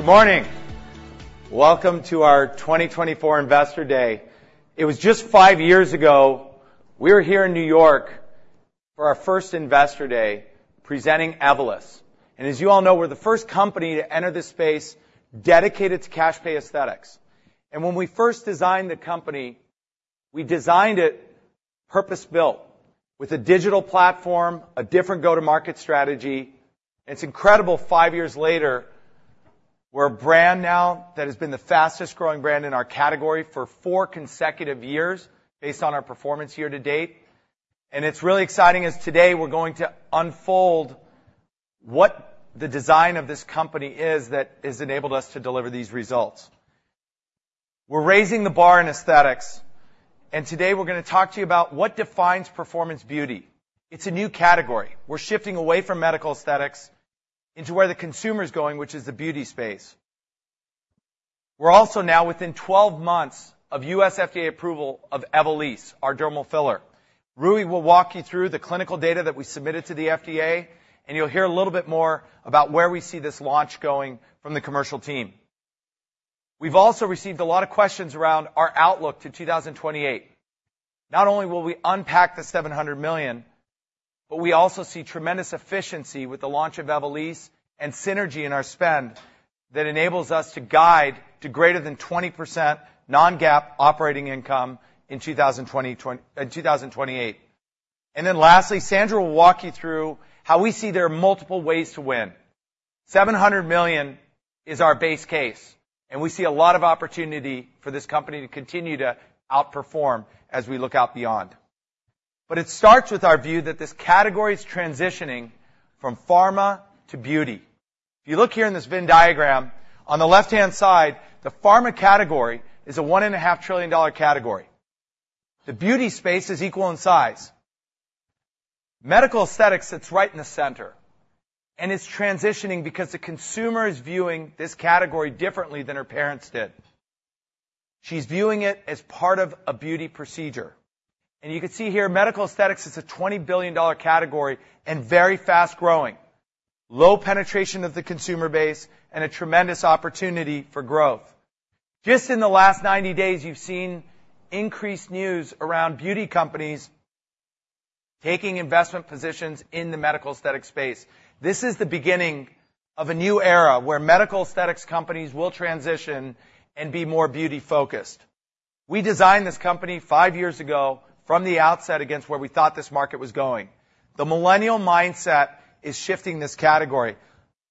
Good morning! Welcome to our twenty twenty-four Investor Day. It was just five years ago, we were here in New York for our first Investor Day, presenting Evolus. And as you all know, we're the first company to enter this space dedicated to cash pay aesthetics. And when we first designed the company, we designed it purpose-built, with a digital platform, a different go-to-market strategy. It's incredible, five years later, we're a brand now that has been the fastest growing brand in our category for four consecutive years, based on our performance year to date. And it's really exciting, as today, we're going to unfold what the design of this company is that has enabled us to deliver these results. We're raising the bar in aesthetics, and today we're gonna talk to you about what defines performance beauty. It's a new category. We're shifting away from medical aesthetics into where the consumer is going, which is the beauty space. We're also now within twelve months of U.S. FDA approval of Evolysse, our dermal filler. Rui will walk you through the clinical data that we submitted to the FDA, and you'll hear a little bit more about where we see this launch going from the commercial team. We've also received a lot of questions around our outlook to 2028. Not only will we unpack the $700 million, but we also see tremendous efficiency with the launch of Evolysse and synergy in our spend that enables us to guide to greater than 20% non-GAAP operating income in 2028. And then lastly, Sandra will walk you through how we see there are multiple ways to win. $700 million is our base case, and we see a lot of opportunity for this company to continue to outperform as we look out beyond. But it starts with our view that this category is transitioning from pharma to beauty. If you look here in this Venn diagram, on the left-hand side, the pharma category is a $1.5 trillion category. The beauty space is equal in size. Medical aesthetics sits right in the center, and it's transitioning because the consumer is viewing this category differently than her parents did. She's viewing it as part of a beauty procedure. And you can see here, medical aesthetics is a $20 billion category and very fast-growing, low penetration of the consumer base, and a tremendous opportunity for growth. Just in the last ninety days, you've seen increased news around beauty companies taking investment positions in the medical aesthetics space. This is the beginning of a new era, where medical aesthetics companies will transition and be more beauty-focused. We designed this company five years ago from the outset against where we thought this market was going. The millennial mindset is shifting this category,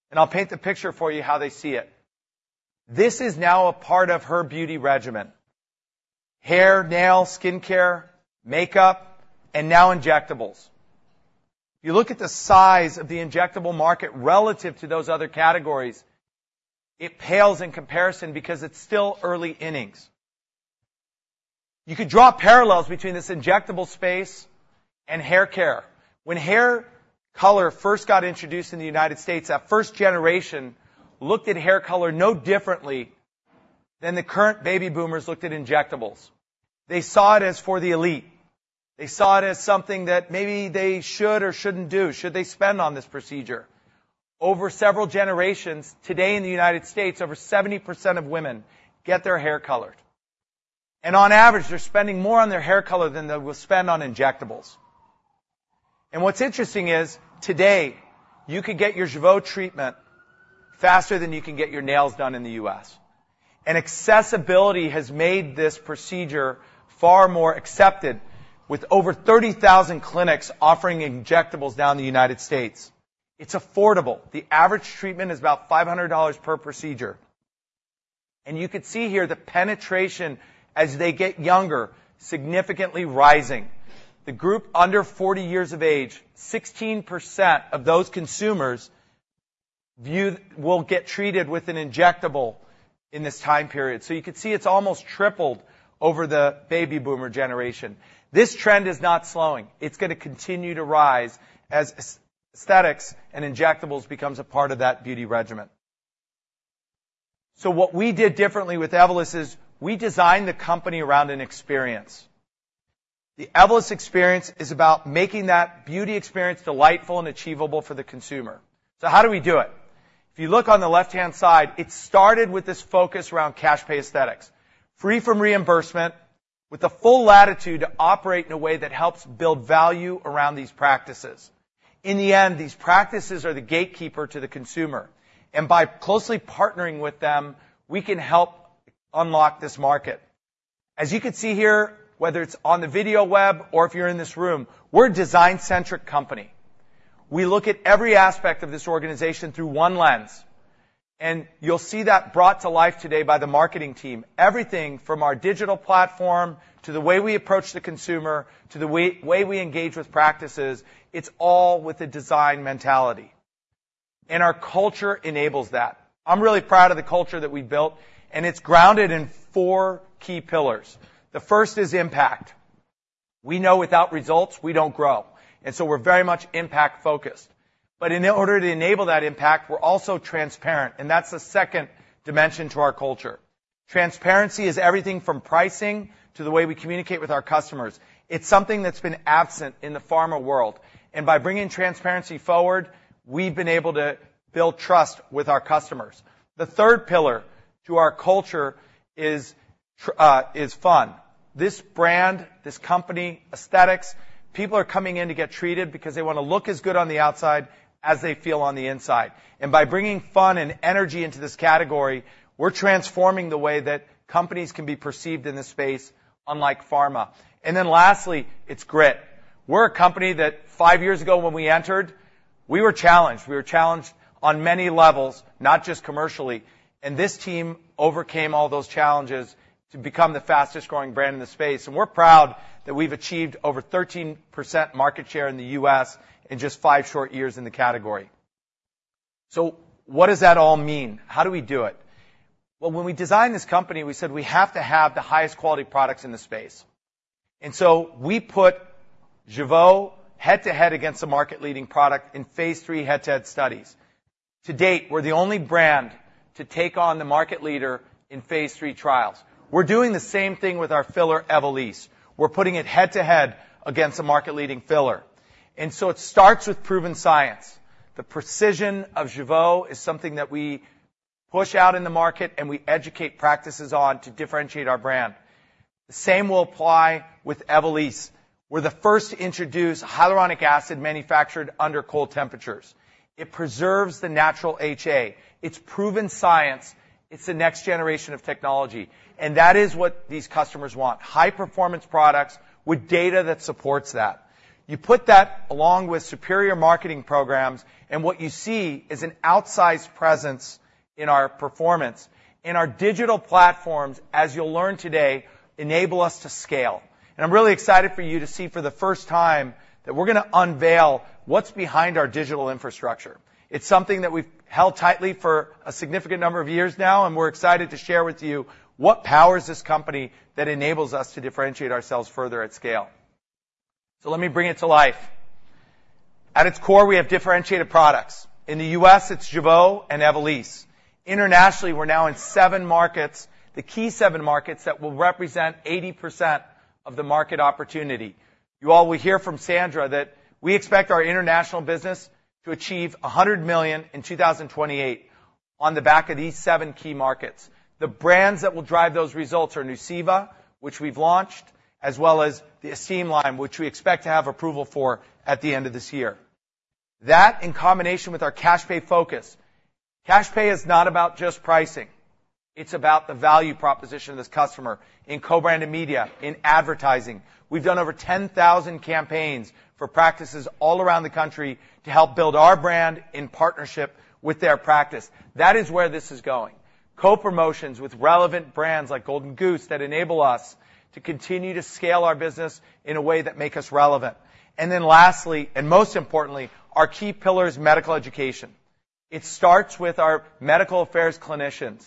and I'll paint the picture for you how they see it. This is now a part of her beauty regimen: hair, nail, skincare, makeup, and now injectables. You look at the size of the injectable market relative to those other categories, it pales in comparison because it's still early innings. You could draw parallels between this injectable space and hair care. When hair color first got introduced in the United States, that first generation looked at hair color no differently than the current Baby Boomers looked at injectables. They saw it as for the elite. They saw it as something that maybe they should or shouldn't do. Should they spend on this procedure? Over several generations, today in the United States, over 70% of women get their hair colored, and on average, they're spending more on their hair color than they will spend on injectables. What's interesting is, today, you could get your Jeuveau treatment faster than you can get your nails done in the U.S. Accessibility has made this procedure far more accepted, with over 30,000 clinics offering injectables now in the United States. It's affordable. The average treatment is about $500 per procedure. You could see here the penetration as they get younger, significantly rising. The group under forty years of age, 16% of those consumers will get treated with an injectable in this time period. So you could see it's almost tripled over the Baby Boomer generation. This trend is not slowing. It's gonna continue to rise as aesthetics and injectables becomes a part of that beauty regimen. So what we did differently with Evolus is we designed the company around an experience. The Evolus experience is about making that beauty experience delightful and achievable for the consumer. So how do we do it? If you look on the left-hand side, it started with this focus around cash pay aesthetics, free from reimbursement, with the full latitude to operate in a way that helps build value around these practices. In the end, these practices are the gatekeeper to the consumer, and by closely partnering with them, we can help unlock this market. As you can see here, whether it's on the video web or if you're in this room, we're a design-centric company. We look at every aspect of this organization through one lens, and you'll see that brought to life today by the marketing team. Everything from our digital platform, to the way we approach the consumer, to the way we engage with practices, it's all with a design mentality. And our culture enables that. I'm really proud of the culture that we've built, and it's grounded in four key pillars. The first is impact. We know without results, we don't grow, and so we're very much impact-focused. But in order to enable that impact, we're also transparent, and that's the second dimension to our culture.... Transparency is everything from pricing to the way we communicate with our customers. It's something that's been absent in the pharma world, and by bringing transparency forward, we've been able to build trust with our customers. The third pillar to our culture is fun. This brand, this company, aesthetics, people are coming in to get treated because they want to look as good on the outside as they feel on the inside. And by bringing fun and energy into this category, we're transforming the way that companies can be perceived in this space, unlike pharma. And then lastly, it's grit. We're a company that five years ago, when we entered, we were challenged. We were challenged on many levels, not just commercially, and this team overcame all those challenges to become the fastest-growing brand in the space. We're proud that we've achieved over 13% market share in the U.S. in just five short years in the category. What does that all mean? How do we do it? When we designed this company, we said we have to have the highest quality products in the space, and so we put Jeuveau head-to-head against the market-leading product in Phase III head-to-head studies. To date, we're the only brand to take on the market leader in phase III trials. We're doing the same thing with our filler, Evolysse. We're putting it head-to-head against a market-leading filler. It starts with proven science. The precision of Jeuveau is something that we push out in the market, and we educate practices on to differentiate our brand. The same will apply with Evolysse. We're the first to introduce hyaluronic acid manufactured under cold temperatures. It preserves the natural HA. It's proven science, it's the next generation of technology, and that is what these customers want: high-performance products with data that supports that. You put that along with superior marketing programs, and what you see is an outsized presence in our performance. In our digital platforms, as you'll learn today, enable us to scale, and I'm really excited for you to see, for the first time, that we're going to unveil what's behind our digital infrastructure. It's something that we've held tightly for a significant number of years now, and we're excited to share with you what powers this company that enables us to differentiate ourselves further at scale, so let me bring it to life. At its core, we have differentiated products. In the U.S., it's Jeuveau and Evolysse. Internationally, we're now in seven markets, the key seven markets that will represent 80% of the market opportunity. You all will hear from Sandra that we expect our international business to achieve $100 million in 2028 on the back of these seven key markets. The brands that will drive those results are Nuceiva, which we've launched, as well as the Esthème line, which we expect to have approval for at the end of this year. That, in combination with our cash pay focus. Cash pay is not about just pricing, it's about the value proposition of this customer in co-branded media, in advertising. We've done over 10,000 campaigns for practices all around the country to help build our brand in partnership with their practice. That is where this is going. Co-promotions with relevant brands like Golden Goose, that enable us to continue to scale our business in a way that make us relevant. And then lastly, and most importantly, our key pillar is medical education. It starts with our medical affairs clinicians.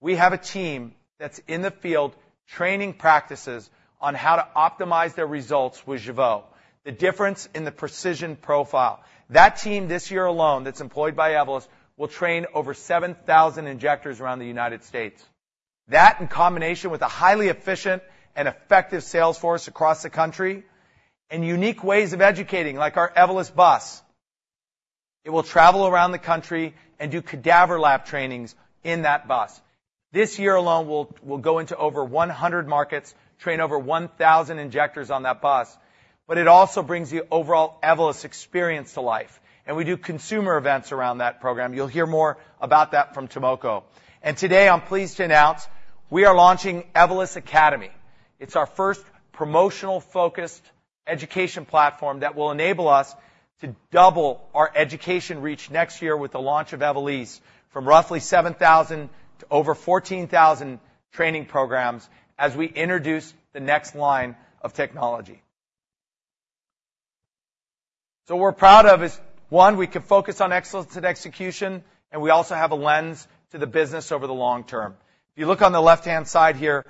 We have a team that's in the field, training practices on how to optimize their results with Jeuveau, the difference in the precision profile. That team, this year alone, that's employed by Evolus, will train over 7,000 injectors around the United States. That, in combination with a highly efficient and effective sales force across the country, and unique ways of educating, like our Evolus bus. It will travel around the country and do cadaver lab trainings in that bus. This year alone, we'll go into over one hundred markets, train over one thousand injectors on that bus, but it also brings the overall Evolus experience to life, and we do consumer events around that program. You'll hear more about that from Tomoko, and today, I'm pleased to announce we are launching Evolus Academy. It's our first promotional-focused education platform that will enable us to double our education reach next year with the launch of Evolysse from roughly seven thousand to over fourteen thousand training programs as we introduce the next line of technology. So we're proud of is, one, we can focus on excellence and execution, and we also have a lens to the business over the long term. If you look on the left-hand side here,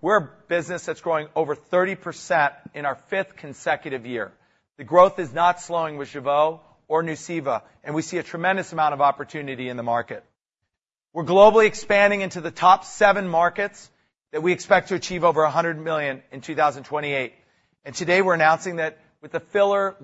we're a business that's growing over 30% in our fifth consecutive year. The growth is not slowing with Jeuveau or Nuceiva, and we see a tremendous amount of opportunity in the market. We're globally expanding into the top seven markets that we expect to achieve over $100 million in 2028. Today we're announcing that with the filler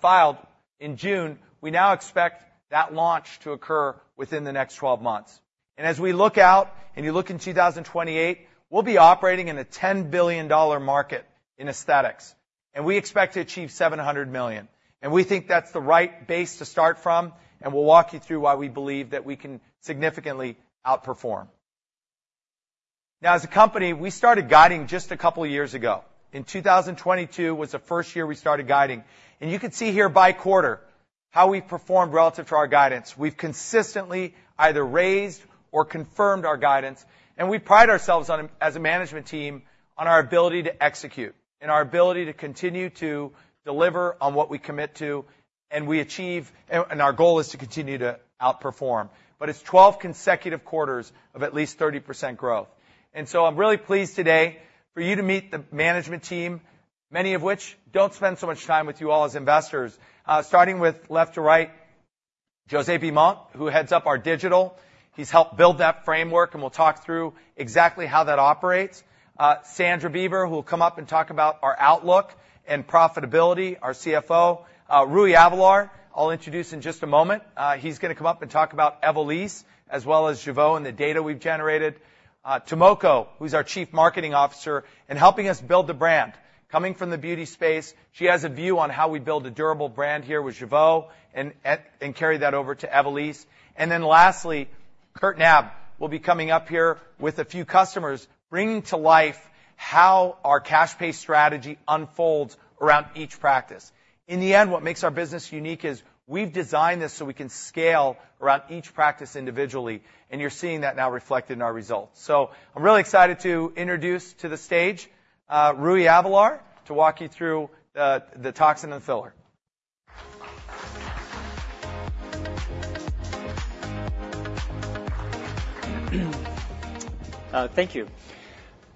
filed in June, we now expect that launch to occur within the next twelve months. As we look out, and you look in 2028, we'll be operating in a $10 billion market in aesthetics, and we expect to achieve $700 million. We think that's the right base to start from, and we'll walk you through why we believe that we can significantly outperform. Now, as a company, we started guiding just a couple of years ago. In 2022 was the first year we started guiding, and you can see here by quarter how we've performed relative to our guidance. We've consistently either raised or confirmed our guidance, and we pride ourselves on, as a management team, on our ability to execute and our ability to continue to deliver on what we commit to, and we achieve, and our goal is to continue to outperform. But it's 12 consecutive quarters of at least 30% growth. And so I'm really pleased today for you to meet the management team, many of which don't spend so much time with you all as investors. Starting with left to right, Josué Bimon, who heads up our digital. He's helped build that framework, and we'll talk through exactly how that operates. Sandra Beaver, who will come up and talk about our outlook and profitability, our CFO. Rui Avelar, I'll introduce in just a moment. He's gonna come up and talk about Evolysse as well as Jeuveau and the data we've generated. Tomoko, who's our Chief Marketing Officer and helping us build the brand. Coming from the beauty space, she has a view on ho w we build a durable brand here with Jeuveau and carry that over to Evolysse. And then lastly, Kurt Knab will be coming up here with a few customers, bringing to life how our cash pay strategy unfolds around each practice. In the end, what makes our business unique is we've designed this so we can scale around each practice individually, and you're seeing that now reflected in our results. I'm really excited to introduce to the stage Rui Avelar, to walk you through the toxin and filler. Thank you.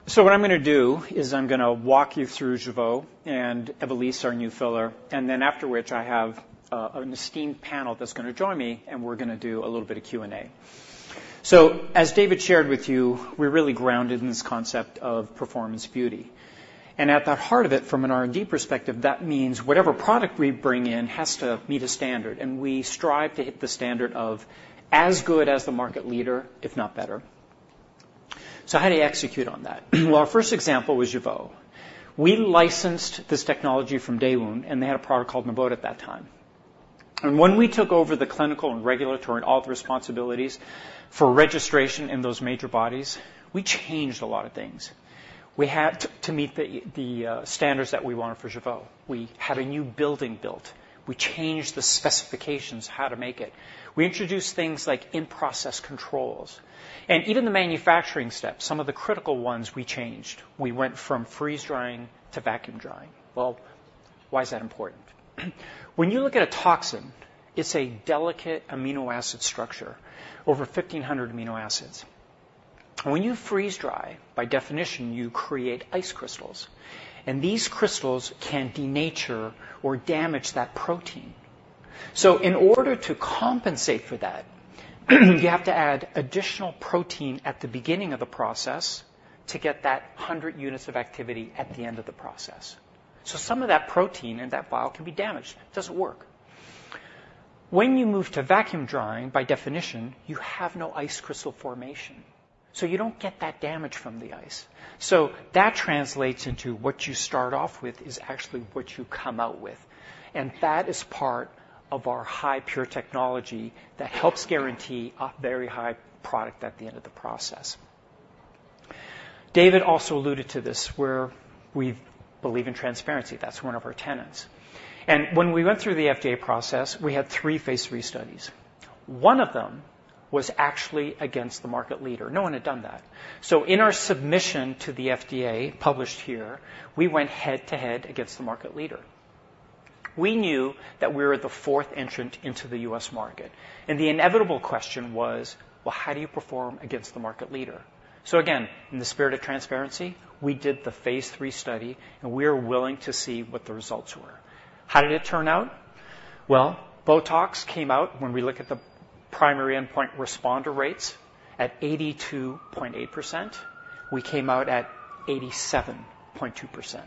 So what I'm gonna do is I'm gonna walk you through Jeuveau and Evolysse, our new filler, and then after which, I have, an esteemed panel that's gonna join me, and we're gonna do a little bit of Q&A. So as David shared with you, we're really grounded in this concept of performance beauty. And at the heart of it, from an R&D perspective, that means whatever product we bring in has to meet a standard, and we strive to hit the standard of as good as the market leader, if not better. So how do you execute on that? Well, our first example was Jeuveau. We licensed this technology from Daewoo, and they had a product called Nabota at that time. When we took over the clinical and regulatory and all the responsibilities for registration in those major bodies, we changed a lot of things. We had to, to meet the standards that we wanted for Jeuveau. We had a new building built. We changed the specifications, how to make it. We introduced things like in-process controls, and even the manufacturing steps, some of the critical ones we changed. We went from freeze-drying to vacuum drying. Why is that important? When you look at a toxin, it's a delicate amino acid structure, over 1,500 amino acids. When you freeze-dry, by definition, you create ice crystals, and these crystals can denature or damage that protein. So in order to compensate for that, you have to add additional protein at the beginning of the process to get that 100 units of activity at the end of the process. Some of that protein in that vial can be damaged. It doesn't work. When you move to vacuum drying, by definition, you have no ice crystal formation, so you don't get that damage from the ice. That translates into what you start off with is actually what you come out with, and that is part of our Hi-Pure technology that helps guarantee a very high product at the end of the process. David also alluded to this, where we believe in transparency. That's one of our tenets. When we went through the FDA process, we had three phase III studies. One of them was actually against the market leader. No one had done that. In our submission to the FDA, published here, we went head-to-head against the market leader. We knew that we were the fourth entrant into the U.S. market, and the inevitable question was, well, how do you perform against the market leader? So again, in the spirit of transparency, we did the phase III study, and we were willing to see what the results were. How did it turn out? Well, Botox came out when we look at the primary endpoint responder rates at 82.8%. We came out at 87.2%.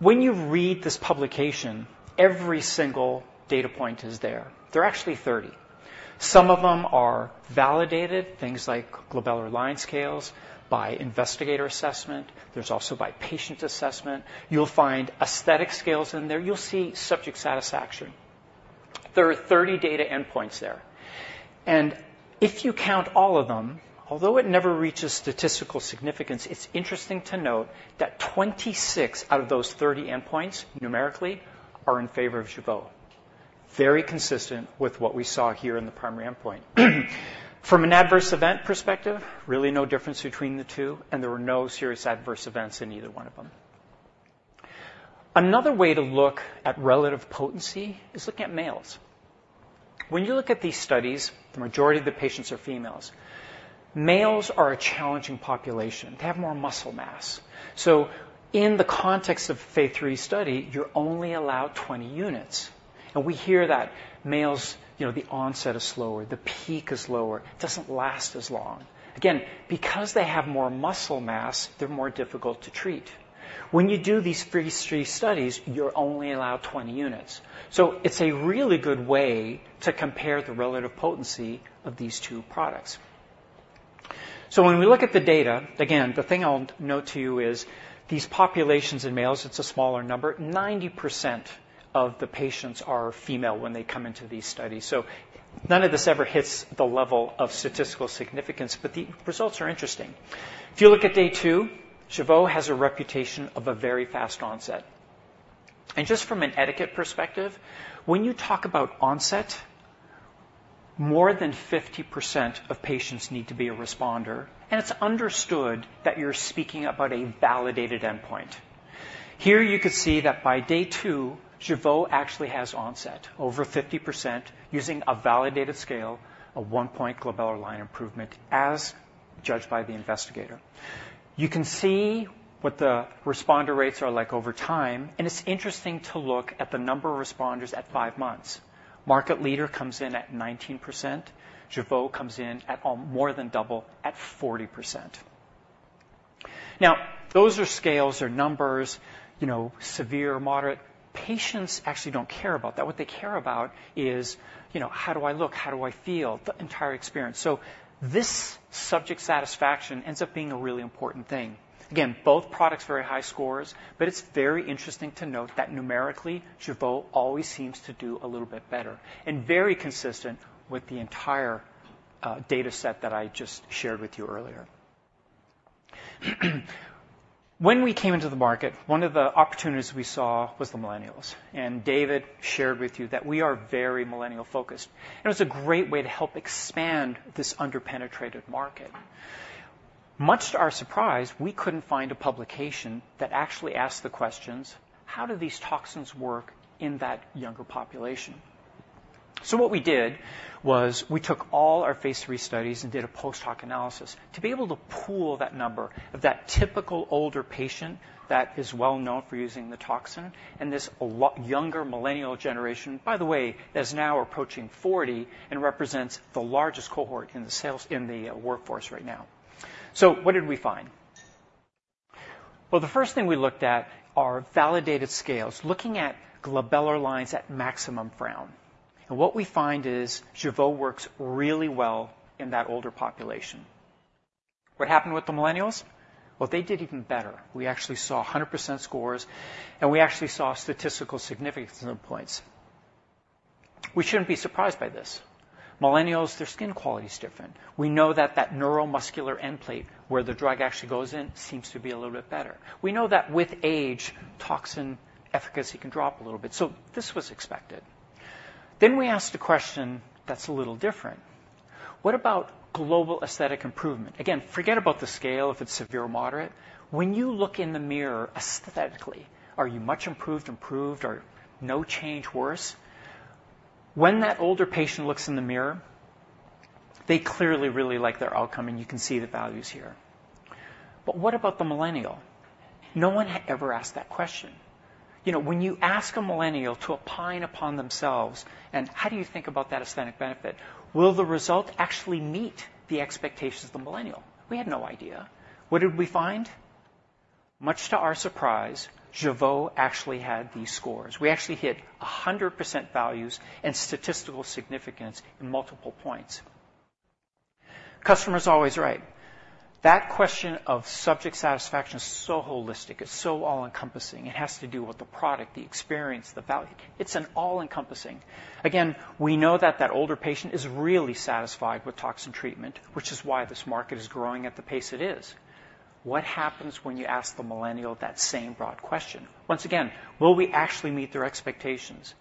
When you read this publication, every single data point is there. There are actually 30. Some of them are validated, things like glabellar line scales by investigator assessment. There's also by patient assessment. You'll find aesthetic scales in there. You'll see subject satisfaction. There are thirty data endpoints there, and if you count all of them, although it never reaches statistical significance, it's interesting to note that twenty-six out of those thirty endpoints, numerically, are in favor of Jeuveau. Very consistent with what we saw here in the primary endpoint. From an adverse event perspective, really no difference between the two, and there were no serious adverse events in either one of them. Another way to look at relative potency is looking at males. When you look at these studies, the majority of the patients are females. Males are a challenging population. They have more muscle mass. So in the context of phase III study, you're only allowed twenty units. And we hear that males, you know, the onset is slower, the peak is lower, doesn't last as long. Again, because they have more muscle mass, they're more difficult to treat. When you do these phase III studies, you're only allowed 20 units. So it's a really good way to compare the relative potency of these two products. So when we look at the data, again, the thing I'll note to you is these populations in males, it's a smaller number. 90% of the patients are female when they come into these studies, so none of this ever hits the level of statistical significance, but the results are interesting. If you look at day two, Jeuveau has a reputation of a very fast onset. And just from an efficacy perspective, when you talk about onset, more than 50% of patients need to be a responder, and it's understood that you're speaking about a validated endpoint. Here, you can see that by day two, Jeuveau actually has onset over 50% using a validated scale, a one-point glabellar line improvement as judged by the investigator. You can see what the responder rates are like over time, and it's interesting to look at the number of responders at 5 months. Market leader comes in at 19%, Jeuveau comes in at more than double, at 40%. Now, those are scales or numbers, you know, severe, moderate. Patients actually don't care about that. What th ey care about is, you know, how do I look? How do I feel? The entire experience. So this subject satisfaction ends up being a really important thing. Again, both products, very high scores, but it's very interesting to note that numerically, Jeuveau always seems to do a little bit better and very consistent with the entire data set that I just shared with you earlier. When we came into the market, one of the opportunities we saw was the millennials, and David shared with you that we are very millennial-focused, and it's a great way to help expand this under-penetrated market. Much to our surprise, we couldn't find a publication that actually asked the questions: how do these toxins work in that younger population? So what we did was we took all our phase three studies and did a post-hoc analysis to be able to pool that number of that typical older patient that is well-known for using the toxin, and this a lot younger millennial generation, by the way, is now approaching 40 and represents the largest cohort in the sales in the workforce right now. What did we find? The first thing we looked at are validated scales, looking at glabellar lines at maximum frown. What we find is Jeuveau works really well in that older population. What happened with the millennials? They did even better. We actually saw 100% scores, and we actually saw statistical significance in the points. We shouldn't be surprised by this. Millennials, their skin quality is different. We know that the neuromuscular end plate, where the drug actually goes in, seems to be a little bit better. We know that with age, toxin efficacy can drop a little bit, so this was expected. Then we asked a question that's a little different. What about global aesthetic improvement? Again, forget about the scale if it's severe or moderate. When you look in the mirror aesthetically, are you much improved, improved, or no change, worse? When that older patient looks in the mirror, they clearly really like their outcome, and you can see the values here. But what about the millennial? No one had ever asked that question. You know, when you ask a millennial to opine upon themselves, and how do you think about that aesthetic benefit? Will the result actually meet the expectations of the millennial? We had no idea. What did we find? Much to our surprise, Jeuveau actually had these scores. We actually hit 100% values and statistical significance in multiple points. Customer's always right. That question of subject satisfaction is so holistic. It's so all-encompassing. It has to do with the product, the experience, the value. It's an all-encompassing. Again, we know that that older patient is really satisfied with toxin treatment, which is why this market is growing at the pace it is. What happens wh en you ask the millennial that same broad question? Once again, will we actually meet their expectations?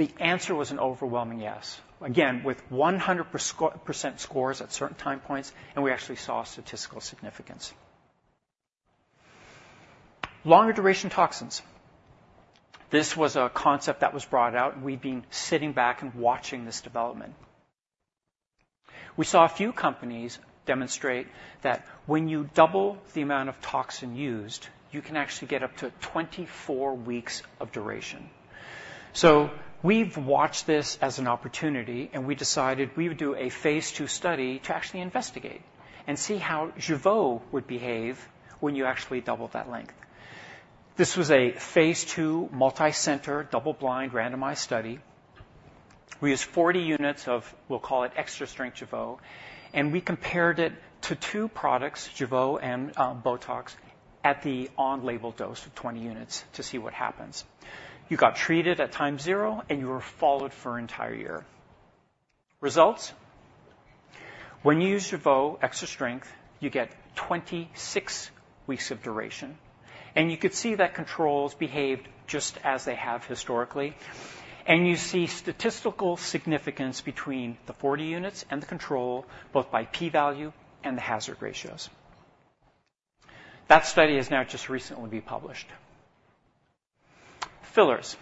The answer was an overwhelming yes. Again, with 100% scores at certain time points, and we actually saw statistical significance. Longer-duration toxins. This was a concept that was brought out, and we've been sitting back and watching this development. We saw a few companies demonstrate that when you double the amount of toxin used, you can actually get up to 24 weeks of duration, so we've watched this as an opportunity, and we decided we would do a phase two study to actually investigate and see how Jeuveau would behave when you actually double that length. This was a Phase II, multicenter, double-blind, randomized study. We used 40 units of, we'll call it extra-strength Jeuveau, and we compared it to two products, Jeuveau and, Botox, at the on-label dose of 20 units to see what happens. You got treated at time zero, and you were followed for an entire year. Results? When you use Jeuveau extra strength, you get 26 weeks of duration, and you could see that controls behaved just as they have historically. You see statistical significance between the 40 units and the control, both by p-value and the hazard ratios. That study has now just recently been published. Fillers.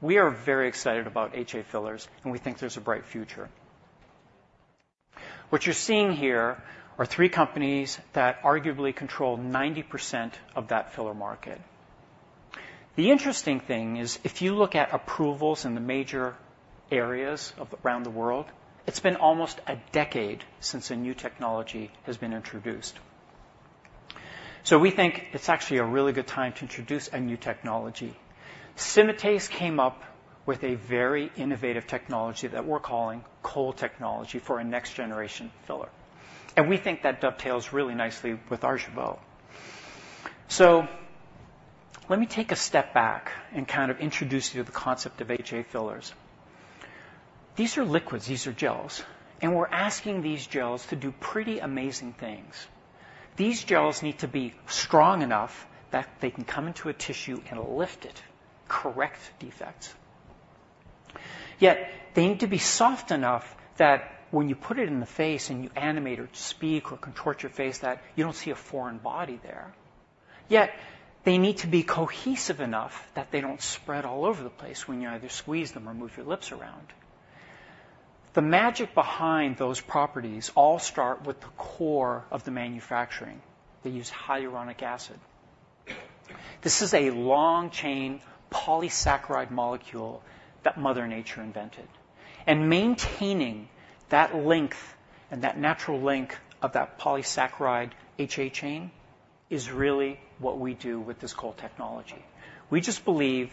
We are very excited about HA fillers, and we think there's a bright future. What you're seeing here are three companies that arguably control 90% of that filler market. The interesting thing is, if you look at approvals in the major areas of around the world, it's been almost a decade since a new technology has been introduced. We think it's actually a really good time to introduce a new technology. Symatese came up with a very innovative technology that we're calling Cold Technology for a next-generation filler, and we think that dovetails really nicely with our Jeuveau. Let me take a step back and kind of introduce you to the concept of HA fillers. These are liquids, these are gels, and we're asking these gels to do pretty amazing things. These gels need to be strong enough that they can come into a tissue and lift it, correct defects. Yet they need to be soft enough that when you put it in the face and you animate, or speak, or contort your face, that you don't see a foreign body there. Yet, they need to be cohesive enough that they don't spread all over the place when you either squeeze them or move your lips around. The magic behind those properties all start with the core of the manufacturing. They use hyaluronic acid. This is a long-chain polysaccharide molecule that Mother Nature invented, and maintaining that length and that natural length of that polysaccharide, HA chain, is really what we do with this Cold Technology. We just believe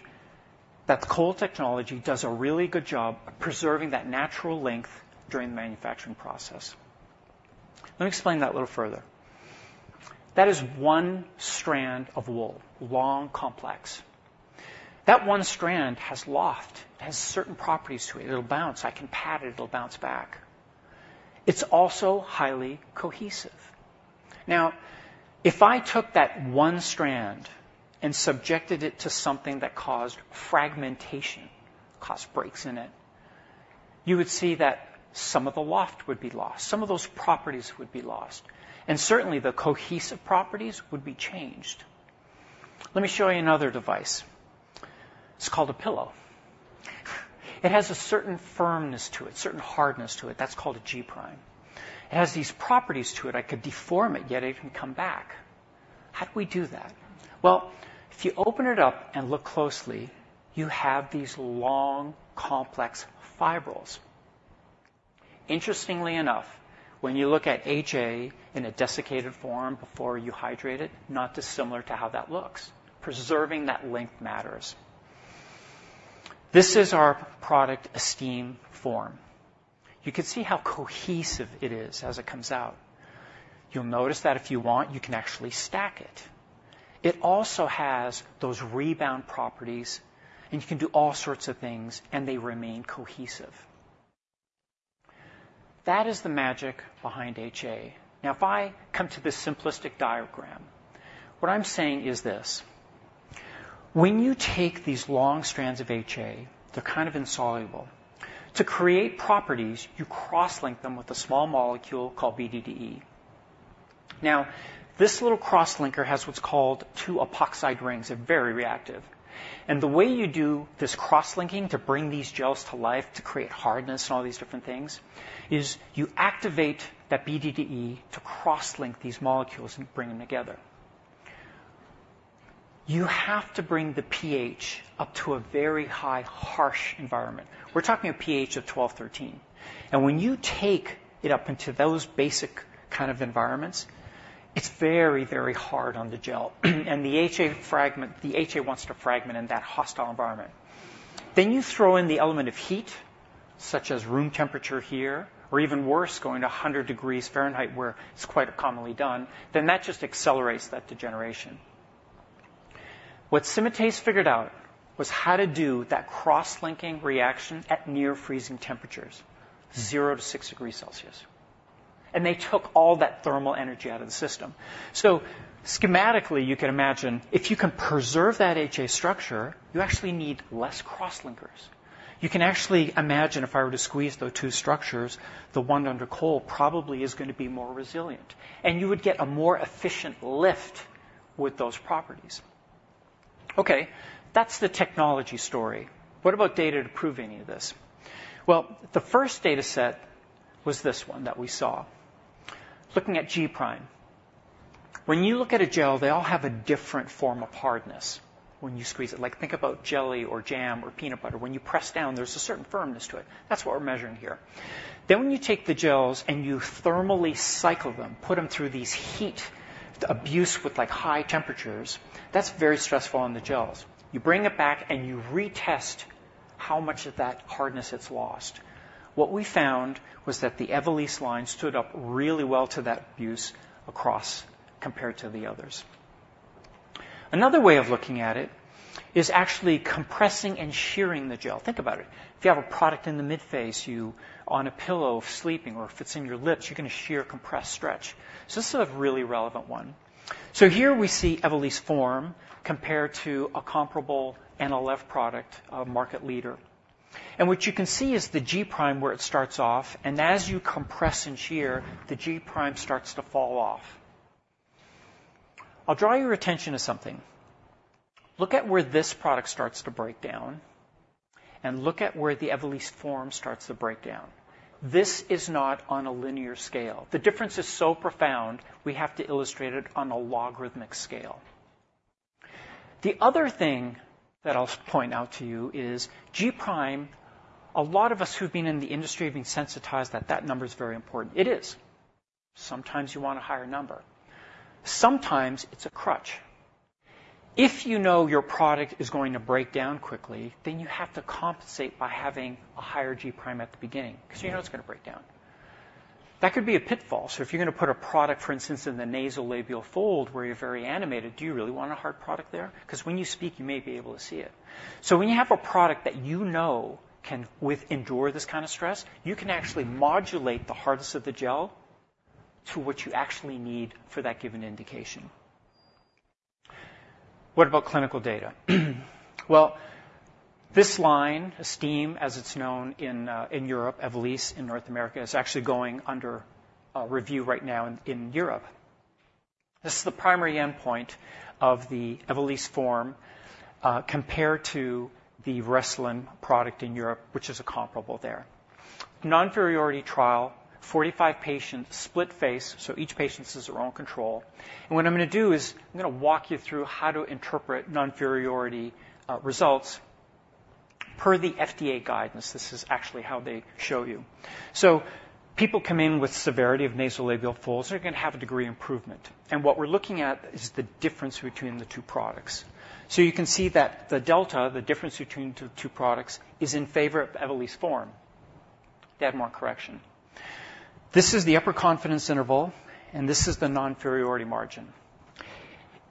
that the Cold Technology does a really good job of preserving that natural length during the manufacturing process. Let me explain that a little further. That is one strand of wool, long, complex. That one strand has loft. It has certain properties to it. It'll bounce. I can pat it, it'll bounce back. It's also highly cohesive. Now, if I took that one strand and subjected it to something that caused fragmentation, caused breaks in it, you would see that some of the loft would be lost, some of those properties would be lost, and certainly, the cohesive properties would be changed. Let me show you another device. It's called a pillow. It has a certain firmness to it, certain hardness to it. That's called a G prime. It has these properties to it. I could deform it, yet it can come back. How do we do that? Well, if you open it up and look closely, you have these long, complex fibrils. Interestingly enough, when you look at HA in a desiccated form before you hydrate it, not dissimilar to how that looks. Preserving that length matters. This is our product, Evolysse Form. You can see how cohesive it is as it comes out. You'll notice that if you want, you can actually stack it. It also has those rebound properties, and you can do all sorts of things, and they remain cohesive. That is the magic behind HA. Now, if I come to this simplistic diagram, what I'm saying is this: when you take these long strands of HA, they're kind of insoluble. To create properties, you cross-link them with a small molecule called BDDE. Now, this little crosslinker has what's called two epoxide rings and very reactive. The way you do this cross-linking to bring these gels to life, to create hardness and all these different things, is you activate that BDDE to cross-link these molecules and bring them together. You have to bring the pH up to a very high, harsh environment. We're talking a pH of twelve, thirteen, and when you take it up into those basic kind of environments, it's very, very hard on the gel, and the HA wants to fragment in that hostile environment. Then you throw in the element of heat, such as room temperature here, or even worse, going to a hundred degrees Fahrenheit, where it's quite commonly done, then that just accelerates that degeneration. What Symatese figured out was how to do that cross-linking reaction at near-freezing temperatures, zero to six degrees Celsius. They took all that thermal energy out of the system. So, schematically, you can imagine if you can preserve that HA structure. You actually need less crosslinkers. You can actually imagine if I were to squeeze those two structures, the one under cold probably is gonna be more resilient, and you would get a more efficient lift with those properties. Okay, that's the technology story. What about data to prove any of this? Well, the first data set was this one that we saw. Looking at G prime. When you look at a gel, they all h ave a different form of hardness when you squeeze it. Like, think about jelly or jam or peanut butter. When you press down, there's a certain firmness to it. That's what we're measuring here. Then, when you take the gels and you thermally cycle them, put them through these heat abuse with, like, high temperatures, that's very stressful on the gels. You bring it back, and you retest how much of that hardness is lost. What we found was that the Evolysse line stood up really well to that abuse as compared to the others. Another way of looking at it is actually compressing and shearing the gel. Think about it. If you have a product in the midface, you're on a pillow, sleeping, or if it's in your lips, you're going to shear, compress, stretch. This is a really relevant one. Here we see Evolysse Form compared to a comparable NLF product, a market leader. What you can see is the G prime, where it starts off, and as you compress and shear, the G prime starts to fall off. I'll draw your attention to something. Look at where this product starts to break down, and look at where the Evolysse Form starts to break down. This is not on a linear scale. The difference is so profound we have to illustrate it on a logarithmic scale. The other thing that I'll point out to you is G prime. A lot of us who've been in the industry have been sensitized, that that number is very important. It is. Sometimes you want a higher number. Sometimes it's a crutch. If you know your product is going to break down quickly, then you have to compensate by having a higher G prime at the beginning because you know it's going to break down. That could be a pitfall. So if you're going to put a product, for instance, in the nasolabial fold, where you're very animated, do you really want a hard product there? Because when you speak, you may be able to see it. So when you have a product that you know can endure this kind of stress, you can actually modulate the hardness of the gel to what you actually need for that given indication... What about clinical data? Well, this line, Esthème, as it's known in Europe, Evolysse in North America, is actually going under review right now in Europe. This is the primary endpoint of the Evolysse Form compared to the Restylane product in Europe, which is a comparable there. Non-inferiority trial, 45 patients, split face, so each patient is their own control. What I'm gonna do is, I'm gonna walk you through how to interpret non-inferiority results per the FDA guidance. This is actually how they show you. People come in with severity of nasolabial folds, they're gonna have a degree of improvement. And what we're looking at is the difference between the two products. So you can see that the delta, the difference between the two products, is in favor of Evolysse Form. They had more correction. This is the upper confidence interval, and this is the non-inferiority margin.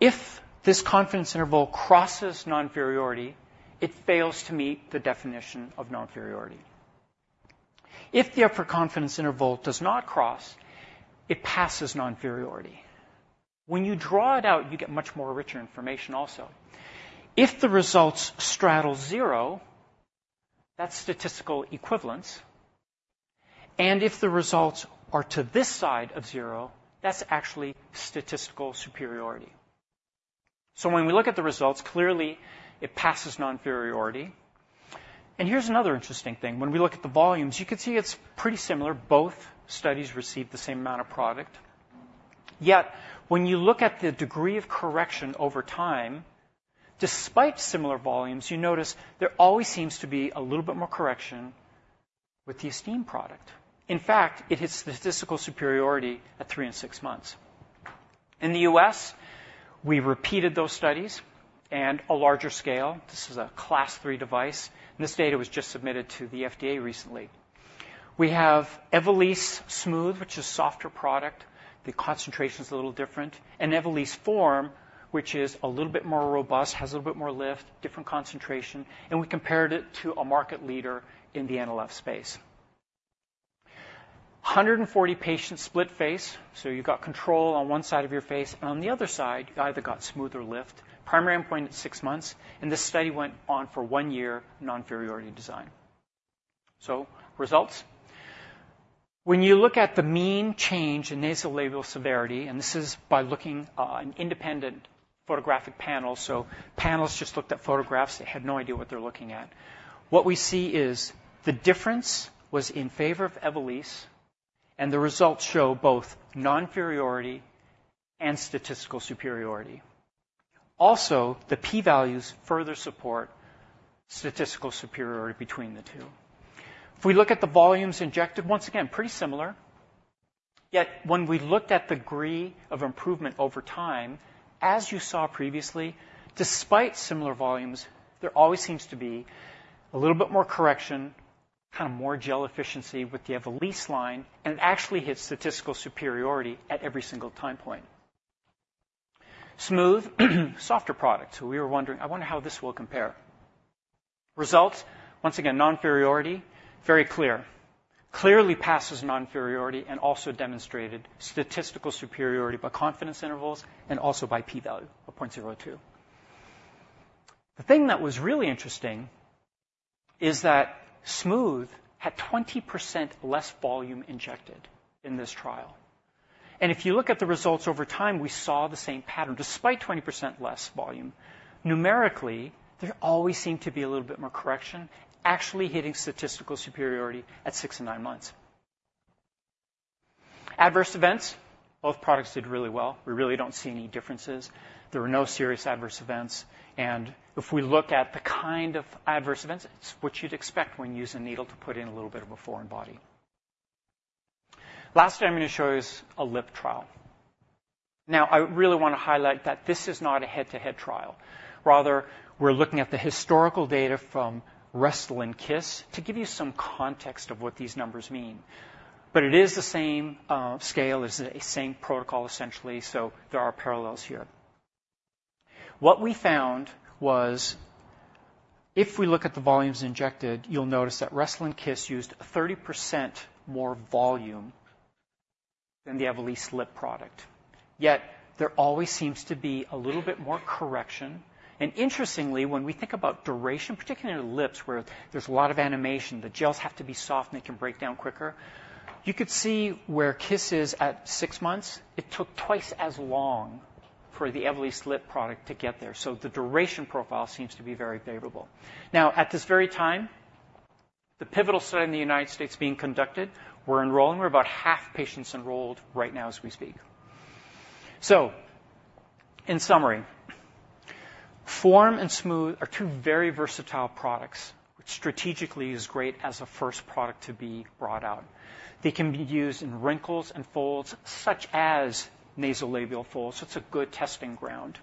If this confidence interval crosses non-inferiority, it fails to meet the definition of non-inferiority. If the upper confidence interval does not cross, it passes non-inferiority. When you draw it out, you g et much more richer information also. If the results straddle zero, that's statistical equivalence, and if the results are to this side of zero, that's actually statistical superiority. So when we look at the results, clearly it passes non-inferiority. And here's another interesting thing. When we look at the volumes, you can see it's pretty similar. Both studies received the same amount of product. Yet when you look at the degree of correction over time, despite similar volumes, you notice there always seems to be a little bit more correction with the Esthème product. In fact, it hits statistical superiority at three and six months. In the US, we repeated those studies on a larger scale. This is a Class III device, and this data was just submitted to the FDA recently. We have Evolysse Smooth, which is a softer product. The concentration is a little different, and Evolysse Form, which is a little bit more robust, has a little bit more lift, different concentration, and we compared it to a market leader in the NLF space. 140 patients, split face, so you've got control on one side of your face, and on the other side, you either got smooth or lift. Primary endpoint at six months, and this study went on for one year, non-inferiority design. Results. When you look at the mean change in nasolabial severity, and this is by looking an independent photographic panel. So panels just looked at photographs. They had no idea what they're looking at. What we see is the difference was in favor of Evolyss e, and the results show both non-inferiority and statistical superiority. Also, the p-values further support statistical superiority between the two. If we look at the volumes injected, once again, pretty similar. Yet when we looked at degree of improvement over time, as you saw previously, despite similar volumes, there always seems to be a little bit more correction, kind of more gel efficiency with the Evolysse line, and it actually hits statistical superiority at every single time point. Smooth, softer product. So we were wondering. I wonder how this will compare. Results, once again, non-inferiority, very clear. Clearly passes non-inferiority and also demonstrated statistical superiority by confidence intervals and also by p-value of point zero two. The thing that was really interesting is that Smooth had 20% less volume injected in this trial. And if you look at the results over time, we saw the same pattern, despite 20% less volume. Numerically, there always seemed to be a little bit more correction, actually hitting statistical superiority at six and nine months. Adverse events, both products did really well. We really don't see any differences. There were no serious adverse events, and if we look at the kind of adverse events, it's what you'd expect when you use a needle to put in a little bit of a foreign body. Last thing I'm going to show you is a lip trial. Now, I really want to highlight that this is not a head-to-head trial. Rather, we're looking at the historical data from Restylane Kysse to give you some context of what these numbers mean. But it is the same scale, it's the same protocol, essentially, so there are parallels here. What we found was, if we look at the volumes injected, you'll notice that Restylane Kysse used 30% more volume than the Evolysse lip product, yet there always seems to be a little bit more correction. And interestingly, when we think about duration, particularly in the lips, where there's a lot of animation, the gels have to be soft, and they can break down quicker. You could see where Kysse is at six months. It took twice as long for the Evolysse lip product to get there, so the duration profile seems to be very favorable. Now, at this very time, the pivotal study in the United States being conducted, we're enrolling. We're about half patients enrolled right now as we speak. So in summary, Form and Smooth are two very versatile products, which strategically is great as a first product to be brought out. They can be used in wrinkles and folds, such as nasolabial folds, so it's a good testing ground.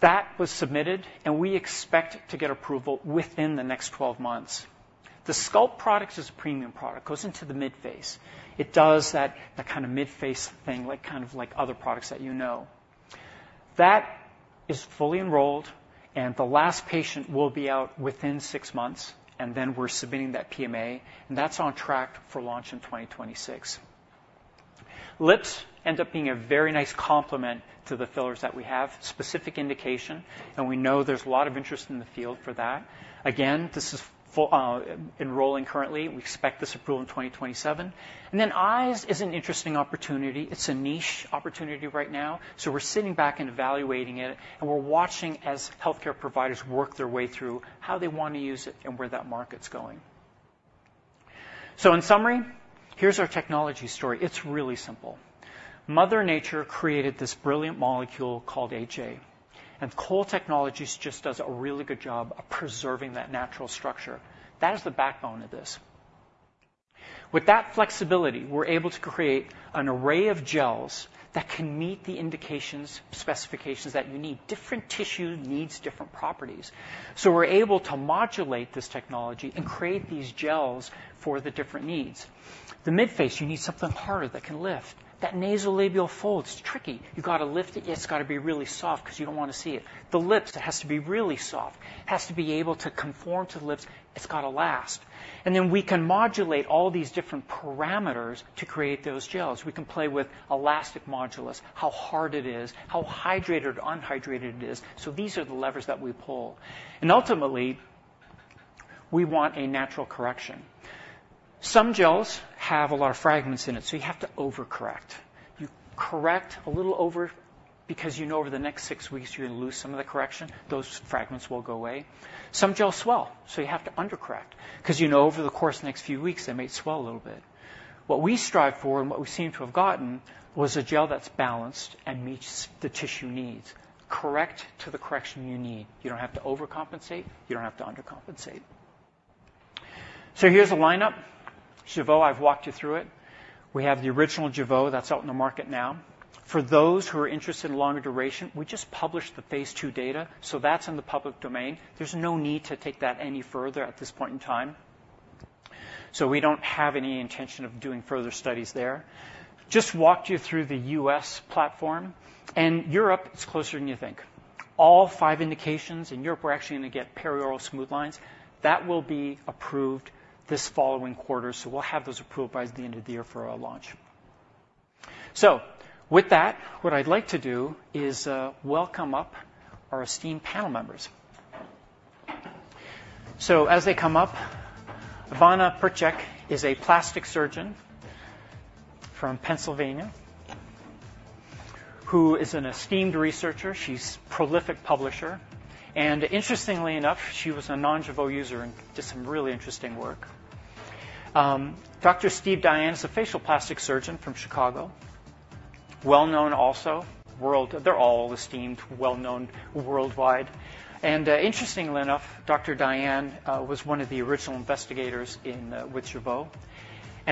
That was submitted, and we expect to get approval within the next twelve months. The Sculpt products is a premium product, goes into the midface. It does that, that kind of midface thing, like, kind of like other products that you know. That is fully enrolled, and the last patient will be out within six months, and then we're submitting that PMA, and that's on track for launch in 2026. Lips end up being a very nice complement to the fillers that we have, specific indication, and we know there's a lot of interest in the field for that. Again, this is full, enrolling currently. We expect this approval in 2027, and then eyes is an interesting opportunity. It's a niche opportunity right now, so we're sitting back and evaluating it, and we're watching as healthcare providers work their way through how they wanna use it and where that market's going, so in summary, here's our technology story. It's really simple. Mother Nature created this brilliant molecule called HA, and Cold Technology just does a really good job of preserving that natural structure. That is the backbone of this. With that flexibility, we're able to create an array of gels that can meet the indications, specifications that you need. Different tissue needs different properties, so we're able to modulate this technology and create these gels for the different needs. The midface, you need something harder that can lift. That nasolabial fold, it's tricky. You've got to lift it, yet it's got to be really soft 'cause you don't wanna see it. The lips, it has to be really soft. It has to be able to conform to the lips. It's got to last, and then we can modulate all these different parameters to create those gels. We can play with elastic modulus, how hard it is, how hydrated or unhydrated it is, so these are the levers that we pull. And ultimately, we want a natural correction. Some gels have a lot of fragments in it, so you have to overcorrect. You correct a little over because you know over the next six weeks, you're gonna lose some of the correction. Those fragments will go away. Some gels swell, so you have to undercorrect 'cause you know over the course of the next few weeks, they may swell a little bit. What we strive for, and what we seem to have gotten, was a gel that's balanced and meets the tissue needs. Correct to the correction you need. You don't have to overcompensate, you don't have to undercompensate. So here's a lineup. Jeuveau, I've walked you through it. We have the original Jeuveau that's out in the market now. For those who are interested in longer duration, we just published the phase two data, so that's in the public domain. There's no need to take that any further at this point in time. So we don't have any intention of doing further studies there. Just walked you through the US platform, and Europe is closer than you think. All five indications, in Europe we're actually gonna get perioral smooth lines. That will be approved this following quarter, so we'll have those approved by the end of the year for our launch. So with that, what I'd like to do is welcome up our esteemed panel members. So as they come up, Ivana Percec is a plastic surgeon from Pennsylvania, who is an esteemed researcher. She's prolific publisher, and interestingly enough, she was a non-Jeuveau user and did some really interesting work. Dr. Steve Dayan is a facial plastic surgeon from Chicago. Well-known also, world... They're all esteemed, well-known worldwide. And interestingly enough, Dr. Dr. Dayan was one of the original investigators in with Jeuveau.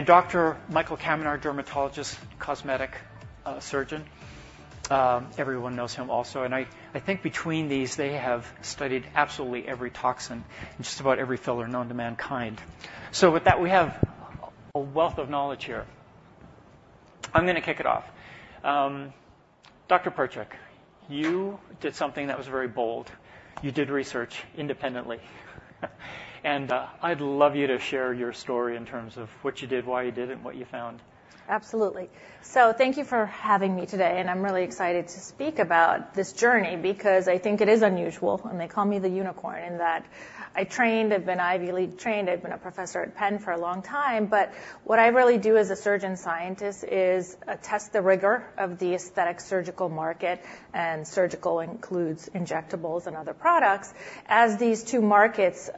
Dr. Michael Kaminer, dermatologist, cosmetic surgeon. Everyone knows him also. I think between these, they have studied absolutely every toxin and just about every filler known to mankind. With that, we have a wealth of knowledge here. I'm gonna kick it off. Dr. Percec, you did something that was very bold. You did research independently, and I'd love you to share your story in terms of what you did, why you did it, and what you found. Absolutely. So thank you for having me today, and I'm really excited to speak about this journey because I think it is unusual, and they call me the unicorn, in that I trained, I've been Ivy League trained, I've been a professor at Penn for a long time, but what I really do as a surgeon scientist is test the rigor of the aesthetic surgical market, and surgical includes injectables and other products. As these two markets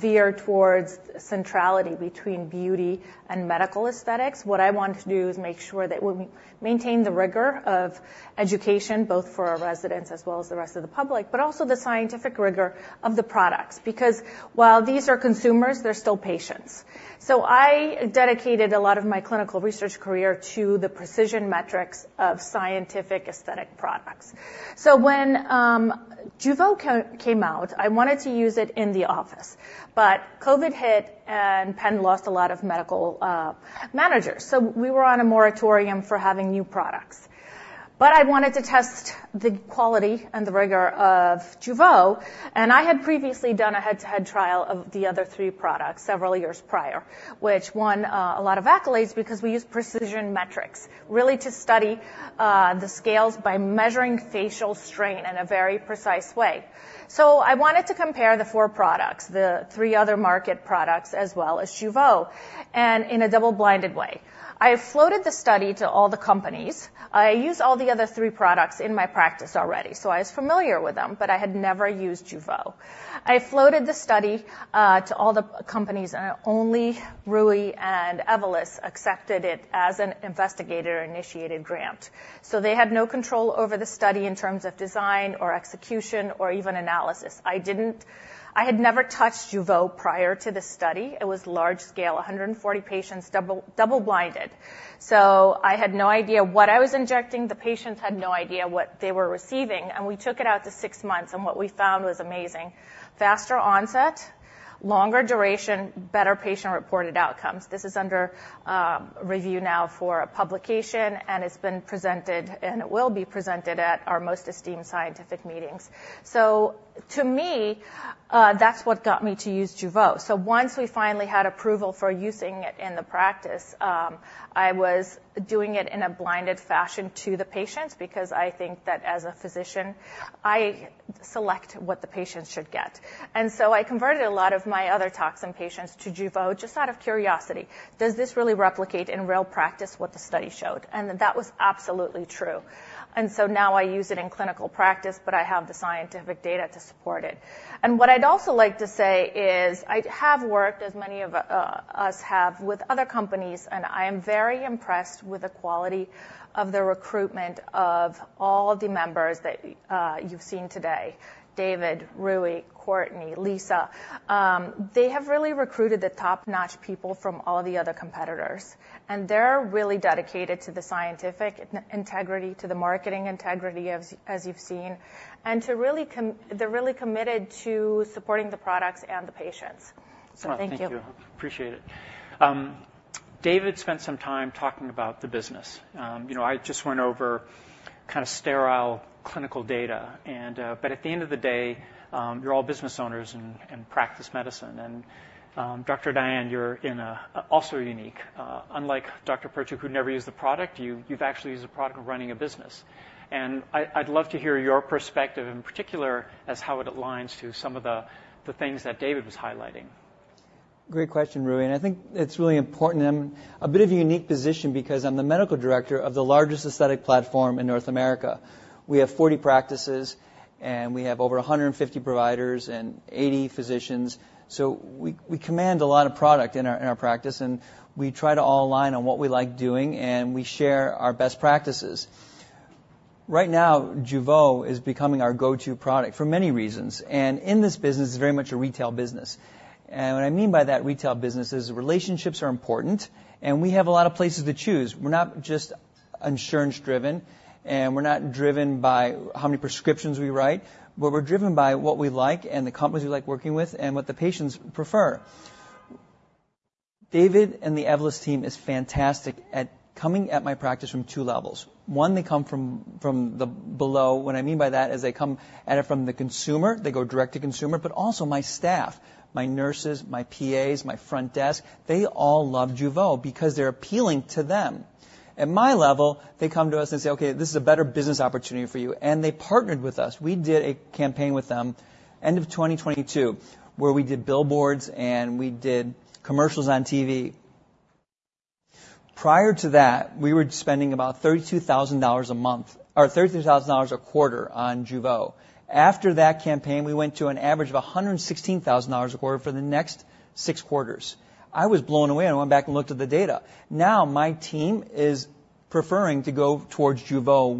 veer towards centrality between beauty and medical aesthetics, what I want to do is make sure that we maintain the rigor of education, both for our residents as well as the rest of the public, but also the scientific rigor of the products, because while these are consumers, they're still patients. So I dedicated a lot of my clinical research career to the precision metrics of scientific aesthetic products. So when Jeuveau came out, I wanted to use it in the office, but COVID hit, and Penn lost a lot of medical managers, so we were on a moratorium for having new products. But I wanted to test the quality and the rigor of Jeuveau, and I had previously done a head-to-head trial of the other three products several years prior, which won a lot of accolades because we used precision metrics, really to study the scales by measuring facial strain in a very precise way. So I wanted to compare the four products, the three other market products, as well as Jeuveau, and in a double-blinded way. I floated the study to all the companies. I used all the other three products in my practice already, so I was familiar with them, but I had never used Jeuveau. I floated the study to all the companies, and only Rui and Evolus accepted it as an investigator-initiated grant. So they had no control over the study in terms of design or execution or even analysis. I had never touched Jeuveau prior to this study. It was large scale, 140 patients, double-blinded. So I had no idea what I was injecting. The patients had no idea what they were receiving, and we took it out to six months, and what we found was amazing: faster onset, longer duration, better patient-reported outcomes. This is under review now for a publication, and it's been presented, and it will be presented at our most esteemed scientific meetings. So to me, that's what got me to use Jeuveau. So once we finally had approval for using it in the practice, I was doing it in a blinded fashion to the patients because I think that as a physician, I select what the patients should get. And so I converted a lot of my other toxin patients to Jeuveau just out of curiosity. Does this really replicate in real practice what the study showed? And that was absolutely true. And so now I use it in clinical practice, but I have the scientific data to support it. And what I'd also like to say is, I have worked, as many of us have, with other companies, and I am very impressed with the quality of the recruitment of all the members that you've seen today. David, Rui, Courtney, Lisa, they have really recruited the top-notch people from all the other competitors, and they're really dedicated to the scientific integrity, to the marketing integrity, as you've seen, and they're really committed to supporting the products and the patients. So thank you. Thank you. Appreciate it. David spent some time talking about the business. You know, I just went over kind of sterile clinical data, but at the end of the day, you're all business owners and practice medicine. Dr. Dayan, you're also in a unique. Unlike Dr. Percec, who never used the product, you, you've actually used the product and running a business, and I, I'd love to hear your perspective, in particular, as how it aligns to some of the things that David was highlighting. Great question, Rui. I think it's really important. I'm in a bit of a unique position because I'm the medical director of the largest aesthetic platform in North America. We have 40 practices, and we have over 150 providers and 80 physicians. So we command a lot of product in our practice, and we try to all align on what we like doing, and we share our best practices. Right now, Jeuveau is becoming our go-to product for many reasons. In this business, it's very much a retail business. What I mean by that, retail business, is relationships are important, and we have a lot of places to choose. We're not just insurance-driven, and we're not driven by how many prescriptions we write, but we're driven by what we like and the companies we like working with and what the patients prefer. David and the Evolus team is fantastic at coming at my practice from two levels. One, they come from, from the below. What I mean by that is they come at it from the consumer. They go direct to consumer, but also my staff, my nurses, my PAs, my front desk, they all love Jeuveau because they're appealing to them. At my level, they come to us and say, "Okay, this is a better business opportunity for you." And they partnered with us. We did a campaign with them end of twenty twenty-two, where we did billboards, and we did commercials on TV. Prior to that, we were spending about $32,000 a month or $32,000 a quarter on Jeuveau. After that campaign, we went to an average of $116,000 a quarter for the next six quarters. I was blown away, and I went back and looked at the data. Now, my team is preferring to go towards Jeuveau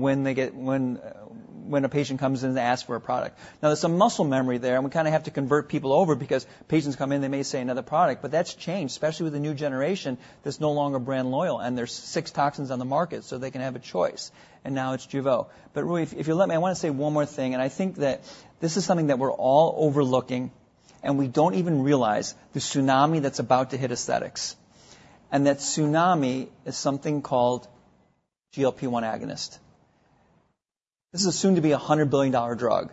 when a patient comes in and asks for a product. Now, there's some muscle memory there, and we kind of have to convert people over because patients come in, they may say another product, but that's changed, especially with the new generation that's no longer brand loyal, and there's six toxins on the market, so they can have a choice, and now it's Jeuveau. But, Rui, if you'll let me, I want to say one more thing, and I think that this is something that we're all overlooking, and we don't even realize the tsunami that's about to hit aesthetics. That tsunami is something called GLP-1 agonist. This is soon to be a $100 billion drug.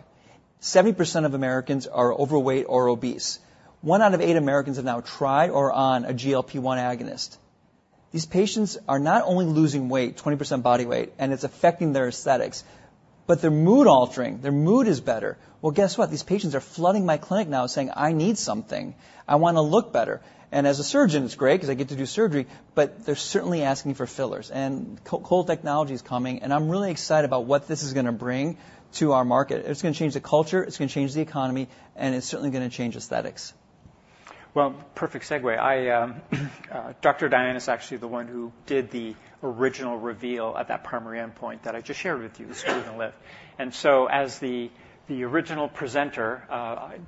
70% of Americans are overweight or obese. One out of eight Americans have now tried or are on a GLP-1 agonist. These patients are not only losing weight, 20% body weight, and it's affecting their aesthetics, but it's mood-altering. Their mood is better. Guess what? These patients are flooding my clinic now, saying, "I need something. I want to look better." As a surgeon, it's great because I get to do surgery, but they're certainly asking for fillers. Cold Technology is coming, and I'm really excited about what this is going to bring to our market. It's going to change the culture, it's going to change the economy, and it's certainly going to change aesthetics. Perfect segue. I, Dr. Dayan, is actually the one who did the original reveal at that primary endpoint that I just shared with you, the smooth and lift, and so, as the original presenter, I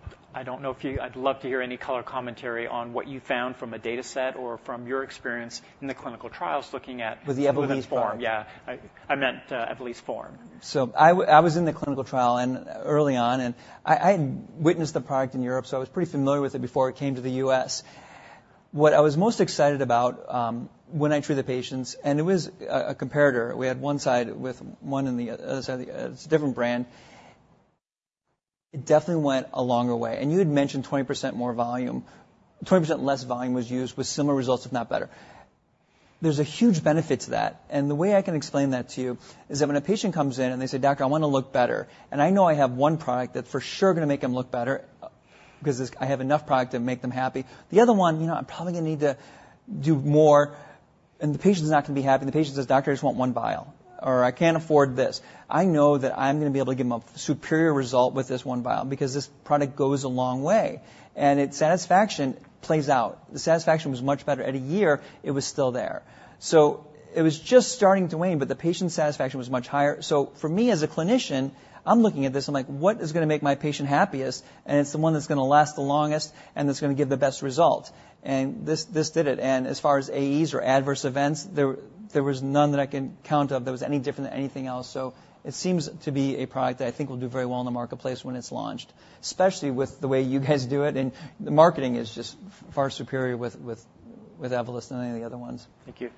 don't know if you... I'd love to hear any color commentary on what you found from a data set or from your experience in the clinical trials looking at- With the Evolysse Form. Yeah, I meant Evolysse Form. So I was in the clinical trial early on, and I had witnessed the product in Europe, so I was pretty familiar with it before it came to the US. What I was most excited about, when I treat the patients, and it was a comparator. We had one side with one and the other side, it's a different brand. It definitely went a longer way, and you had mentioned 20% more volume. 20% less volume was used with similar results, if not better. There's a huge benefit to that, and the way I can explain that to you is that when a patient comes in, and they say, "Doctor, I want to look better," and I know I have one product that's for sure going to make them look better because it's... I have enough product to make them happy. The other one, you know, I'm probably going to need to do more, and the patient is not going to be happy. The patient says, "Doctor, I just want one vial," or, "I can't afford this." I know that I'm going to be able to give them a superior result with this one vial because this product goes a long way, and its satisfaction plays out. The satisfaction was much better. At a year, it was still there. So it was just starting to wane, but the patient satisfaction was much higher. So for me, as a clinician, I'm looking at this. I'm like, "What is going to make my patient happiest?" And it's the one that's going to last the longest, and it's going to give the best result. And this, this did it. And as far as AEs or adverse events, there was none that I can think of that was any different than anything else. So it seems to be a product that I think will do very well in the marketplace when it's launched, especially with the way you guys do it, and the marketing is just far superior with Evolus than any of the other ones. Thank you.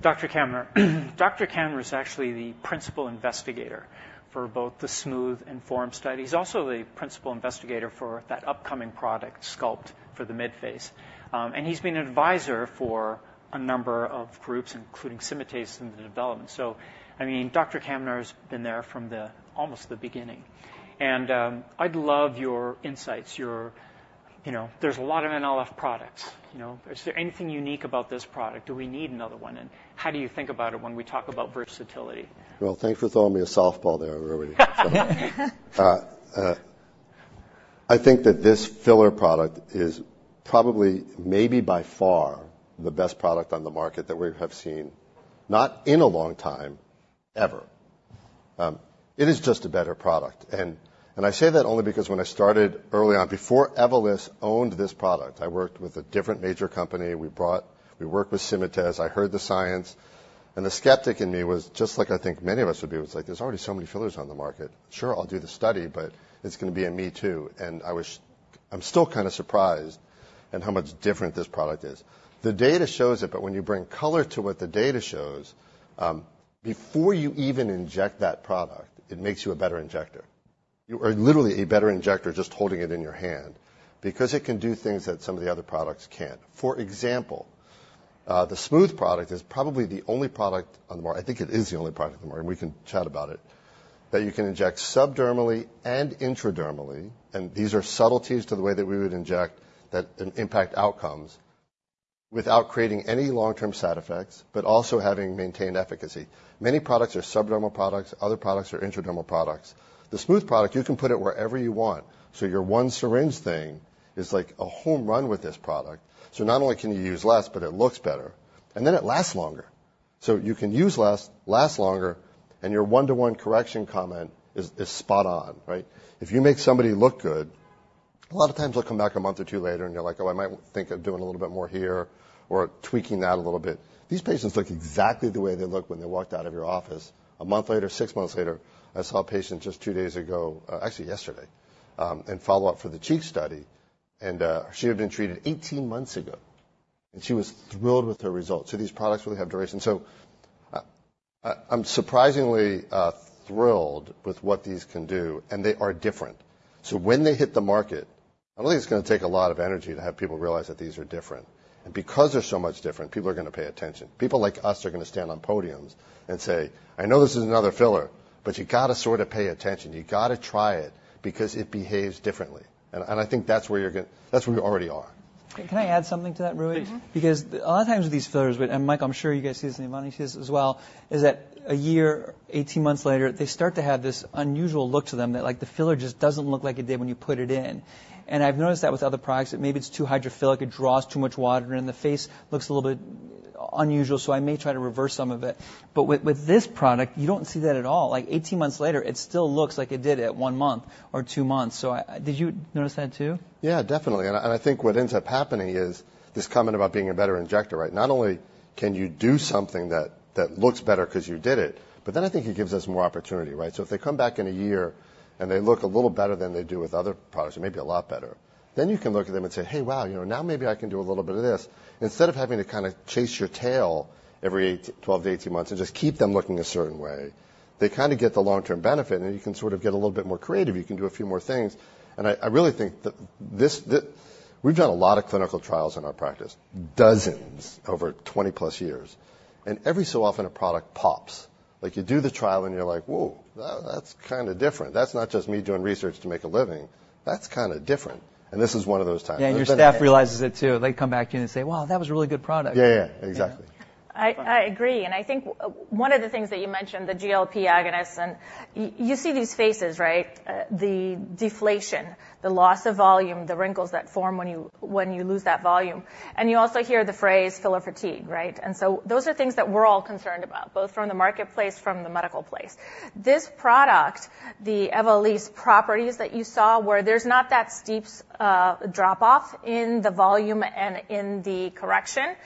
Dr. Kaminer. Dr. Kaminer is actually the principal investigator for both the Smooth and Form study. He's also the principal investigator for that upcoming product, Sculpt, for the midface, and he's been an advisor for a number of groups, including Symatese, in the development. So, I mean, Dr. Kaminer has been there from almost the beginning. I'd love your insights, your... You know, there's a lot of NLF products. You know, is there anything unique about this product? Do we need another one, and how do you think about it when we talk about versatility? Thanks for throwing me a softball there, Rui. I-... I think that this filler product is probably, maybe by far, the best product on the market that we have seen, not in a long time, ever. It is just a better product. And I say that only because when I started early on, before Evolus owned this product, I worked with a different major company. We worked with Symatese, I heard the science, and the skeptic in me was just like, I think many of us would be, was like, "There's already so many fillers on the market. Sure, I'll do the study, but it's gonna be a me, too." I'm still kind of surprised at how much different this product is. The data shows it, but when you bring color to what the data shows, before you even inject that product, it makes you a better injector. You are literally a better injector just holding it in your hand because it can do things that some of the other products can't. For example, the smooth product is probably the only product on the market... I think it is the only product on the market, and we can chat about it, that you can inject subdermally and intradermally, and these are subtleties to the way that we would inject that an impact outcomes, without creating any long-term side effects, but also having maintained efficacy. Many products are subdermal products. Other products are intradermal products. The smooth product, you can put it wherever you want, so your one syringe thing is like a home run with this product. So not only can you use less, but it looks better, and then it lasts longer. So you can use less, lasts longer, and your one-to-one correction comment is spot on, right? If you make somebody look good, a lot of times they'll come back a month or two later, and you're like: Oh, I might think of doing a little bit more here or tweaking that a little bit. These patients look exactly the way they looked when they walked out of your office a month later, six months later. I saw a patient just two days ago, actually yesterday, in follow-up for the cheek study, and she had been treated 18 months ago, and she was thrilled with her results. These products really have duration. I'm surprisingly thrilled with what these can do, and they are different. When they hit the market, I think it's gonna take a lot of energy to have people realize that these are different. And because they're so much different, people are gonna pay attention. People like us are gonna stand on podiums and say, "I know this is another filler, but you gotta sort of pay attention. You gotta try it because it behaves differently." And I think that's where we already are. Can I add something to that, Rui? Mm-hmm. Because a lot of times with these fillers, And, Mike, I'm sure you guys see this, and Ivana sees this as well, is that a year, eighteen months later, they start to have this unusual look to them that, like, the filler just doesn't look like it did when you put it in. And I've noticed that with other products, that maybe it's too hydrophilic, it draws too much water, and the face looks a little bit unusual, so I may try to reverse some of it. But with this product, you don't see that at all. Like, eighteen months later, it still looks like it did at one month or two months. So did you notice that, too? Yeah, definitely. And I think what ends up happening is this comment about being a better injector, right? Not only can you do something that looks better 'cause you did it, but then I think it gives us more opportunity, right? So if they come back in a year and they look a little better than they do with other products, or maybe a lot better, then you can look at them and say, "Hey, wow, you know, now maybe I can do a little bit of this. " Instead of having to kind of chase your tail every eight to 12 to 18 months and just keep them looking a certain way, they kind of get the long-term benefit, and you can sort of get a little bit more creative. You can do a few more things. And I really think that this, the... We've done a lot of clinical trials in our practice, dozens, over twenty-plus years. And every so often, a product pops. Like, you do the trial, and you're like: Whoa! That's kind of different. That's not just me doing research to make a living. That's kind of different. And this is one of those times. Yeah, and your staff realizes it, too. They come back to you and say, "Wow, that was a really good product. Yeah, yeah. Exactly. I agree, and I think one of the things that you mentioned, the GLP-1 agonist, and you see these faces, right? The deflation, the loss of volume, the wrinkles that form when you lose that volume, and you also hear the phrase filler fatigue, right? And so those are things that we're all concerned about, both from the marketplace, from the medical space. This product, the Evolysse properties that you saw, where there's not that steep drop-off in the volume and in the correction,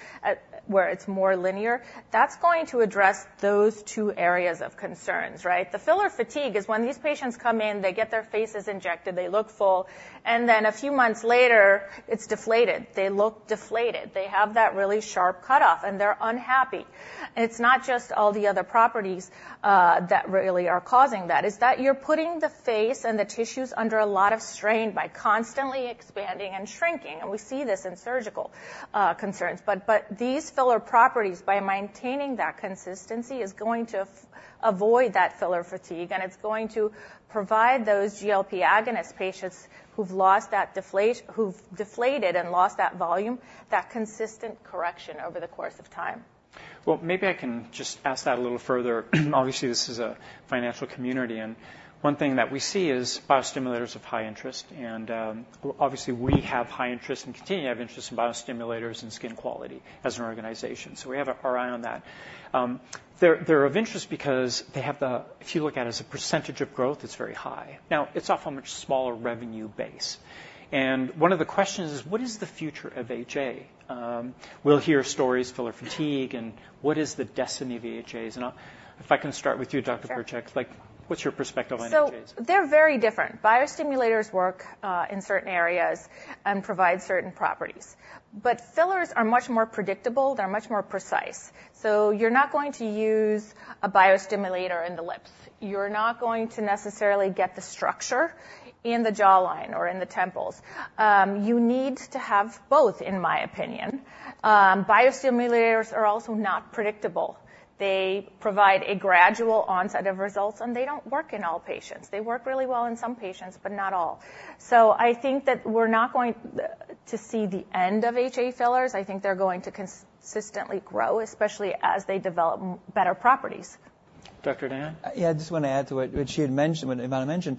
where it's more linear, that's going to address those two areas of concerns, right? The filler fatigue is when these patients come in, they get their faces injected, they look full, and then a few months later, it's deflated. They look deflated. They have that really sharp cutoff, and they're unhappy. And it's not just all the other properties that really are causing that. It's that you're putting the face and the tissues under a lot of strain by constantly expanding and shrinking, and we see this in surgical concerns. But these filler properties, by maintaining that consistency, is going to avoid that filler fatigue, and it's going to provide those GLP-1 agonist patients who've deflated and lost that volume, that consistent correction over the course of time. Well, maybe I can just ask that a little further. Obviously, this is a financial community, and one thing that we see is biostimulators of high interest, and, obviously, we have high interest and continue to have interest in biostimulators and skin quality as an organization. So we have our eye on that. They're of interest because they have the... If you look at it as a percentage of growth, it's very high. Now, it's off a much smaller revenue base. And one of the questions is, what is the future of HA? We'll hear stories, filler fatigue, and what is the destiny of HAs? And, if I can start with you, Dr. Percec. Sure. Like, what's your perspective on HAs? So they're very different. Biostimulators work in certain areas and provide certain properties, but fillers are much more predictable, they're much more precise. So you're not going to use a biostimulator in the lips. You're not going to necessarily get the structure in the jawline or in the temples. You need to have both, in my opinion. Biostimulators are also not predictable. They provide a gradual onset of results, and they don't work in all patients. They work really well in some patients, but not all. So I think that we're not going to see the end of HA fillers. I think they're going to consistently grow, especially as they develop better properties.... Dr. Dayan? Yeah, I just want to add to what she had mentioned, what Ivana mentioned.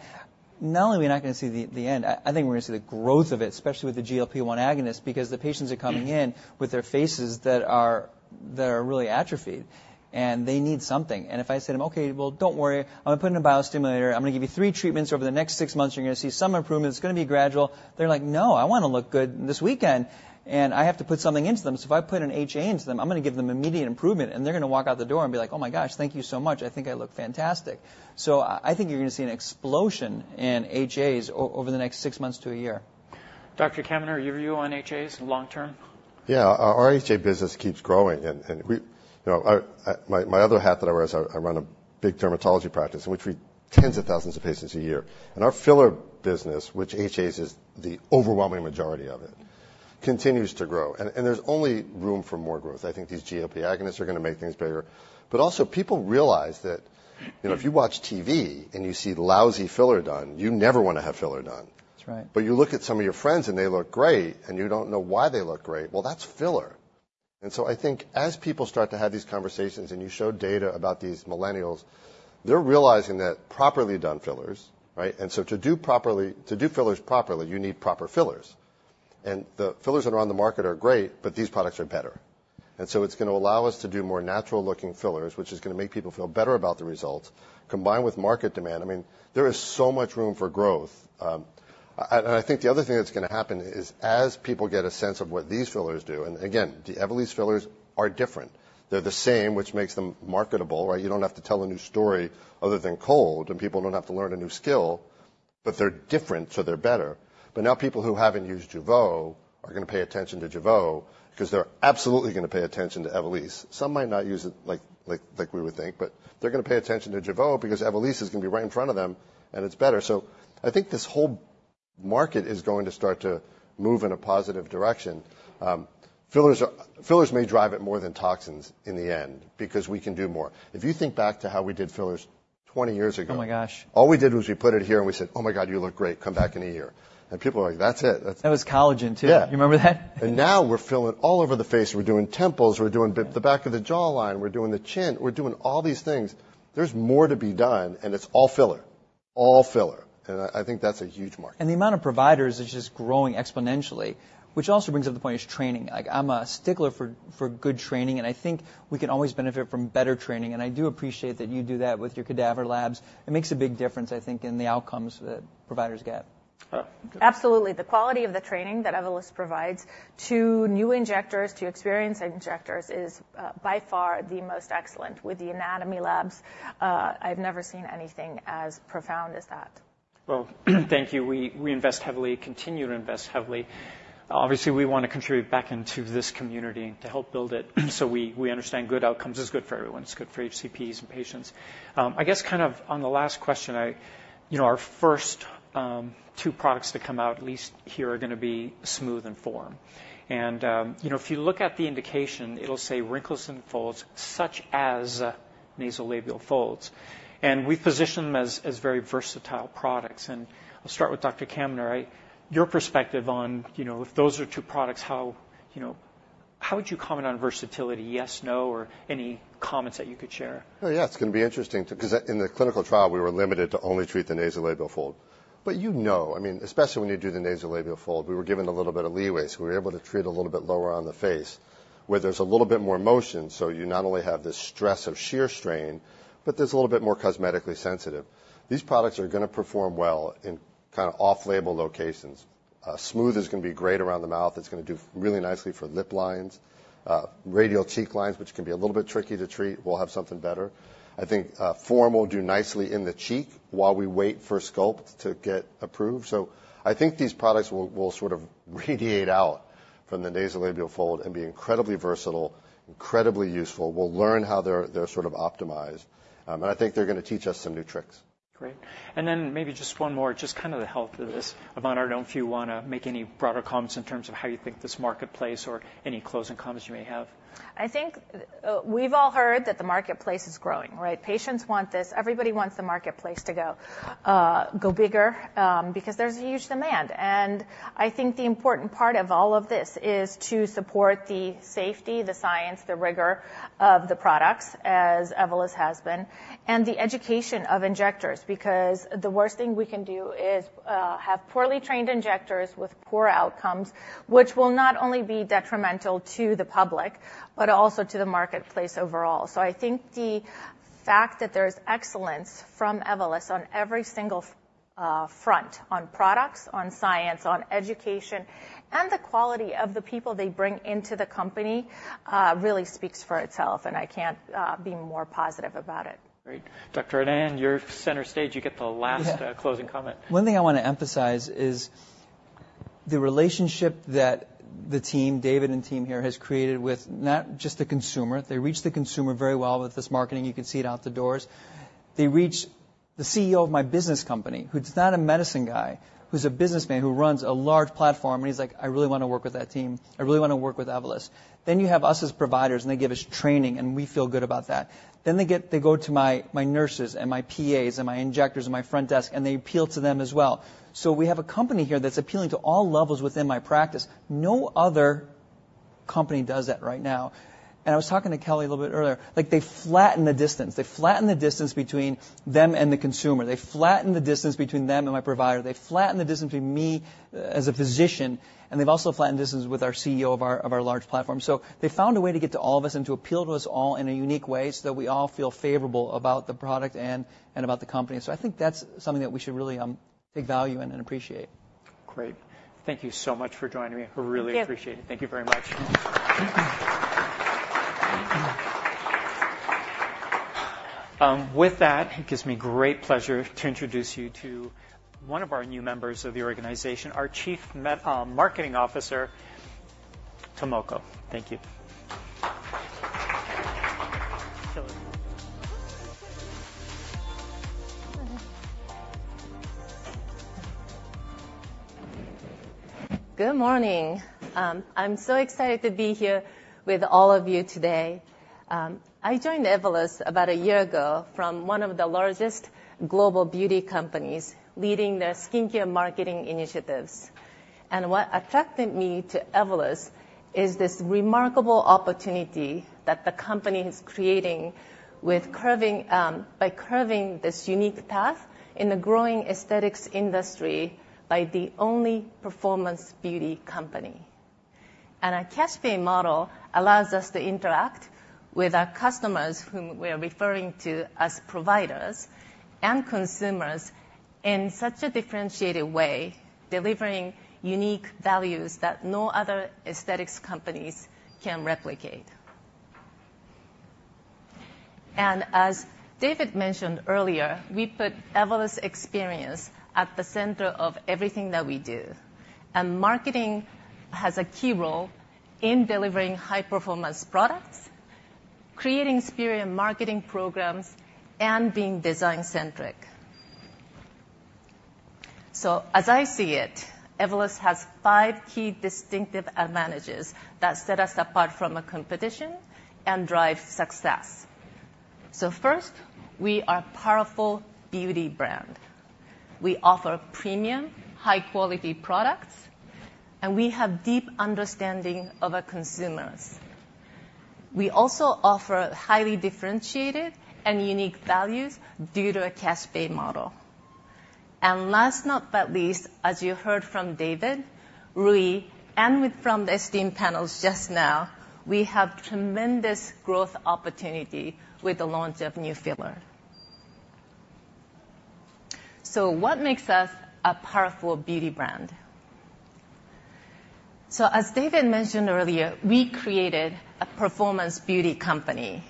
Not only are we not going to see the end, I think we're going to see the growth of it, especially with the GLP-1 agonist, because the patients are coming in with their faces that are really atrophied, and they need something. And if I said to them, "Okay, well, don't worry, I'm going to put in a biostimulator. I'm going to give you three treatments over the next six months. You're going to see some improvement. It's going to be gradual." They're like: "No, I want to look good this weekend!" And I have to put something into them. So if I put an HA into them, I'm going to give them immediate improvement, and they're going to walk out the door and be like: "Oh, my gosh, thank you so much. I think I look fantastic." So I think you're going to see an explosion in HAs over the next six months to a year. Dr. Kaminer, your view on HAs long term? Yeah. Our HA business keeps growing, and... You know, I... My other hat that I wear is I run a big dermatology practice in which we treat tens of thousands of patients a year. And our filler business, which HAs is the overwhelming majority of it, continues to grow. And there's only room for more growth. I think these GLP-1 agonists are going to make things better. But also, people realize that, you know, if you watch TV and you see lousy filler done, you never want to have filler done. That's right. But you look at some of your friends, and they look great, and you don't know why they look great. Well, that's filler. And so I think as people start to have these conversations, and you show data about these millennials, they're realizing that properly done fillers, right? And so to do fillers properly, you need proper fillers. And the fillers that are on the market are great, but these products are better. And so it's going to allow us to do more natural-looking fillers, which is going to make people feel better about the results. Combined with market demand, I mean, there is so much room for growth. I think the other thing that's going to happen is as people get a sense of what these fillers do... And again, the Evolus fillers are different. They're the same, which makes them marketable, right? You don't have to tell a new story other than cold, and people don't have to learn a new skill, but they're different, so they're better. But now, people who haven't used Jeuveau are going to pay attention to Jeuveau because they're absolutely going to pay attention to Evolus. Some might not use it like we would think, but they're going to pay attention to Jeuveau because Evolus is going to be right in front of them, and it's better. So I think this whole market is going to start to move in a positive direction. Fillers, fillers may drive it more than toxins in the end because we can do more. If you think back to how we did fillers twenty years ago. Oh, my gosh! All we did was we put it here, and we said, "Oh, my God, you look great. Come back in a year." And people are like, "That's it?" That's- That was collagen, too. Yeah. You remember that? Now we're filling all over the face. We're doing temples. We're doing the back of the jawline. We're doing the chin. We're doing all these things. There's more to be done, and it's all filler. All filler. I think that's a huge market. The amount of providers is just growing exponentially, which also brings up the point, is training. Like, I'm a stickler for good training, and I think we can always benefit from better training, and I do appreciate that you do that with your cadaver labs. It makes a big difference, I think, in the outcomes that providers get. Uh- Absolutely. The quality of the training that Evolus provides to new injectors, to experienced injectors, is, by far the most excellent. With the anatomy labs, I've never seen anything as profound as that. Well, thank you. We invest heavily, continue to invest heavily. Obviously, we want to contribute back into this community to help build it, so we understand good outcomes is good for everyone. It's good for HCPs and patients. I guess, kind of on the last question. You know, our first two products to come out, at least here, are going to be Smooth and Form. And you know, if you look at the indication, it'll say wrinkles and folds, such as nasolabial folds, and we position them as very versatile products. And I'll start with Dr. Kaminer. Your perspective on, you know, if those are two products, how would you comment on versatility? Yes, no, or any comments that you could share. Oh, yeah, it's going to be interesting too, because in the clinical trial, we were limited to only treat the nasolabial fold. But you know, I mean, especially when you do the nasolabial fold, we were given a little bit of leeway, so we were able to treat a little bit lower on the face, where there's a little bit more motion. So you not only have this stress of shear strain, but there's a little bit more cosmetically sensitive. These products are going to perform well in kind of off-label locations. Smooth is going to be great around the mouth. It's going to do really nicely for lip lines, radial cheek lines, which can be a little bit tricky to treat. We'll have something better. I think, Form will do nicely in the cheek while we wait for Sculpt to get approved. So I think these products will sort of radiate out from the nasolabial fold and be incredibly versatile, incredibly useful. We'll learn how they're sort of optimized, and I think they're going to teach us some new tricks. Great. And then maybe just one more, just kind of the health of this. Ivana, I don't know if you want to make any broader comments in terms of how you think this marketplace or any closing comments you may have. I think, we've all heard that the marketplace is growing, right? Patients want this. Everybody wants the marketplace to go bigger, because there's a huge demand, and I think the important part of all of this is to support the safety, the science, the rigor of the products, as Evolus has been, and the education of injectors. Because the worst thing we can do is have poorly trained injectors with poor outcomes, which will not only be detrimental to the public, but also to the marketplace overall, so I think the fact that there's excellence from Evolus on every single front, on products, on science, on education, and the quality of the people they bring into the company, really speaks for itself, and I can't be more positive about it. Great. Dr. Adnan, you're center stage. You get the last- Yeah... closing comment. One thing I want to emphasize is the relationship that the team, David and team here, has created with not just the consumer. They reach the consumer very well with this marketing. You can see it out the doors. They reach the CEO of my business company, who's not a medicine guy, who's a businessman, who runs a large platform, and he's like: "I really want to work with that team. I really want to work with Evolus." Then you have us as providers, and they give us training, and we feel good about that. Then they get- they go to my, my nurses and my PAs and my injectors and my front desk, and they appeal to them as well. So we have a company here that's appealing to all levels within my practice. No other company does that right now. I was talking to Kelly a little bit earlier, like, they flatten the distance. They flatten the distance between them and the consumer. They flatten the distance between them and my provider. They flatten the distance between me, as a physician, and they've also flattened the distance with our CEO of our large platform. So they found a way to get to all of us and to appeal to us all in a unique way so that we all feel favorable about the product and about the company. So I think that's something that we should really take value in and appreciate. Great. Thank you so much for joining me. Thank you. I really appreciate it. Thank you very much. With that, it gives me great pleasure to introduce you to one of our new members of the organization, our Chief Marketing Officer, Tomoko. Thank you. Tomoko. Good morning. I'm so excited to be here with all of you today. I joined Evolus about a year ago from one of the largest global beauty companies, leading their skincare marketing initiatives. And what attracted me to Evolus is this remarkable opportunity that the company is creating by carving this unique path in the growing aesthetics industry by the only performance beauty company. And our cash pay model allows us to interact with our customers, whom we're referring to as providers, and consumers in such a differentiated way, delivering unique values that no other aesthetics companies can replicate. And as David mentioned earlier, we put Evolus experience at the center of everything that we do, and marketing has a key role in delivering high-performance products, creating superior marketing programs, and being design-centric. So as I see it, Evolus has five key distinctive advantages that set us apart from the competition and drive success. So first, we are a powerful beauty brand. We offer premium, high-quality products, and we have deep understanding of our consumers. We also offer highly differentiated and unique values due to a cash pay model. And last but not least, as you heard from David, Rui, and from the esteemed panels just now, we have tremendous growth opportunity with the launch of new filler. So what makes us a powerful beauty brand? So as David mentioned earlier, we created a performance beauty company,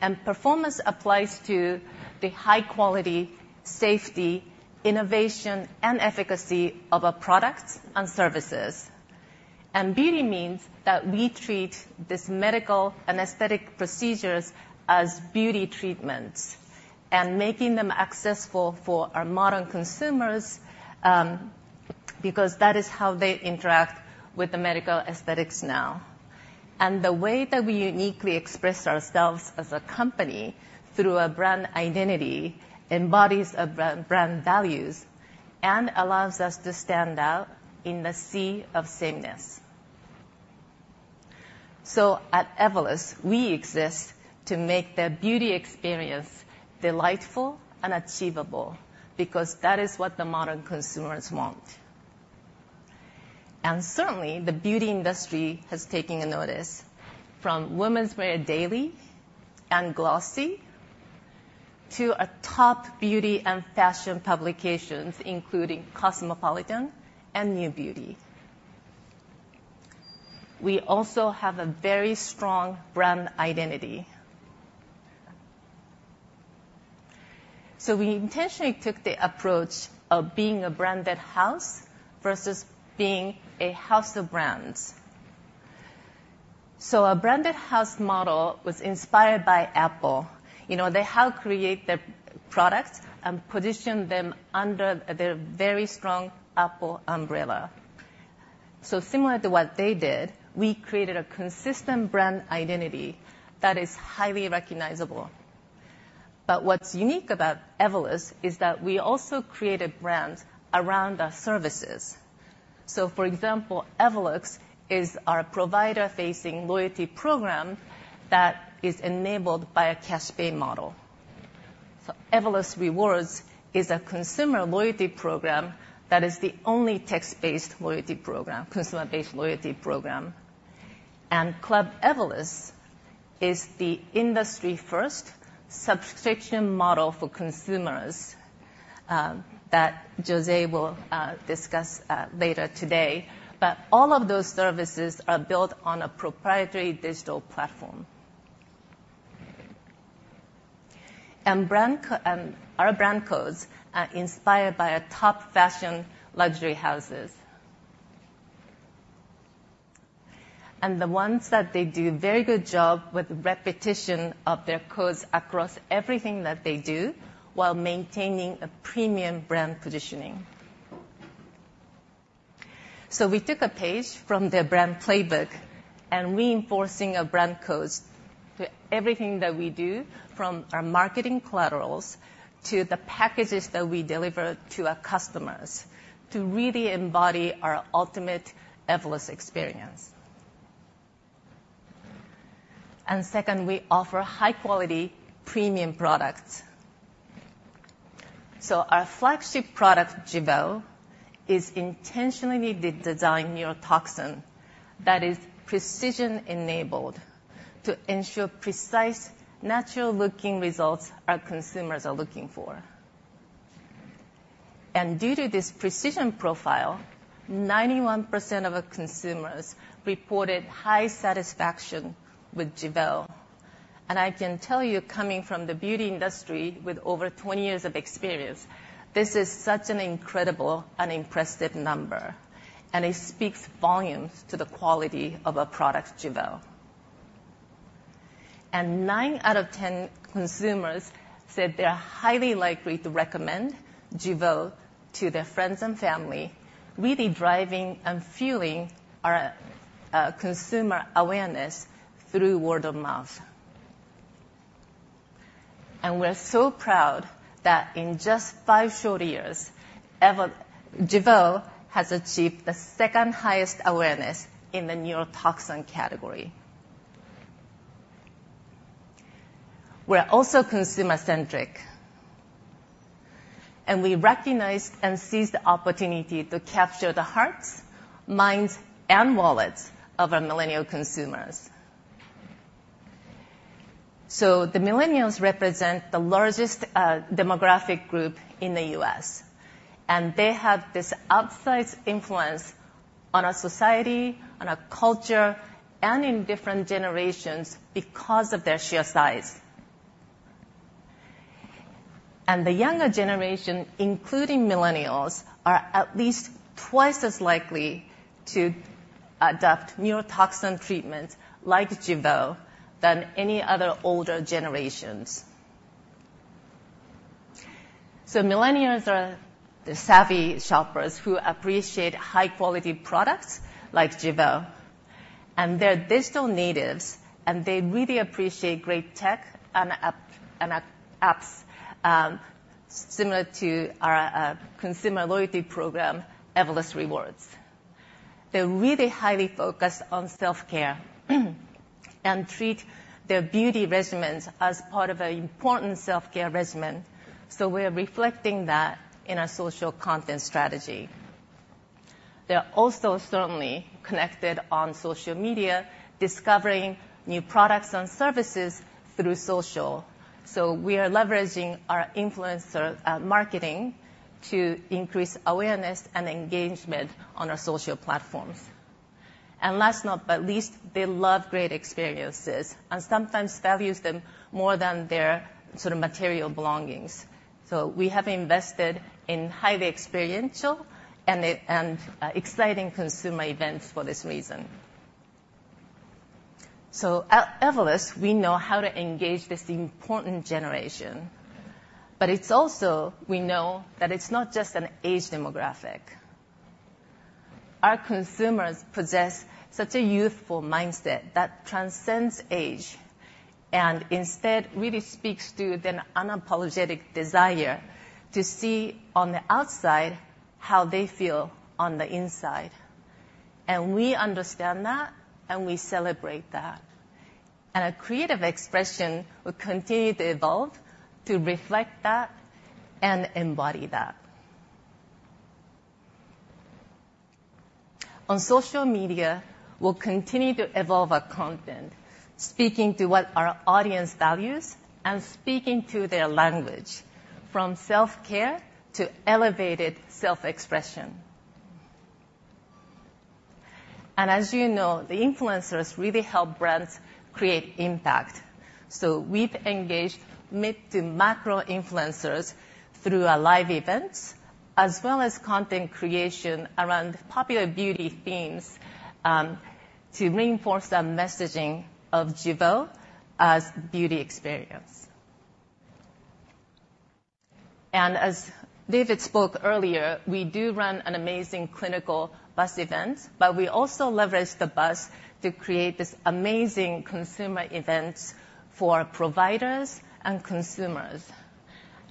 and performance applies to the high quality, safety, innovation, and efficacy of our products and services. Beauty means that we treat these medical and aesthetic procedures as beauty treatments, and making them accessible for our modern consumers, because that is how they interact with the medical aesthetics now. The way that we uniquely express ourselves as a company through a brand identity, embodies our brand, brand values, and allows us to stand out in the sea of sameness. At Evolus, we exist to make the beauty experience delightful and achievable, because that is what the modern consumers want. Certainly, the beauty industry has taken notice, from Women's Wear Daily and Glossy to our top beauty and fashion publications, including Cosmopolitan and New Beauty. We also have a very strong brand identity. We intentionally took the approach of being a branded house versus being a house of brands. Our branded house model was inspired by Apple. You know, they help create their products and position them under their very strong Apple umbrella. So similar to what they did, we created a consistent brand identity that is highly recognizable. But what's unique about Evolus is that we also created brands around our services. So, for example, Evolux is our provider-facing loyalty program that is enabled by a cash pay model. So Evolus Rewards is a consumer loyalty program that is the only text-based loyalty program, consumer-based loyalty program. And Club Evolus is the industry first subscription model for consumers that Jose will discuss later today. But all of those services are built on a proprietary digital platform. And our brand codes are inspired by a top fashion luxury houses. And the ones that they do a very good job with repetition of their codes across everything that they do, while maintaining a premium brand positioning. So we took a page from their brand playbook and reinforcing our brand codes to everything that we do, from our marketing collaterals to the packages that we deliver to our customers, to really embody our ultimate Evolus experience. And second, we offer high-quality premium products. So our flagship product, Jeuveau, is intentionally the designed neurotoxin that is precision-enabled to ensure precise, natural-looking results our consumers are looking for. And due to this precision profile, 91% of our consumers reported high satisfaction with Jeuveau. And I can tell you, coming from the beauty industry with over 20 years of experience, this is such an incredible and impressive number, and it speaks volumes to the quality of our product, Jeuveau. Nine out of ten consumers said they are highly likely to recommend Jeuveau to their friends and family, really driving and fueling our consumer awareness through word of mouth. We're so proud that in just five short years, Jeuveau has achieved the second-highest awareness in the neurotoxin category. We're also consumer-centric, and we recognize and seize the opportunity to capture the hearts, minds, and wallets of our millennial consumers. The millennials represent the largest demographic group in the US, and they have this outsized influence on our society, on our culture, and in different generations because of their sheer size. The younger generation, including millennials, are at least twice as likely to adopt neurotoxin treatments like Jeuveau than any other older generations. So millennials are the savvy shoppers who appreciate high-quality products like Jeuveau, and they're digital natives, and they really appreciate great tech and apps similar to our consumer loyalty program, Evolus Rewards. They're really highly focused on self-care, and treat their beauty regimens as part of an important self-care regimen, so we're reflecting that in our social content strategy. They're also certainly connected on social media, discovering new products and services through social, so we are leveraging our influencer marketing to increase awareness and engagement on our social platforms. And last not but least, they love great experiences, and sometimes values them more than their sort of material belongings. So we have invested in highly experiential and exciting consumer events for this reason. So at Evolus, we know how to engage this important generation, but it's also, we know that it's not just an age demographic. Our consumers possess such a youthful mindset that transcends age, and instead really speaks to their unapologetic desire to see on the outside how they feel on the inside. And we understand that, and we celebrate that. And our creative expression will continue to evolve to reflect that and embody that. On social media, we'll continue to evolve our content, speaking to what our audience values and speaking to their language, from self-care to elevated self-expression. And as you know, the influencers really help brands create impact. So we've engaged mid- to macro-influencers through our live events, as well as content creation around popular beauty themes, to reinforce the messaging of Jeuveau as beauty experience. As David spoke earlier, we do run an amazing clinical bus event, but we also leverage the bus to create this amazing consumer events for providers and consumers.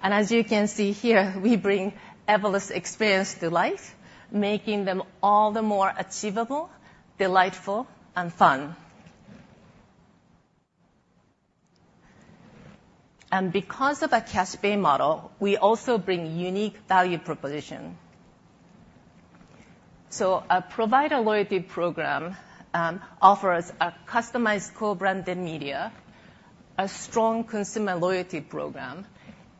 As you can see here, we bring Evolus experience to life, making them all the more achievable, delightful, and fun. Because of our cash pay model, we also bring unique value proposition. Our provider loyalty program offers a customized co-branded media, a strong consumer loyalty program,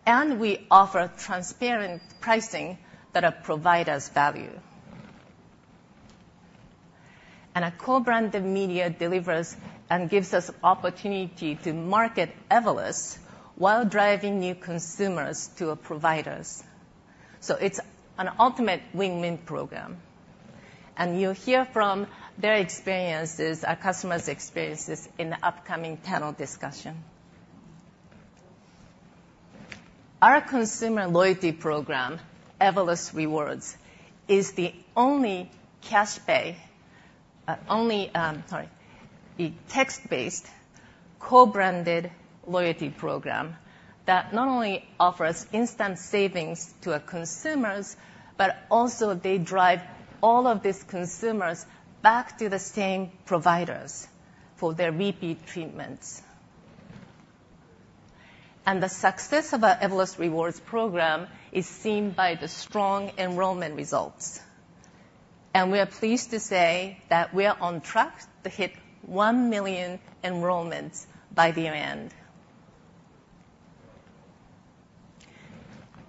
and we offer transparent pricing that our providers value. Our co-branded media delivers and gives us opportunity to market Evolus while driving new consumers to our providers. It's an ultimate win-win program, and you'll hear from their experiences, our customers' experiences, in the upcoming panel discussion. Our consumer loyalty program, Evolus Rewards, is the only cash pay, the text-based co-branded loyalty program that not only offers instant savings to our consumers, but also they drive all of these consumers back to the same providers for their repeat treatments. And the success of our Evolus Rewards program is seen by the strong enrollment results, and we are pleased to say that we are on track to hit one million enrollments by the year-end.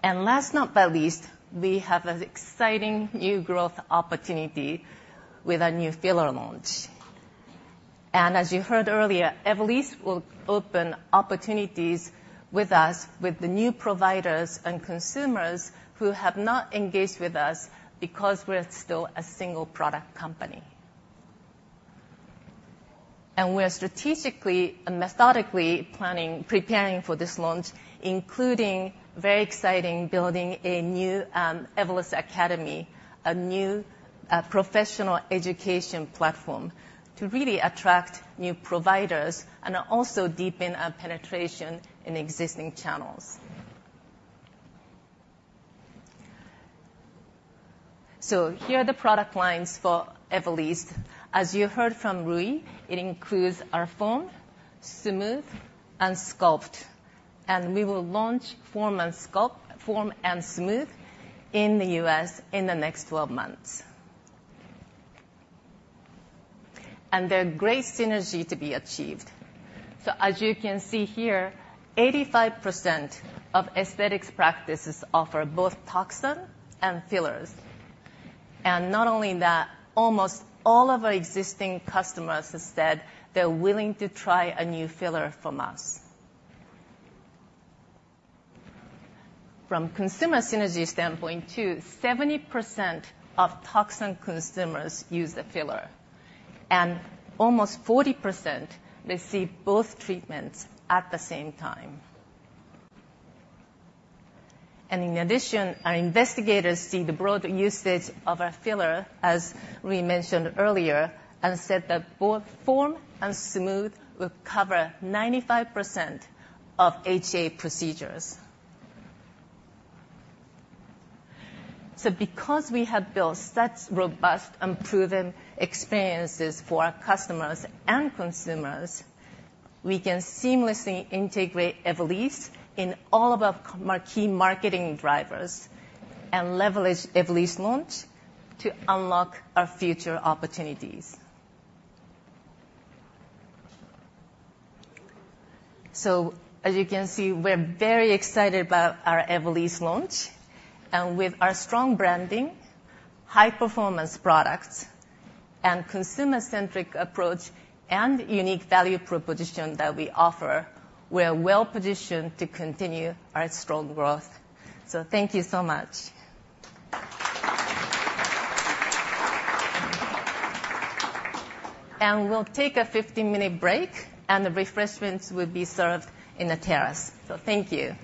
And last but not least, we have an exciting new growth opportunity with our new filler launch. And as you heard earlier, Evolysse will open opportunities with us, with the new providers and consumers who have not engaged with us because we're still a single product company. And we are strategically and methodically preparing for this launch, including very exciting building a new Evolus Academy, a new professional education platform to really attract new providers and also deepen our penetration in existing channels. So here are the product lines for Evolysse. As you heard from Rui, it includes our Form, Smooth, and Sculpt, and we will launch Form and Smooth in the U.S. in the next 12 months. And there are great synergy to be achieved. So as you can see here, 85% of aesthetics practices offer both toxin and fillers. And not only that, almost all of our existing customers have said they're willing to try a new filler from us. From consumer synergy standpoint, too, 70% of toxin consumers use the filler, and almost 40% receive both treatments at the same time. In addition, our investigators see the broad usage of our filler, as Rui mentioned earlier, and said that both Form and Smooth will cover 95% of HA procedures. Because we have built such robust and proven experiences for our customers and consumers, we can seamlessly integrate Evolysse in all of our marketing drivers and leverage Evolysse launch to unlock our future opportunities. As you can see, we're very excited about our Evolysse launch. With our strong branding, high-performance products, and consumer-centric approach, and unique value proposition that we offer, we are well-positioned to continue our strong growth. Thank you so much. We'll take a 15-minute break, and the refreshments will be served in the terrace. Thank you.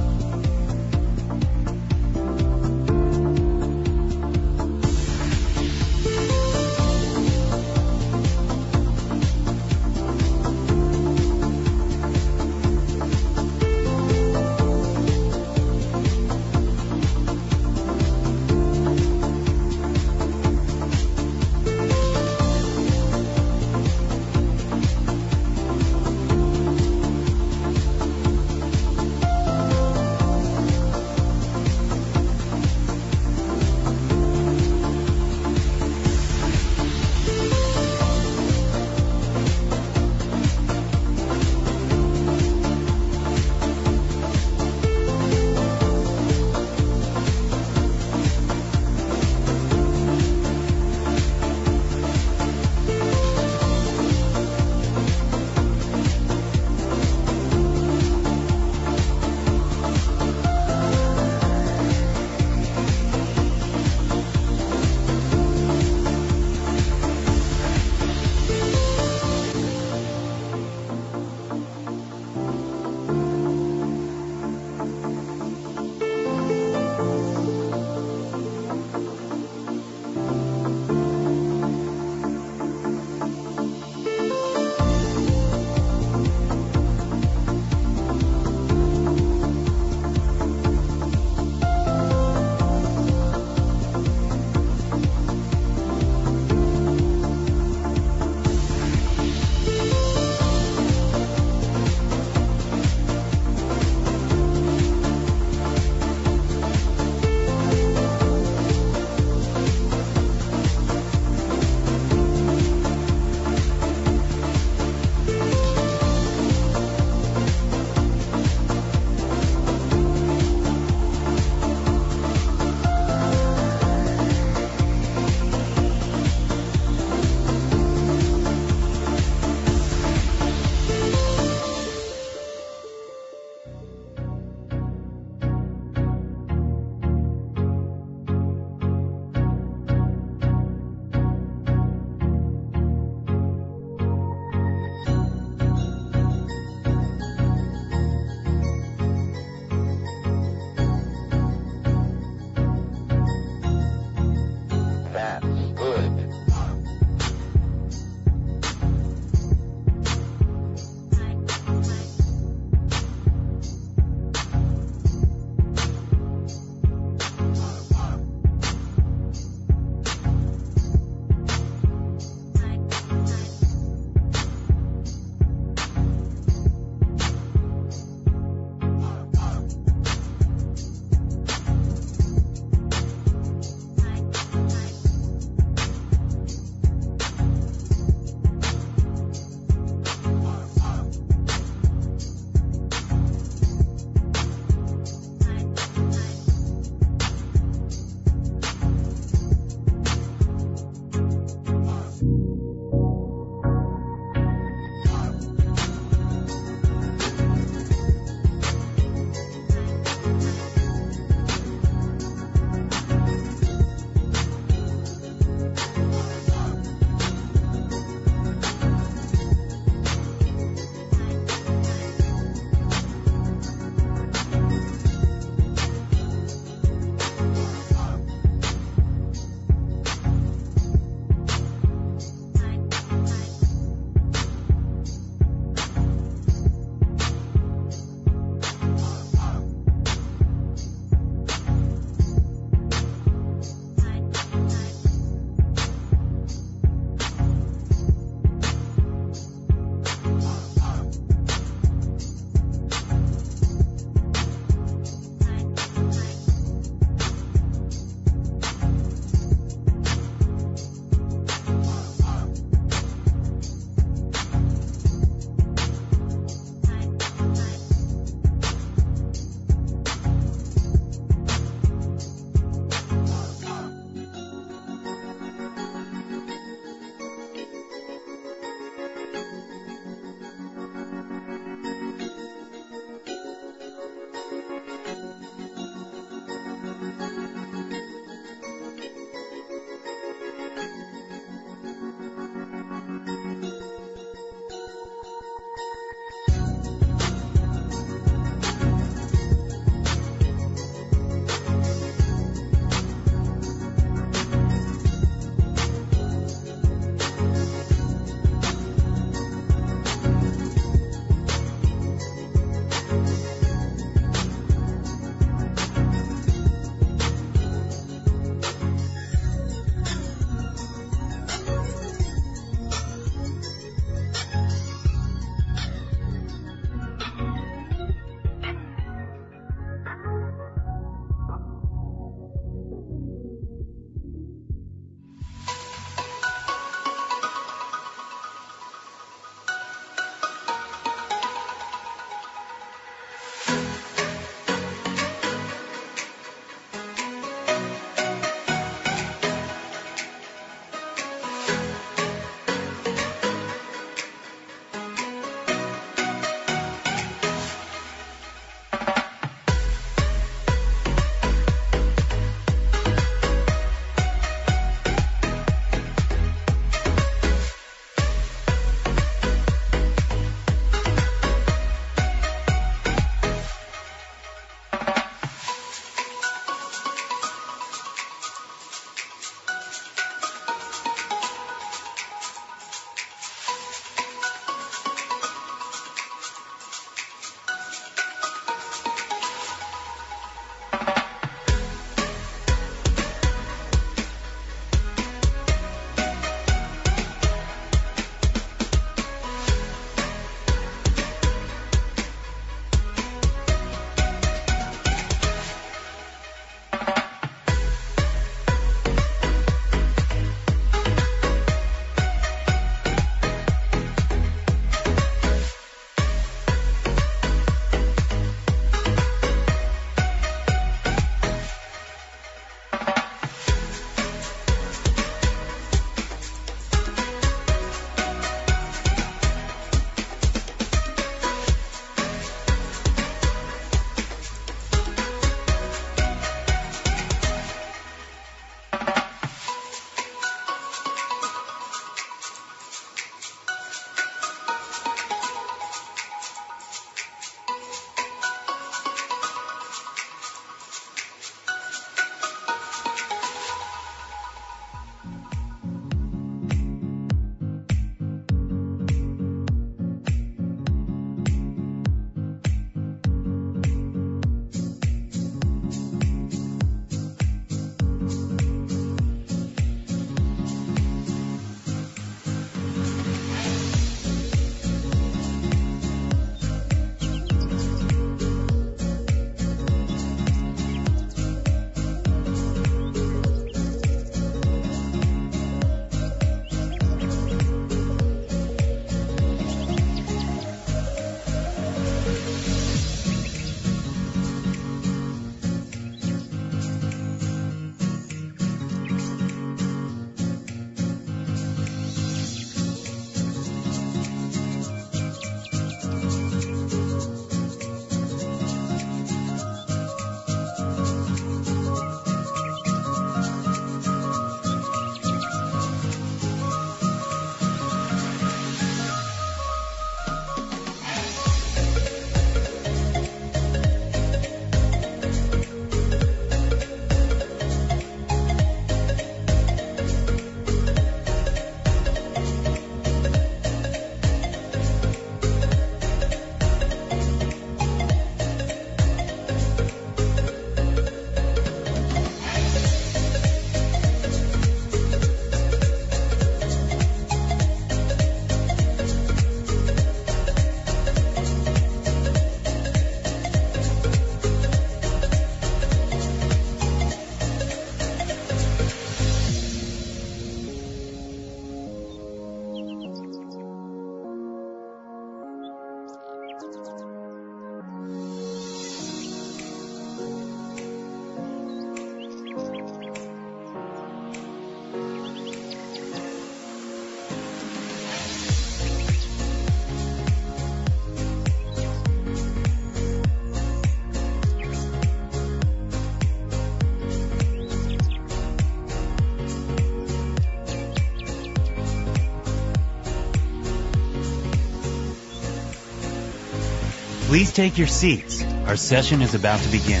Please take your seats. Our session is about to begin.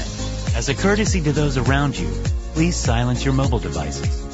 As a courtesy to those around you, please silence your mobile devices.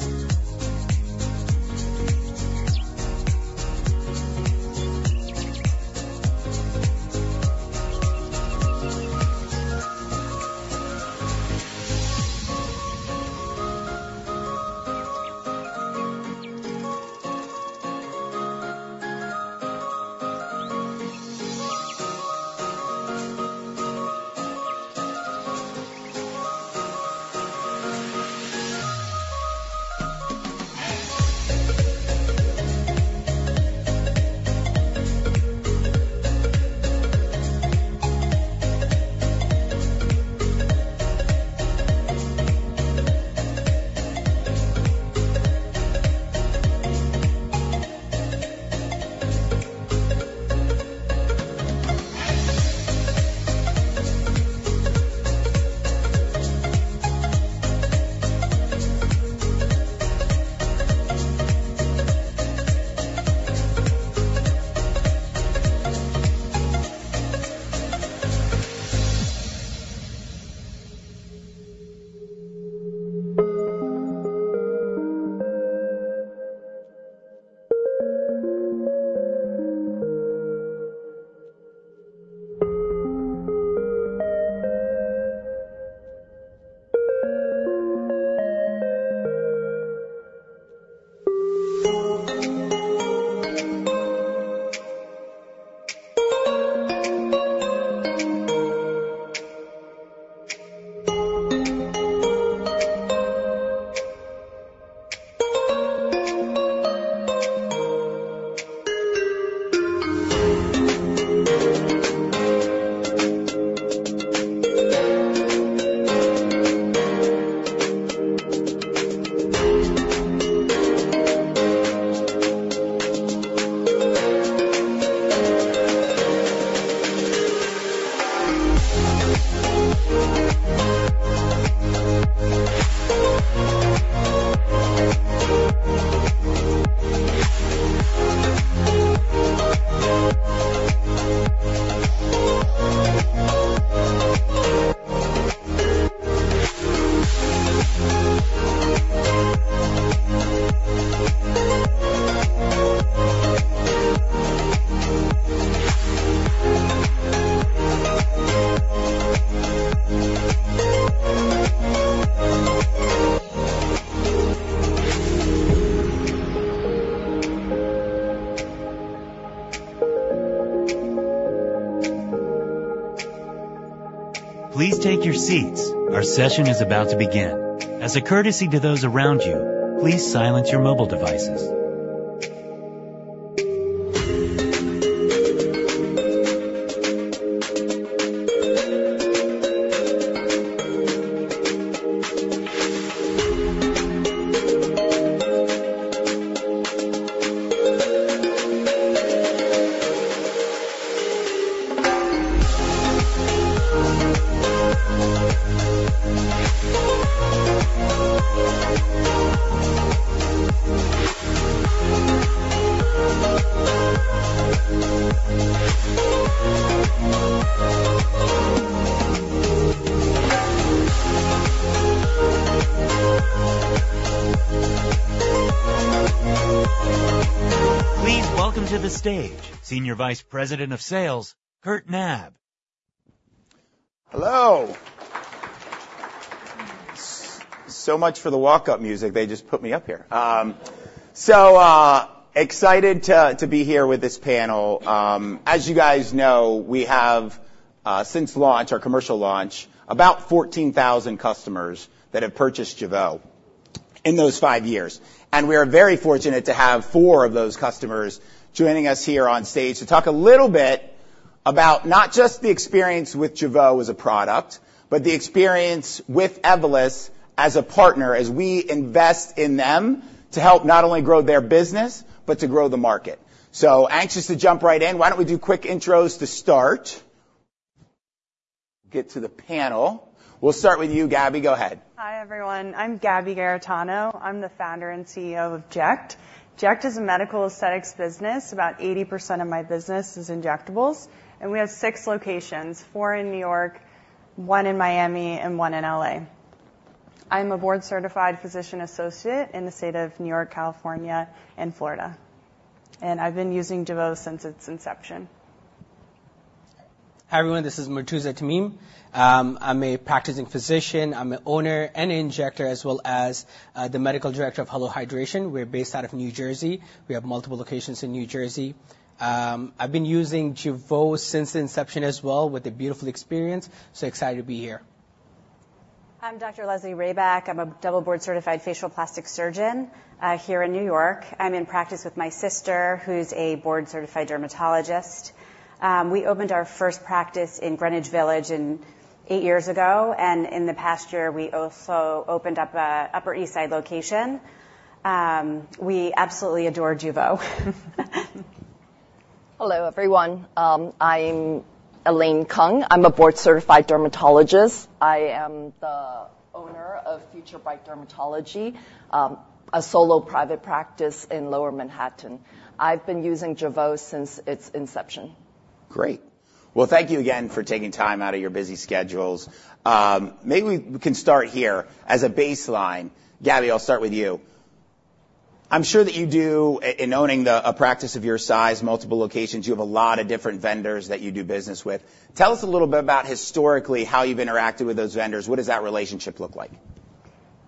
Please welcome to the stage Senior Vice President of Sales, Kurt Knab. Hello! So much for the walk-up music. They just put me up here. So excited to be here with this panel. As you guys know, we have since launch, our commercial launch, about 14,000 customers that have purchased Jeuveau in those five years, and we are very fortunate to have four of those customers joining us here on stage to talk a little bit about not just the experience with Jeuveau as a product, but the experience with Evolus as a partner, as we invest in them to help not only grow their business but to grow the market. So anxious to jump right in. Why don't we do quick intros to start? Get to the panel. We'll start with you, Gabby. Go ahead. Hi, everyone. I'm Gabby Garritano. I'm the founder and CEO of Ject. Ject is a medical aesthetics business. About 80% of my business is injectables, and we have six locations, four in New York, one in Miami and one in LA. I'm a board-certified physician assistant in the state of New York, California and Florida, and I've been using Jeuveau since its inception. Hi, everyone, this is Murtuza Tamim. I'm a practicing physician. I'm an owner and an injector, as well as the medical director of Hello Hydration. We're based out of New Jersey. We have multiple locations in New Jersey. I've been using Jeuveau since its inception as well, with a beautiful experience. So excited to be here. I'm Dr. Leslie Rabach. I'm a double board-certified facial plastic surgeon here in New York. I'm in practice with my sister, who's a board-certified dermatologist. We opened our first practice in Greenwich Village eight years ago, and in the past year, we also opened up a Upper East Side location. We absolutely adore Jeuveau. Hello, everyone. I'm Elaine Kung. I'm a board-certified dermatologist. I am the owner of Future Bright Dermatology, a solo private practice in Lower Manhattan. I've been using Jeuveau since its inception. Great. Well, thank you again for taking time out of your busy schedules. Maybe we can start here as a baseline. Gabby, I'll start with you. I'm sure that you do in owning a practice of your size, multiple locations, you have a lot of different vendors that you do business with. Tell us a little bit about, historically, how you've interacted with those vendors. What does that relationship look like?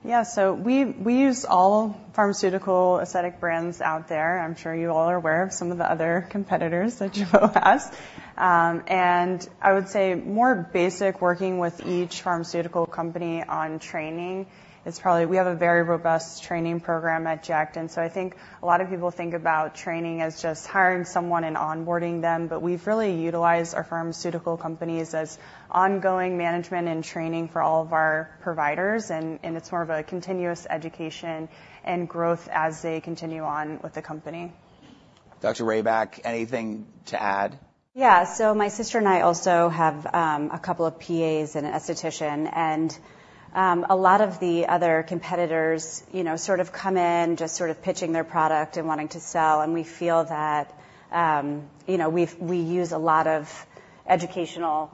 Yeah, so we use all pharmaceutical aesthetic brands out there. I'm sure you all are aware of some of the other competitors that Jeuveau has. And I would say more basic, working with each pharmaceutical company on training is probably... We have a very robust training program at Ject, and so I think a lot of people think about training as just hiring someone and onboarding them, but we've really utilized our pharmaceutical companies as ongoing management and training for all of our providers, and it's more of a continuous education and growth as they continue on with the company. Dr. Rabach, anything to add? Yeah. So my sister and I also have a couple of PAs and an aesthetician, and a lot of the other competitors, you know, sort of come in, just sort of pitching their product and wanting to sell, and we feel that, you know, we use a lot of educational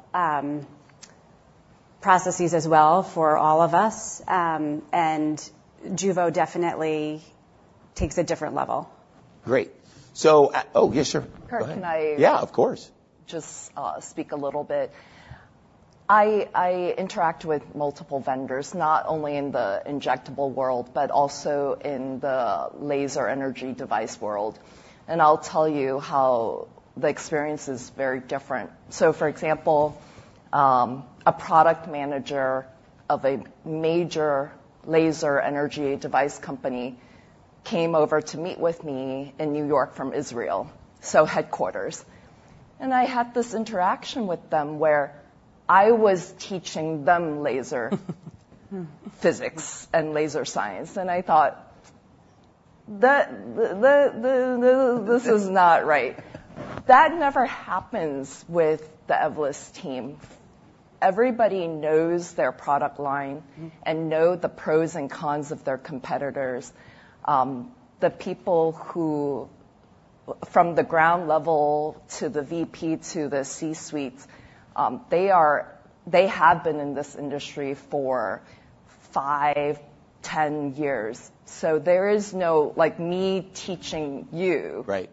processes as well for all of us. And Jeuveau definitely takes a different level. Great. So... Oh, yeah, sure. Kurt, can I- Yeah, of course. Just speak a little bit? I interact with multiple vendors, not only in the injectable world, but also in the laser energy device world, and I'll tell you how the experience is very different. So, for example, a product manager of a major laser energy device company came over to meet with me in New York from Israel, so headquarters, and I had this interaction with them where I was teaching them laser physics and laser science, and I thought, "This is not right." That never happens with the Evolus team. Everybody knows their product line- Mm-hmm. And know the pros and cons of their competitors. The people who, from the ground level to the VP to the C-suites, they have been in this industry for five, 10 years, so there is no, like, me teaching you. Right.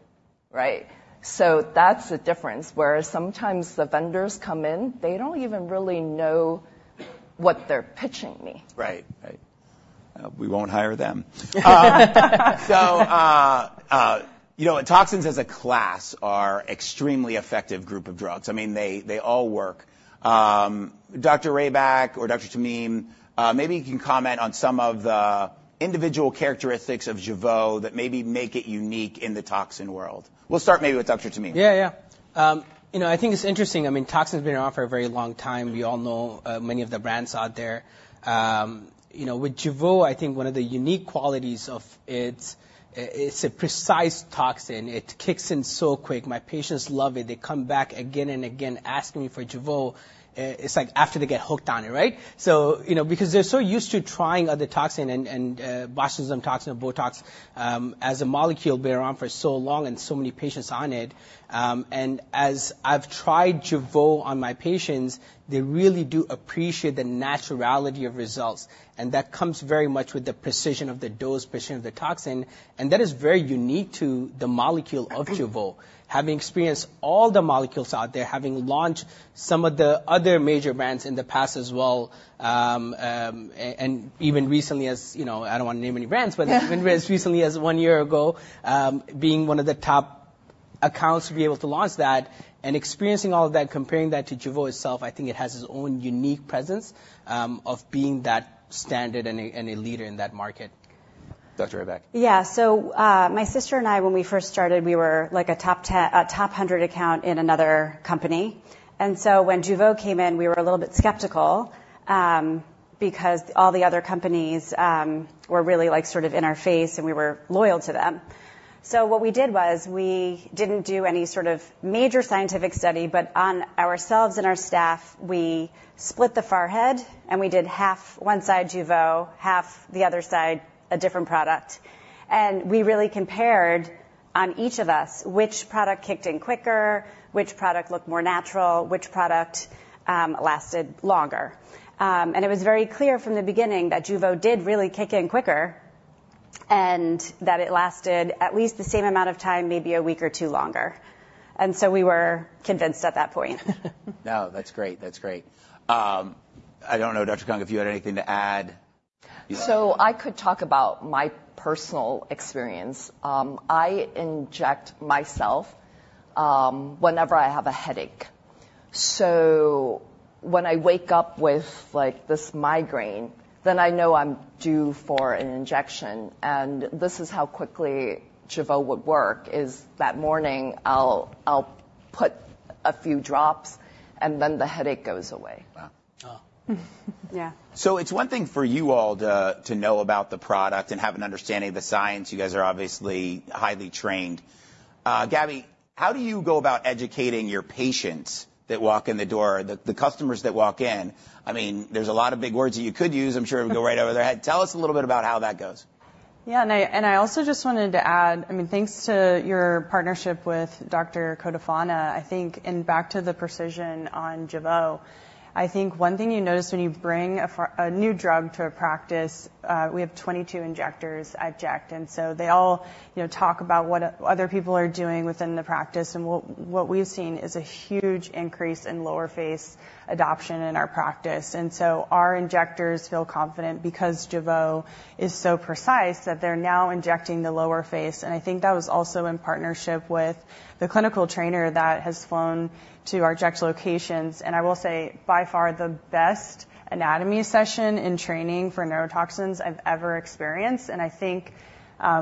Right? So that's the difference, whereas sometimes the vendors come in, they don't even really know what they're pitching me. Right. Right. We won't hire them. You know, toxins as a class are extremely effective group of drugs. I mean, they all work. Dr. Rabach or Dr. Tamim, maybe you can comment on some of the individual characteristics of Jeuveau that maybe make it unique in the toxin world. We'll start maybe with Dr. Tamim. Yeah, yeah. You know, I think it's interesting. I mean, toxin's been around for a very long time. We all know many of the brands out there. You know, with Jeuveau, I think one of the unique qualities of it, it's a precise toxin. It kicks in so quick. My patients love it. They come back again and again, asking me for Jeuveau. It's like after they get hooked on it, right? So, you know, because they're so used to trying other toxin and botulinum toxin or Botox, as a molecule, been around for so long, and so many patients on it. And as I've tried Jeuveau on my patients, they really do appreciate the naturality of results, and that comes very much with the precision of the dose, precision of the toxin, and that is very unique to the molecule of Jeuveau. Having experienced all the molecules out there, having launched some of the other major brands in the past as well, and even recently, as you know, I don't want to name any brands, but as recently as one year ago, being one of the top accounts to be able to launch that and experiencing all of that, comparing that to Jeuveau itself, I think it has its own unique presence of being that standard and a leader in that market. Dr. Rabach? Yeah. So, my sister and I, when we first started, we were, like, a top hundred account in another company. And so when Jeuveau came in, we were a little bit skeptical because all the other companies were really, like, sort of in our face, and we were loyal to them. So what we did was we didn't do any sort of major scientific study, but on ourselves and our staff, we split the forehead, and we did half, one side Jeuveau, half the other side, a different product. And we really compared on each of us which product kicked in quicker, which product looked more natural, which product lasted longer. And it was very clear from the beginning that Jeuveau did really kick in quicker, and that it lasted at least the same amount of time, maybe a week or two longer, and so we were convinced at that point. No, that's great. That's great. I don't know, Dr. Kung, if you had anything to add? So I could talk about my personal experience. I inject myself whenever I have a headache. So when I wake up with, like, this migraine, then I know I'm due for an injection, and this is how quickly Jeuveau would work, is that morning I'll put a few drops, and then the headache goes away. Wow! Oh. Yeah. It's one thing for you all to know about the product and have an understanding of the science. You guys are obviously highly trained. Gabby, how do you go about educating your patients that walk in the door, the customers that walk in? I mean, there's a lot of big words that you could use. I'm sure it would go right over their head. Tell us a little bit about how that goes. Yeah, and I also just wanted to add. I mean, thanks to your partnership with Dr. Cotofana, I think, and back to the precision on Jeuveau, I think one thing you notice when you bring a new drug to a practice. We have 22 injectors at Ject, and so they all, you know, talk about what other people are doing within the practice. And what we've seen is a huge increase in lower face adoption in our practice. And so our injectors feel confident because Jeuveau is so precise, that they're now injecting the lower face. And I think that was also in partnership with the clinical trainer that has flown to our Ject locations. And I will say, by far, the best anatomy session in training for neurotoxins I've ever experienced. And I think,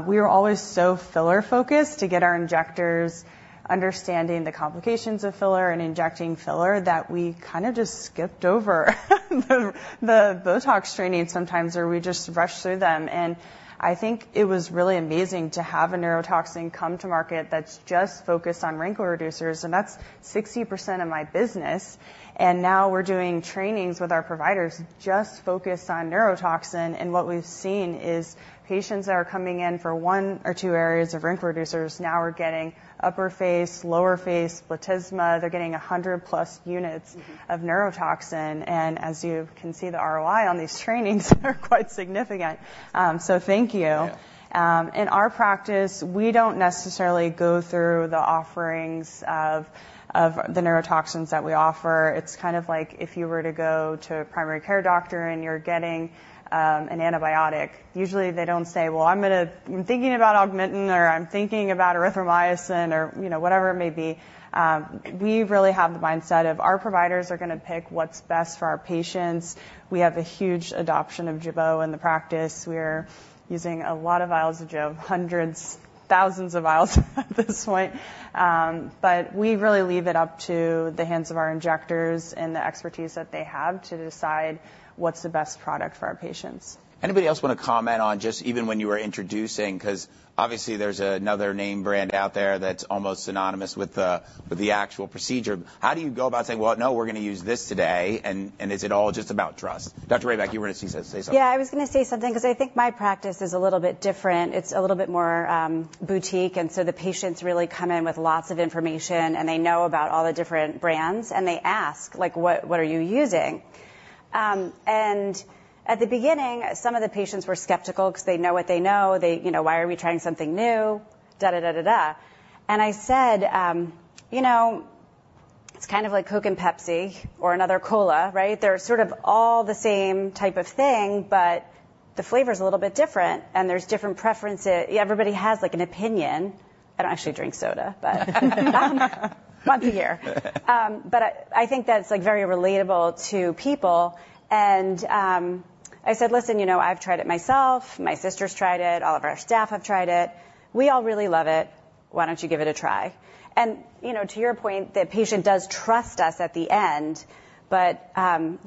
we were always so filler-focused to get our injectors understanding the complications of filler and injecting filler that we kind of just skipped over the Botox training sometimes, or we just rushed through them. And I think it was really amazing to have a neurotoxin come to market that's just focused on wrinkle reducers, and that's 60% of my business. And now we're doing trainings with our providers, just focused on neurotoxin, and what we've seen is patients that are coming in for one or two areas of wrinkle reducers now are getting upper face, lower face, platysma. They're getting 100-plus units- Mm-hmm. -of neurotoxin, and as you can see, the ROI on these trainings are quite significant. So thank you. Yeah. In our practice, we don't necessarily go through the offerings of the neurotoxins that we offer. It's kind of like if you were to go to a primary care doctor, and you're getting an antibiotic. Usually, they don't say, "Well, I'm gonna... I'm thinking about Augmentin," or, "I'm thinking about Erythromycin," or, you know, whatever it may be. We really have the mindset of our providers are gonna pick what's best for our patients. We have a huge adoption of Jeuveau in the practice. We're using a lot of vials of Jeuveau, hundreds, thousands of vials at this point. But we really leave it up to the hands of our injectors and the expertise that they have to decide what's the best product for our patients. Anybody else want to comment on just even when you were introducing? Because obviously, there's another name brand out there that's almost synonymous with the actual procedure. How do you go about saying, "Well, no, we're gonna use this today," and is it all just about trust? Dr. Rabach, you were going to say something. Yeah, I was gonna say something because I think my practice is a little bit different. It's a little bit more boutique, and so the patients really come in with lots of information, and they know about all the different brands, and they ask, like: What, what are you using? And at the beginning, some of the patients were skeptical because they know what they know. They, you know, "Why are we trying something new? Da, da, da, da, da." And I said, you know, "It's kind of like Coke and Pepsi or another cola, right? They're sort of all the same type of thing, but the flavor is a little bit different, and there's different preferences. Everybody has, like, an opinion." I don't actually drink soda, but once a year. But I think that's, like, very relatable to people. I said, "Listen, you know, I've tried it myself, my sister's tried it, all of our staff have tried it. We all really love it... why don't you give it a try?" And, you know, to your point, the patient does trust us at the end, but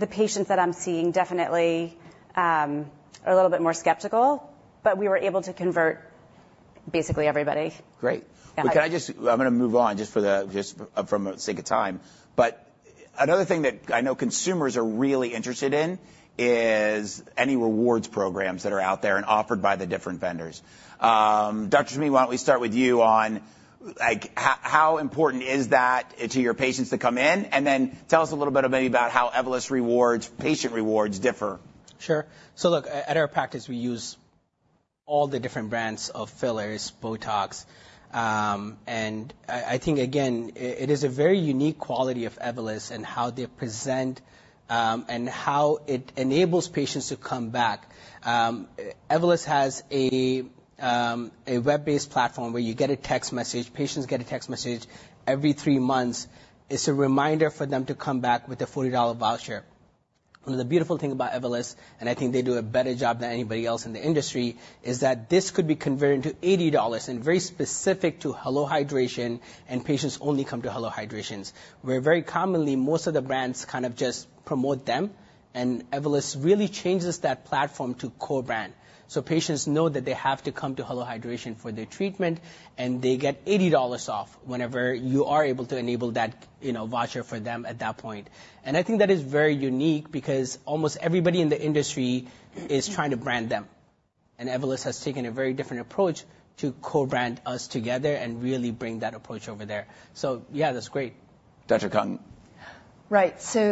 the patients that I'm seeing definitely are a little bit more skeptical, but we were able to convert basically everybody. Great. Can I just. I'm gonna move on, just for the sake of time. But another thing that I know consumers are really interested in is any rewards programs that are out there and offered by the different vendors. Dr. Tamim, why don't we start with you on, like, how important is that to your patients to come in? And then tell us a little bit maybe about how Evolus Rewards, patient rewards differ. Sure. So look, at our practice, we use all the different brands of fillers, Botox. And I think, again, it is a very unique quality of Evolus and how they present, and how it enables patients to come back. Evolus has a web-based platform where patients get a text message every three months. It's a reminder for them to come back with a $40 voucher. And the beautiful thing about Evolus, and I think they do a better job than anybody else in the industry, is that this could be converted into $80, and very specific to Hello Hydration, and patients only come to Hello Hydrations. Where very commonly, most of the brands kind of just promote them, and Evolus really changes that platform to co-brand. Patients know that they have to come to Hello Hydration for their treatment, and they get $80 off whenever you are able to enable that, you know, voucher for them at that point. I think that is very unique because almost everybody in the industry is trying to brand them, and Evolus has taken a very different approach to co-brand us together and really bring that approach over there. Yeah, that's great. Dr. Kung. Right, so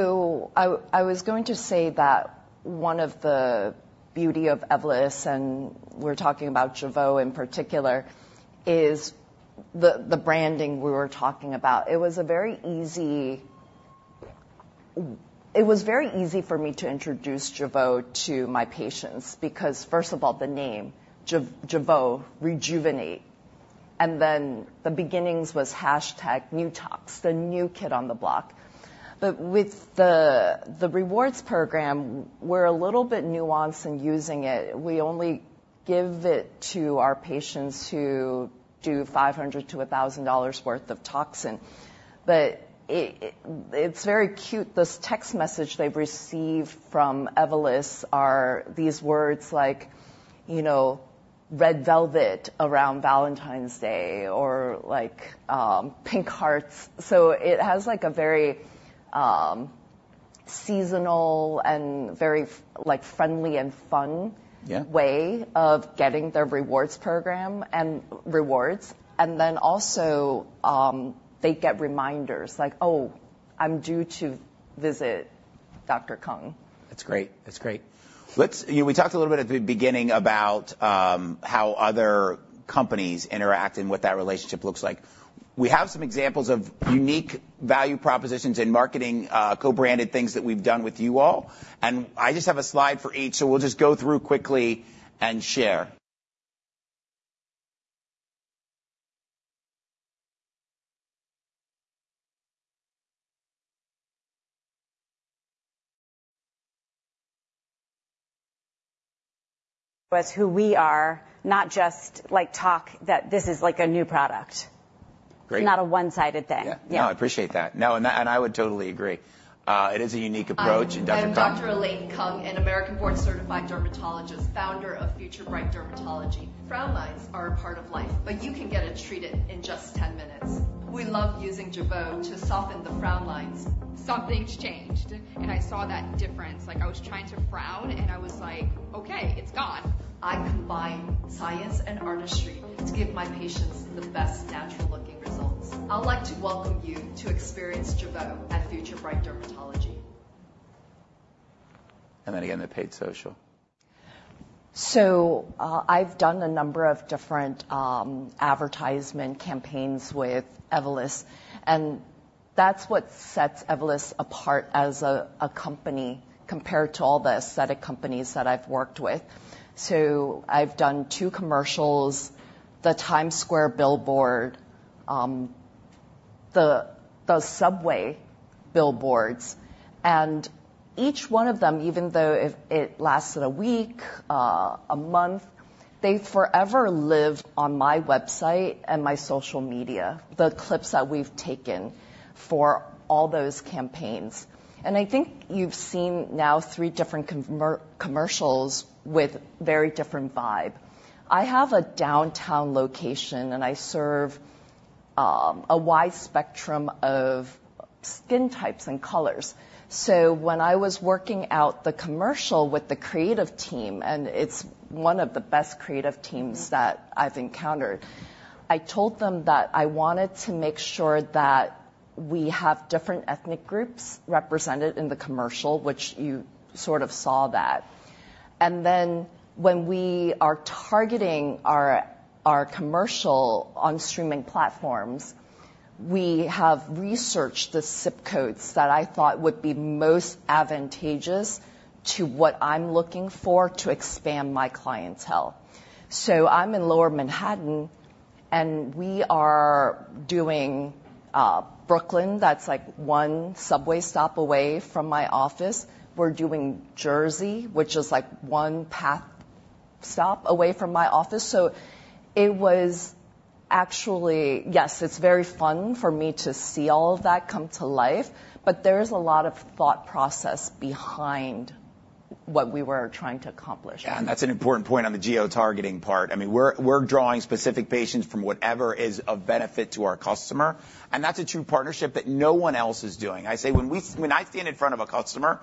I was going to say that one of the beauty of Evolus, and we're talking about Jeuveau in particular, is the branding we were talking about. It was very easy for me to introduce Jeuveau to my patients because, first of all, the name, Jeuveau, rejuvenate, and then the beginning was #newtox, the new kid on the block. But with the rewards program, we're a little bit nuanced in using it. We only give it to our patients who do $500-$1,000 worth of toxin. But it's very cute. This text message they've received from Evolus are these words like, you know, red velvet around Valentine's Day or like, pink hearts. So it has, like, a very seasonal and very like, friendly and fun- Yeah way of getting their rewards program and rewards. And then also, they get reminders like, "Oh, I'm due to visit Dr. Kung. That's great. That's great. Let's. We talked a little bit at the beginning about how other companies interact and what that relationship looks like. We have some examples of unique value propositions in marketing, co-branded things that we've done with you all, and I just have a slide for each, so we'll just go through quickly and share. It's who we are, not just, like, talk, that this is, like, a new product. Great. Not a one-sided thing. Yeah. Yeah. No, I appreciate that. No, and I would totally agree. It is a unique approach. And Dr. Kung? I'm Dr. Elaine Kung, an American board-certified dermatologist, founder of Future Bright Dermatology. Frown lines are a part of life, but you can get it treated in just ten minutes. We love using Jeuveau to soften the frown lines. Something's changed, and I saw that difference. Like, I was trying to frown, and I was like, "Okay, it's gone." I combine science and artistry to give my patients the best natural-looking results. I'd like to welcome you to experience Jeuveau at Future Bright Dermatology. And then again, the paid social. I've done a number of different advertisement campaigns with Evolus, and that's what sets Evolus apart as a company compared to all the aesthetic companies that I've worked with. I've done two commercials, the Times Square billboard, the subway billboards, and each one of them, even though it lasted a week, a month, they forever lived on my website and my social media, the clips that we've taken for all those campaigns. I think you've seen now three different commercials with very different vibe. I have a downtown location, and I serve a wide spectrum of skin types and colors. When I was working out the commercial with the creative team, and it's one of the best creative teams that I've encountered, I told them that I wanted to make sure that we have different ethnic groups represented in the commercial, which you sort of saw that. And then when we are targeting our commercial on streaming platforms, we have researched the zip codes that I thought would be most advantageous to what I'm looking for to expand my clientele. I'm in Lower Manhattan, and we are doing Brooklyn, that's, like, one subway stop away from my office. We're doing Jersey, which is, like, one path stop away from my office. So it was actually yes, it's very fun for me to see all of that come to life, but there is a lot of thought process behind what we were trying to accomplish. Yeah, and that's an important point on the geotargeting part. I mean, we're drawing specific patients from whatever is of benefit to our customer, and that's a true partnership that no one else is doing. I say, when I stand in front of a customer,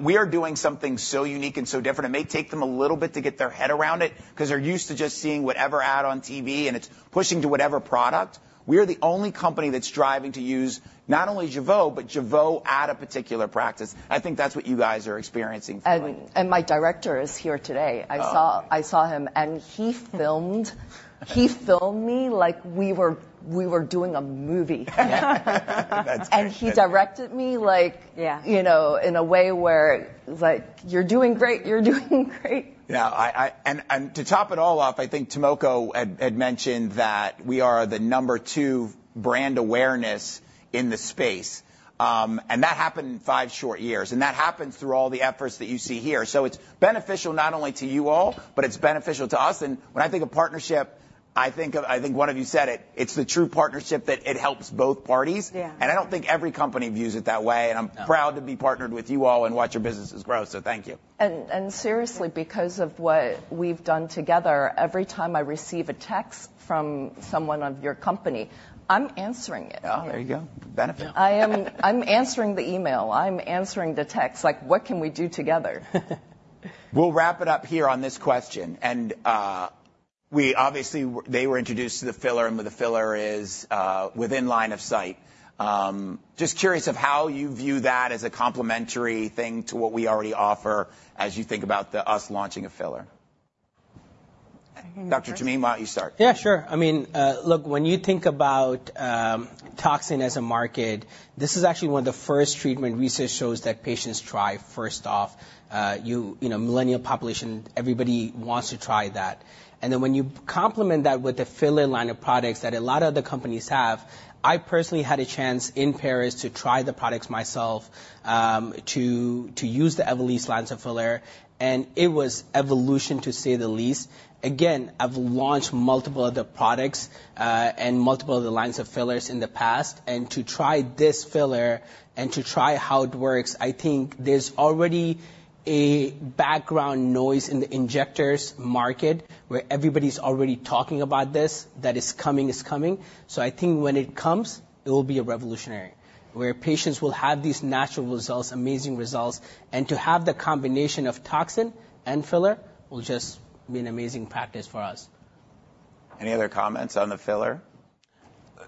we are doing something so unique and so different, it may take them a little bit to get their head around it, 'cause they're used to just seeing whatever ad on TV, and it's pushing to whatever product. We are the only company that's striving to use not only Jeuveau, but Jeuveau at a particular practice. I think that's what you guys are experiencing as well. My director is here today. Oh. I saw him, and he filmed me like we were doing a movie. That's great. And he directed me, like- Yeah... you know, in a way where, like, "You're doing great, you're doing great! Yeah, I. And to top it all off, I think Tomoko had mentioned that we are the number two brand awareness in the space. And that happened in five short years, and that happened through all the efforts that you see here. So it's beneficial not only to you all, but it's beneficial to us. And when I think of partnership, I think of... I think one of you said it, it's the true partnership, that it helps both parties. Yeah. I don't think every company views it that way. No. and I'm proud to be partnered with you all and watch your businesses grow, so thank you. Seriously, because of what we've done together, every time I receive a text from someone of your company, I'm answering it. Oh, there you go. Benefit. I'm answering the email, I'm answering the text, like, what can we do together? We'll wrap it up here on this question, and we obviously, they were introduced to the filler, and where the filler is within line of sight. Just curious of how you view that as a complementary thing to what we already offer, as you think about us launching a filler. Dr. Tamim, why don't you start? Yeah, sure. I mean, look, when you think about toxin as a market, this is actually one of the first treatment research shows that patients try first off. You know, millennial population, everybody wants to try that. And then, when you complement that with the filler line of products that a lot of other companies have, I personally had a chance in Paris to try the products myself, to use the Evolysse lines of filler, and it was evolution, to say the least. Again, I've launched multiple other products, and multiple other lines of fillers in the past, and to try this filler and to try how it works, I think there's already a background noise in the injectors market, where everybody's already talking about this, that it's coming, it's coming. I think when it comes, it will be revolutionary, where patients will have these natural results, amazing results. To have the combination of toxin and filler will just be an amazing practice for us. Any other comments on the filler? Go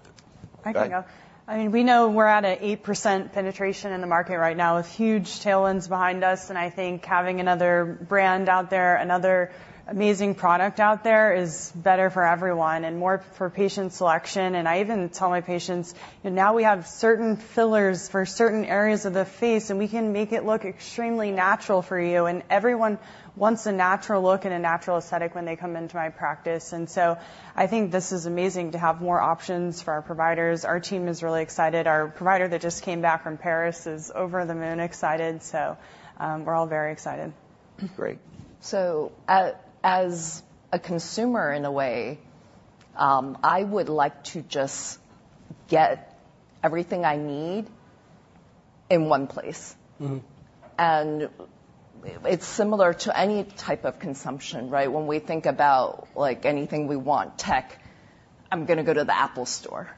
ahead. I can go. I mean, we know we're at 8% penetration in the market right now with huge tailwinds behind us, and I think having another brand out there, another amazing product out there, is better for everyone and more for patient selection, and I even tell my patients, "Now we have certain fillers for certain areas of the face, and we can make it look extremely natural for you," and everyone wants a natural look and a natural aesthetic when they come into my practice, and so I think this is amazing to have more options for our providers. Our team is really excited. Our provider that just came back from Paris is over-the-moon excited, so, we're all very excited. Great. As a consumer, in a way, I would like to just get everything I need in one place. Mm-hmm. And it's similar to any type of consumption, right? When we think about, like, anything we want, tech, I'm gonna go to the Apple store,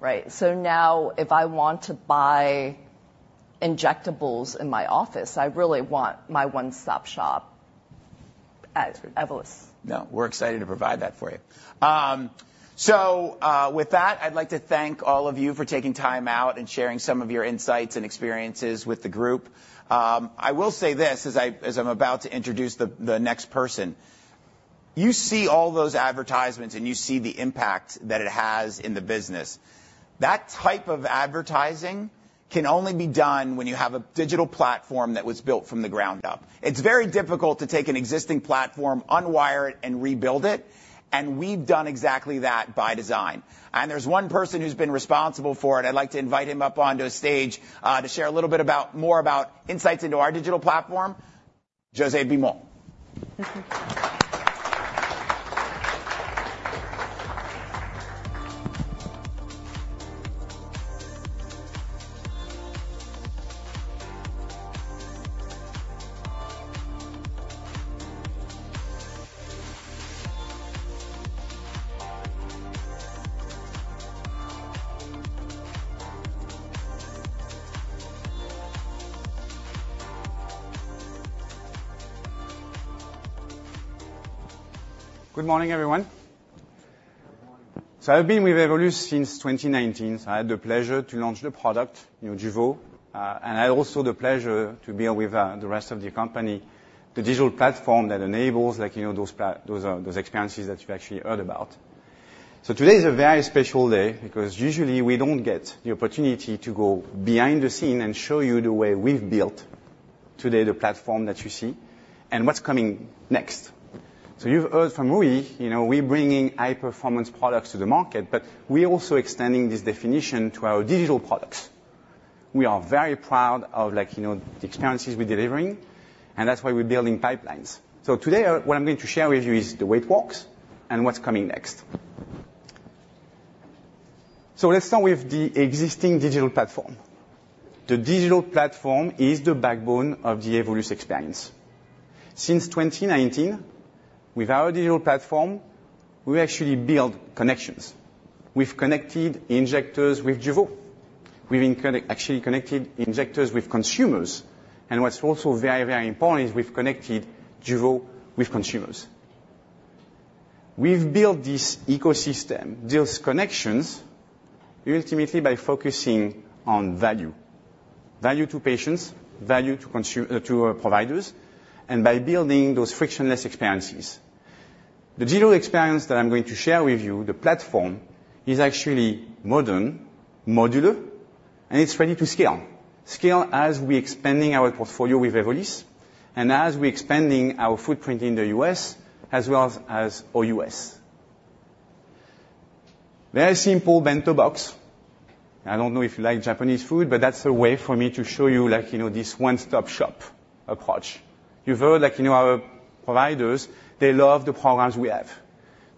right? So now, if I want to buy injectables in my office, I really want my one-stop shop at Evolus. No, we're excited to provide that for you. So, with that, I'd like to thank all of you for taking time out and sharing some of your insights and experiences with the group. I will say this, as I'm about to introduce the next person: You see all those advertisements, and you see the impact that it has in the business. That type of advertising can only be done when you have a digital platform that was built from the ground up. It's very difficult to take an existing platform, unwire it, and rebuild it, and we've done exactly that by design, and there's one person who's been responsible for it. I'd like to invite him up onto stage, to share a little bit about more about insights into our digital platform, Jose Bimon. Good morning, everyone. Good morning. So I've been with Evolus since 2019. So I had the pleasure to launch the product, you know, Jeuveau, and I also the pleasure to be with the rest of the company. The digital platform that enables, like, you know, those experiences that you've actually heard about. So today is a very special day, because usually we don't get the opportunity to go behind the scenes and show you the way we've built today the platform that you see, and what's coming next. So you've heard from Rui, you know, we're bringing high-performance products to the market, but we're also extending this definition to our digital products. We are very proud of, like, you know, the experiences we're delivering, and that's why we're building pipelines. So today, what I'm going to share with you is the way it works and what's coming next. So let's start with the existing digital platform. The digital platform is the backbone of the Evolus experience. Since 2019, with our digital platform, we actually build connections. We've connected injectors with Jeuveau. We've actually connected injectors with consumers, and what's also very, very important is we've connected Jeuveau with consumers. We've built this ecosystem, those connections, ultimately, by focusing on value: value to patients, value to our providers, and by building those frictionless experiences. The digital experience that I'm going to share with you, the platform, is actually modern, modular, and it's ready to scale. Scale as we're expanding our portfolio with Evolus, and as we're expanding our footprint in the U.S., as well as OUS. Very simple bento box. I don't know if you like Japanese food, but that's a way for me to show you, like, you know, this one-stop shop approach. You've heard, like, you know, our providers, they love the programs we have.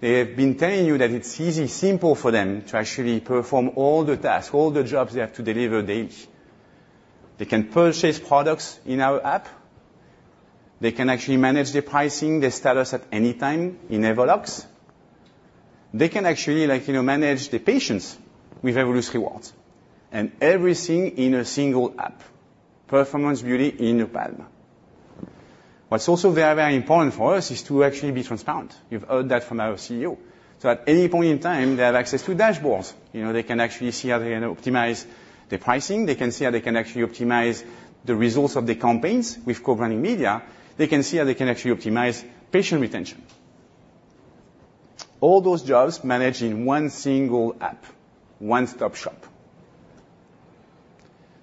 They have been telling you that it's easy, simple for them to actually perform all the tasks, all the jobs they have to deliver daily. They can purchase products in our app. They can actually manage their pricing, their status at any time in Evolux. They can actually, like, you know, manage the patients with Evolus Rewards, and everything in a single app. Performance beauty in a palm. What's also very, very important for us is to actually be transparent. You've heard that from our CEO. So at any point in time, they have access to dashboards. You know, they can actually see how they're gonna optimize the pricing. They can see how they can actually optimize the results of the campaigns with co-branded media. They can see how they can actually optimize patient retention. All those jobs managed in one single app, one-stop shop.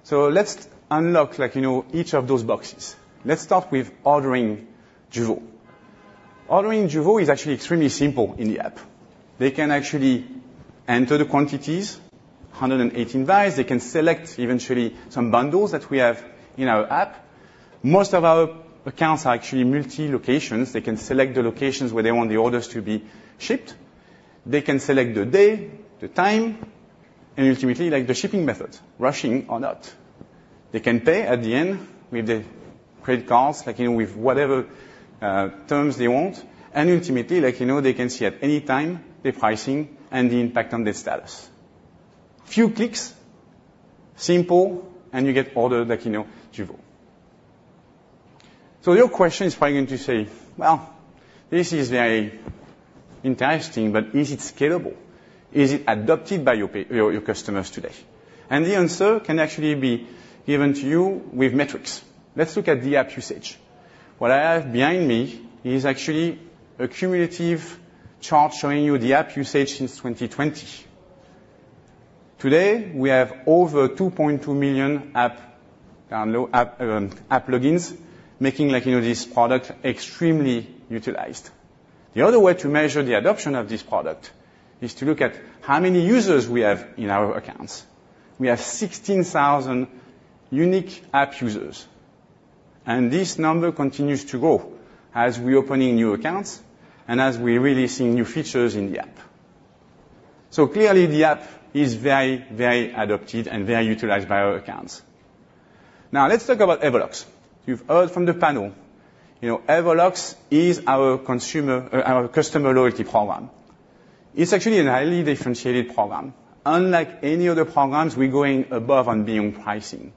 So let's unlock, like, you know, each of those boxes. Let's start with ordering Jeuveau. Ordering Jeuveau is actually extremely simple in the app. They can actually enter the quantities, hundred-unit buys. They can select eventually some bundles that we have in our app. Most of our accounts are actually multi locations. They can select the locations where they want the orders to be shipped. They can select the day, the time, and ultimately, like, the shipping methods, rushing or not. They can pay at the end with the credit cards, like, you know, with whatever terms they want. Ultimately, like, you know, they can see at any time the pricing and the impact on their status. Few clicks, simple, and you get order, like, you know, Jeuveau. So your question is probably going to say, "Well, this is very interesting, but is it scalable? Is it adopted by your customers today?" The answer can actually be given to you with metrics. Let's look at the app usage. What I have behind me is actually a cumulative chart showing you the app usage since 2020. Today, we have over 2.2 million app logins, making, like, you know, this product extremely utilized. The other way to measure the adoption of this product is to look at how many users we have in our accounts. We have 16,000 unique app users, and this number continues to grow as we're opening new accounts and as we're really seeing new features in the app. So clearly, the app is very, very adopted and very utilized by our accounts. Now, let's talk about Evolux. You've heard from the panel, you know, Evolux is our consumer, our customer loyalty program. It's actually a highly differentiated program. Unlike any other programs, we're going above and beyond pricing.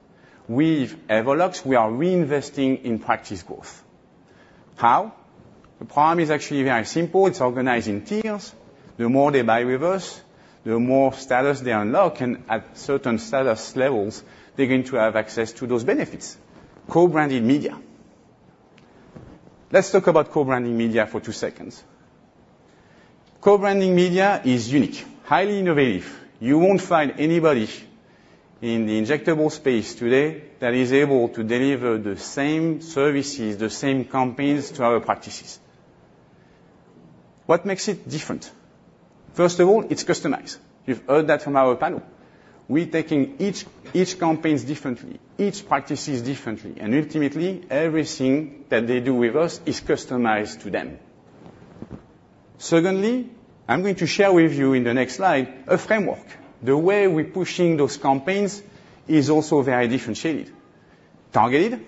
With Evolux, we are reinvesting in practice growth. How? The problem is actually very simple: it's organizing tiers The more they buy with us, the more status they unlock, and at certain status levels, they're going to have access to those benefits. Co-branded media. Let's talk about co-branded media for two seconds. Co-branded media is unique, highly innovative. You won't find anybody in the injectable space today that is able to deliver the same services, the same campaigns to other practices. What makes it different? First of all, it's customized. You've heard that from our panel. We're taking each campaigns differently, each practices differently, and ultimately, everything that they do with us is customized to them. Secondly, I'm going to share with you in the next slide, a framework. The way we're pushing those campaigns is also very differentiated, targeted,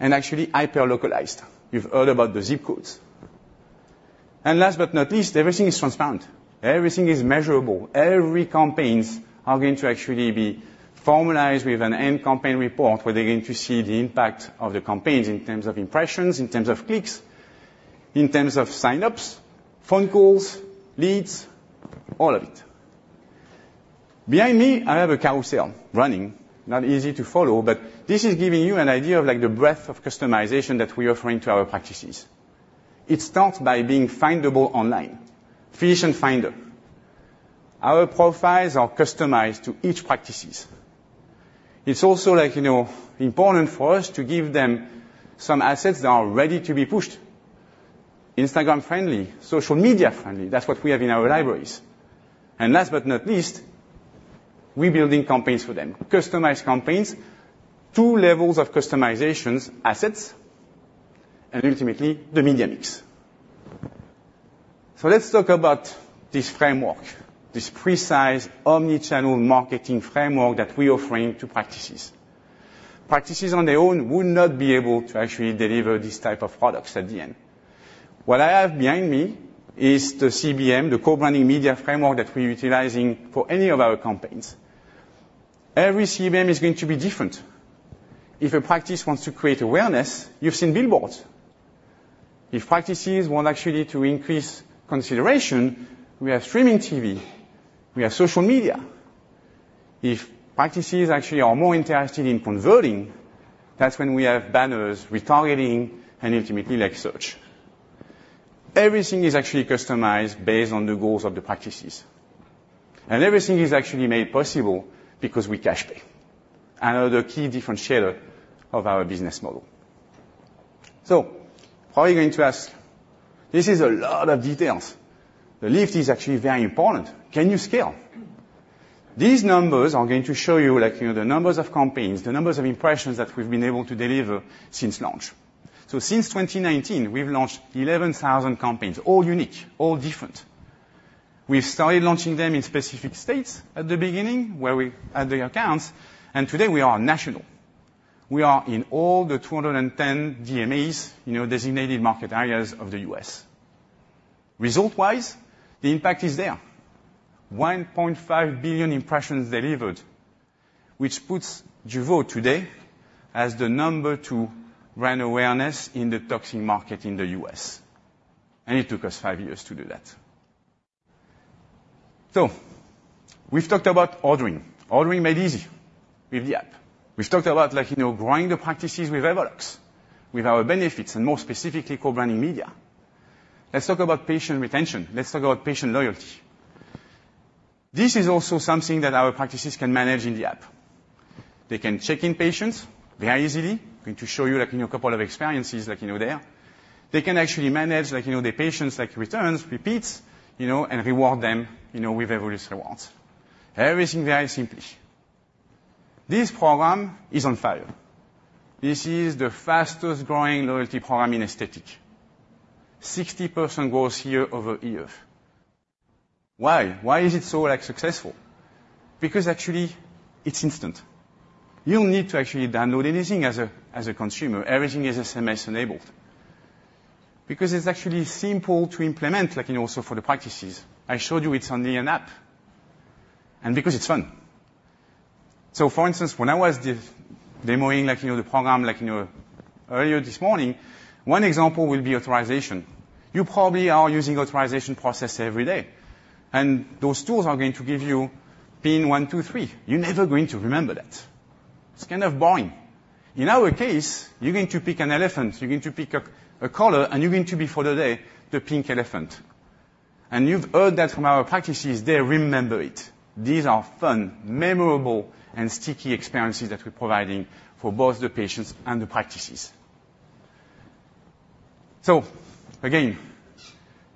and actually, hyper-localized. You've heard about the zip codes. And last but not least, everything is transparent, everything is measurable. Every campaigns are going to actually be formalized with an end campaign report, where they're going to see the impact of the campaigns in terms of impressions, in terms of clicks, in terms of sign-ups, phone calls, leads, all of it. Behind me, I have a carousel running. Not easy to follow, but this is giving you an idea of, like, the breadth of customization that we're offering to our practices. It starts by being findable online. Physician Finder... Our profiles are customized to each practices. It's also, like, you know, important for us to give them some assets that are ready to be pushed. Instagram-friendly, social media-friendly, that's what we have in our libraries. And last but not least, we're building campaigns for them, customized campaigns. Two levels of customizations, assets, and ultimately, the media mix. So let's talk about this framework, this precise omni-channel marketing framework that we're offering to practices. Practices on their own would not be able to actually deliver this type of products at the end. What I have behind me is the CBM, the co-branding media framework that we're utilizing for any of our campaigns. Every CBM is going to be different. If a practice wants to create awareness, you've seen billboards. If practices want actually to increase consideration, we have streaming TV, we have social media. If practices actually are more interested in converting, that's when we have banners, retargeting, and ultimately, like, search. Everything is actually customized based on the goals of the practices, and everything is actually made possible because we cash pay, another key differentiator of our business model. Probably going to ask, "This is a lot of details." The lift is actually very important. Can you scale? These numbers are going to show you, like, you know, the numbers of campaigns, the numbers of impressions that we've been able to deliver since launch. Since 2019, we've launched 11,000 campaigns, all unique, all different. We've started launching them in specific states at the beginning, where we had the accounts, and today we are national. We are in all 210 DMAs, you know, designated market areas of the U.S. Result-wise, the impact is there. 1.5 billion impressions delivered, which puts Jeuveau today as the number two brand awareness in the toxin market in the U.S., and it took us 5 years to do that. So we've talked about ordering, ordering made easy with the app. We've talked about, like, you know, growing the practices with Evolux, with our benefits, and more specifically, co-branded media. Let's talk about patient retention. Let's talk about patient loyalty. This is also something that our practices can manage in the app. They can check in patients very easily. I'm going to show you, like, you know, a couple of experiences, like, you know, there. They can actually manage, like, you know, the patients, like, returns, repeats, you know, and reward them, you know, with Evolus Rewards. Everything very simply. This program is on fire. This is the fastest-growing loyalty program in aesthetic. 60% growth year over year. Why? Why is it so, like, successful? Because actually, it's instant. You don't need to actually download anything as a consumer. Everything is SMS-enabled. Because it's actually simple to implement, like, you know, also for the practices. I showed you it's only an app, and because it's fun. So for instance, when I was demoing, like, you know, the program, like, you know, earlier this morning, one example will be authorization. You probably are using authorization process every day, and those tools are going to give you PIN one two three. You're never going to remember that. It's kind of boring. In our case, you're going to pick an elephant, you're going to pick up a color, and you're going to be, for the day, the pink elephant. And you've heard that from our practices, they remember it. These are fun, memorable, and sticky experiences that we're providing for both the patients and the practices. So again,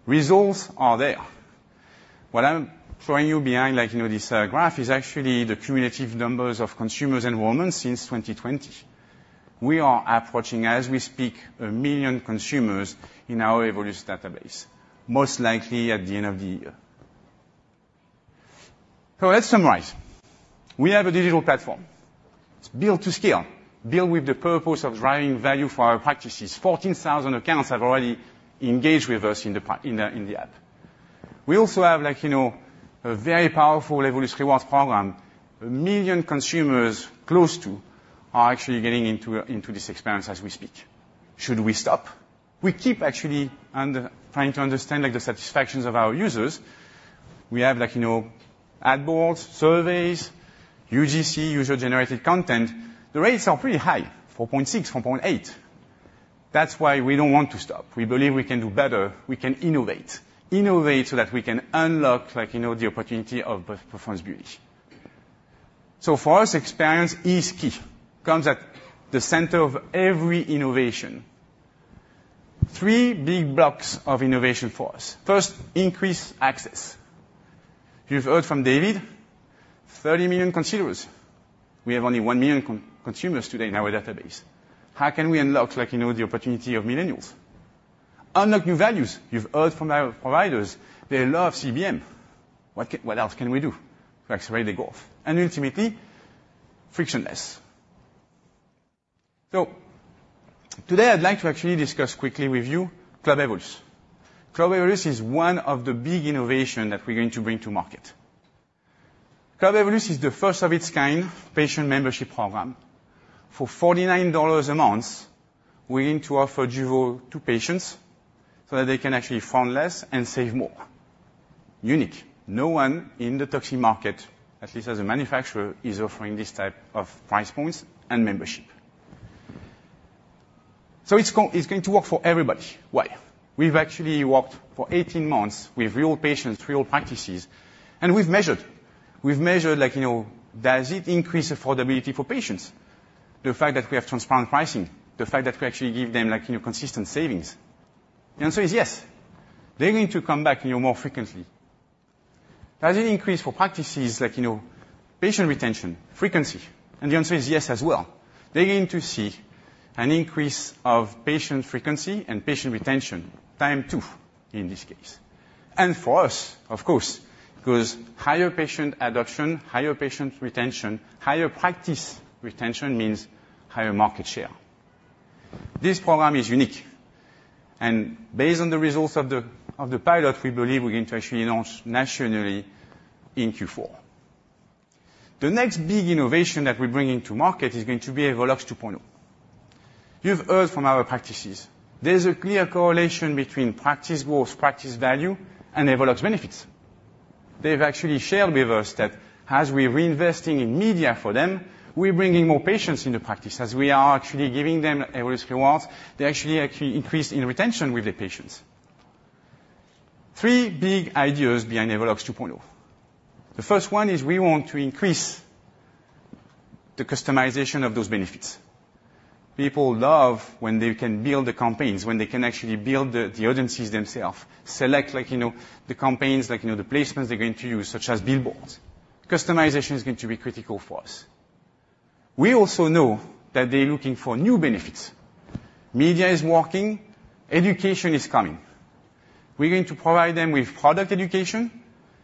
results are there. What I'm showing you behind, like, you know, this graph is actually the cumulative numbers of consumers enrollment since 2020. We are approaching, as we speak, a million consumers in our Evolux database, most likely at the end of the year. So let's summarize. We have a digital platform. It's built to scale, built with the purpose of driving value for our practices. 14,000 accounts have already engaged with us in the app. We also have, like, you know, a very powerful Evolus Rewards program. 1 million consumers, close to, are actually getting into this experience as we speak. Should we stop? We keep actually trying to understand, like, the satisfactions of our users. We have, like, you know, ad boards, surveys, UGC, user-generated content. The rates are pretty high, four point six, four point eight. That's why we don't want to stop. We believe we can do better. We can innovate. Innovate so that we can unlock, like, you know, the opportunity of both performance beauty. So for us, experience is key, comes at the center of every innovation. Three big blocks of innovation for us. First, increase access. You've heard from David, 30 million consumers. We have only 1 million consumers today in our database. How can we unlock, like, you know, the opportunity of millennials? Unlock new values. You've heard from our providers, they love CBM. What else can we do to accelerate the growth? And ultimately, frictionless. Today, I'd like to actually discuss quickly with you Club Evolus. Club Evolus is one of the big innovation that we're going to bring to market. Club Evolus is the first of its kind patient membership program. For $49 a month, we're going to offer Jeuveau to patients, so that they can actually frown less and save more. Unique. No one in the toxin market, at least as a manufacturer, is offering this type of price points and membership. So it's going to work for everybody. Why? We've actually worked for 18 months with real patients, real practices, and we've measured. We've measured, like, you know, does it increase affordability for patients? The fact that we have transparent pricing, the fact that we actually give them, like, you know, consistent savings. The answer is yes. They're going to come back, you know, more frequently. Does it increase for practices like, you know, patient retention, frequency, and the answer is yes as well. They're going to see an increase of patient frequency and patient retention time, too, in this case, and for us, of course, because higher patient adoption, higher patient retention, higher practice retention means higher market share. This program is unique, and based on the results of the pilot, we believe we're going to actually launch nationally in Q4. The next big innovation that we're bringing to market is going to be Evolux 2.0. You've heard from our practices there's a clear correlation between practice growth, practice value, and Evolux benefits. They've actually shared with us that as we're reinvesting in media for them, we're bringing more patients in the practice. As we are actually giving them Evolux rewards, they actually increased in retention with the patients. Three big ideas behind Evolux 2.0. The first one is we want to increase the customization of those benefits. People love when they can build the campaigns, when they can actually build the audiences themselves, select, like, you know, the campaigns, like, you know, the placements they're going to use, such as billboards. Customization is going to be critical for us. We also know that they're looking for new benefits. Media is working, education is coming. We're going to provide them with product education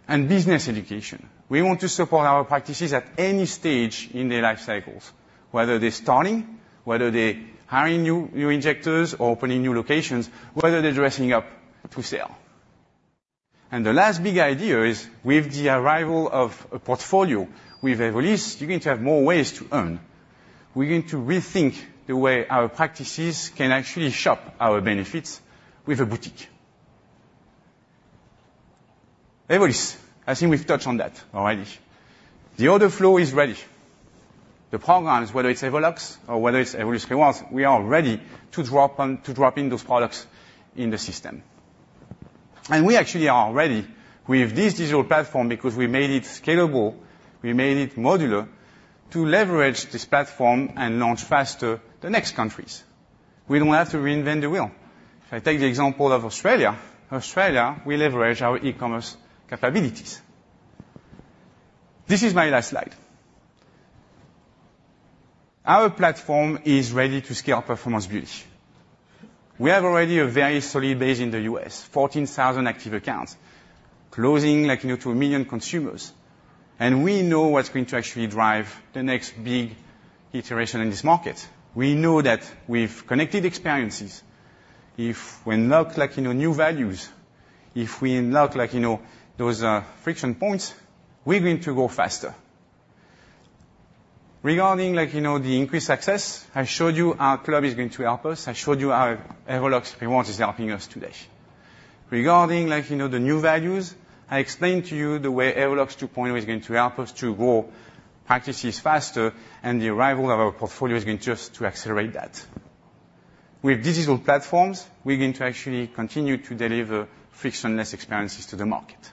and business education. We want to support our practices at any stage in their life cycles, whether they're starting, whether they're hiring new injectors or opening new locations, whether they're dressing up to sell. The last big idea is, with the arrival of a portfolio with Evolysse, you're going to have more ways to earn. We're going to rethink the way our practices can actually shop our benefits with Evolysse. Evolysse, I think we've touched on that already. The order flow is ready. The programs, whether it's Evolux or whether it's Evolus Rewards, we are ready to drop in those products in the system. We actually are ready with this digital platform because we made it scalable, we made it modular to leverage this platform and launch faster the next countries. We don't have to reinvent the wheel. If I take the example of Australia, we leverage our e-commerce capabilities. This is my last slide. Our platform is ready to scale performance beauty. We have already a very solid base in the U.S., 14,000 active accounts, closing, like, you know, to a million consumers. And we know what's going to actually drive the next big iteration in this market. We know that with connected experiences, if we unlock, like, you know, new values, if we unlock, like, you know, those friction points, we're going to go faster. Regarding, like, you know, the increased success, I showed you our club is going to help us. I showed you how Evolus Rewards is helping us today. Regarding, like, you know, the new values, I explained to you the way Evolux 2.0 is going to help us to grow practices faster, and the arrival of our portfolio is going just to accelerate that. With digital platforms, we're going to actually continue to deliver frictionless experiences to the market.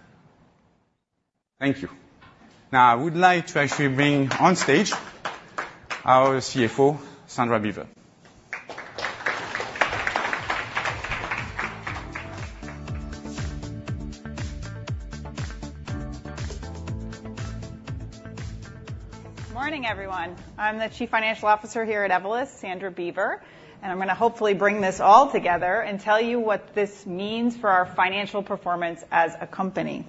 Thank you. Now, I would like to actually bring on stage our CFO, Sandra Beaver. Morning, everyone. I'm the Chief Financial Officer here at Evolus, Sandra Beaver, and I'm going to hopefully bring this all together and tell you what this means for our financial performance as a company.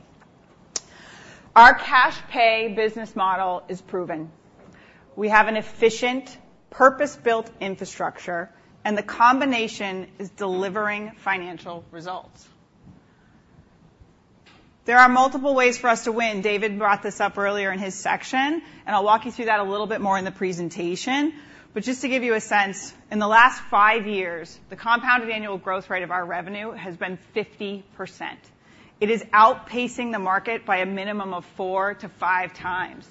Our cash pay business model is proven. We have an efficient, purpose-built infrastructure, and the combination is delivering financial results. There are multiple ways for us to win. David brought this up earlier in his section, and I'll walk you through that a little bit more in the presentation. But just to give you a sense, in the last five years, the compounded annual growth rate of our revenue has been 50%. It is outpacing the market by a minimum of four to five times.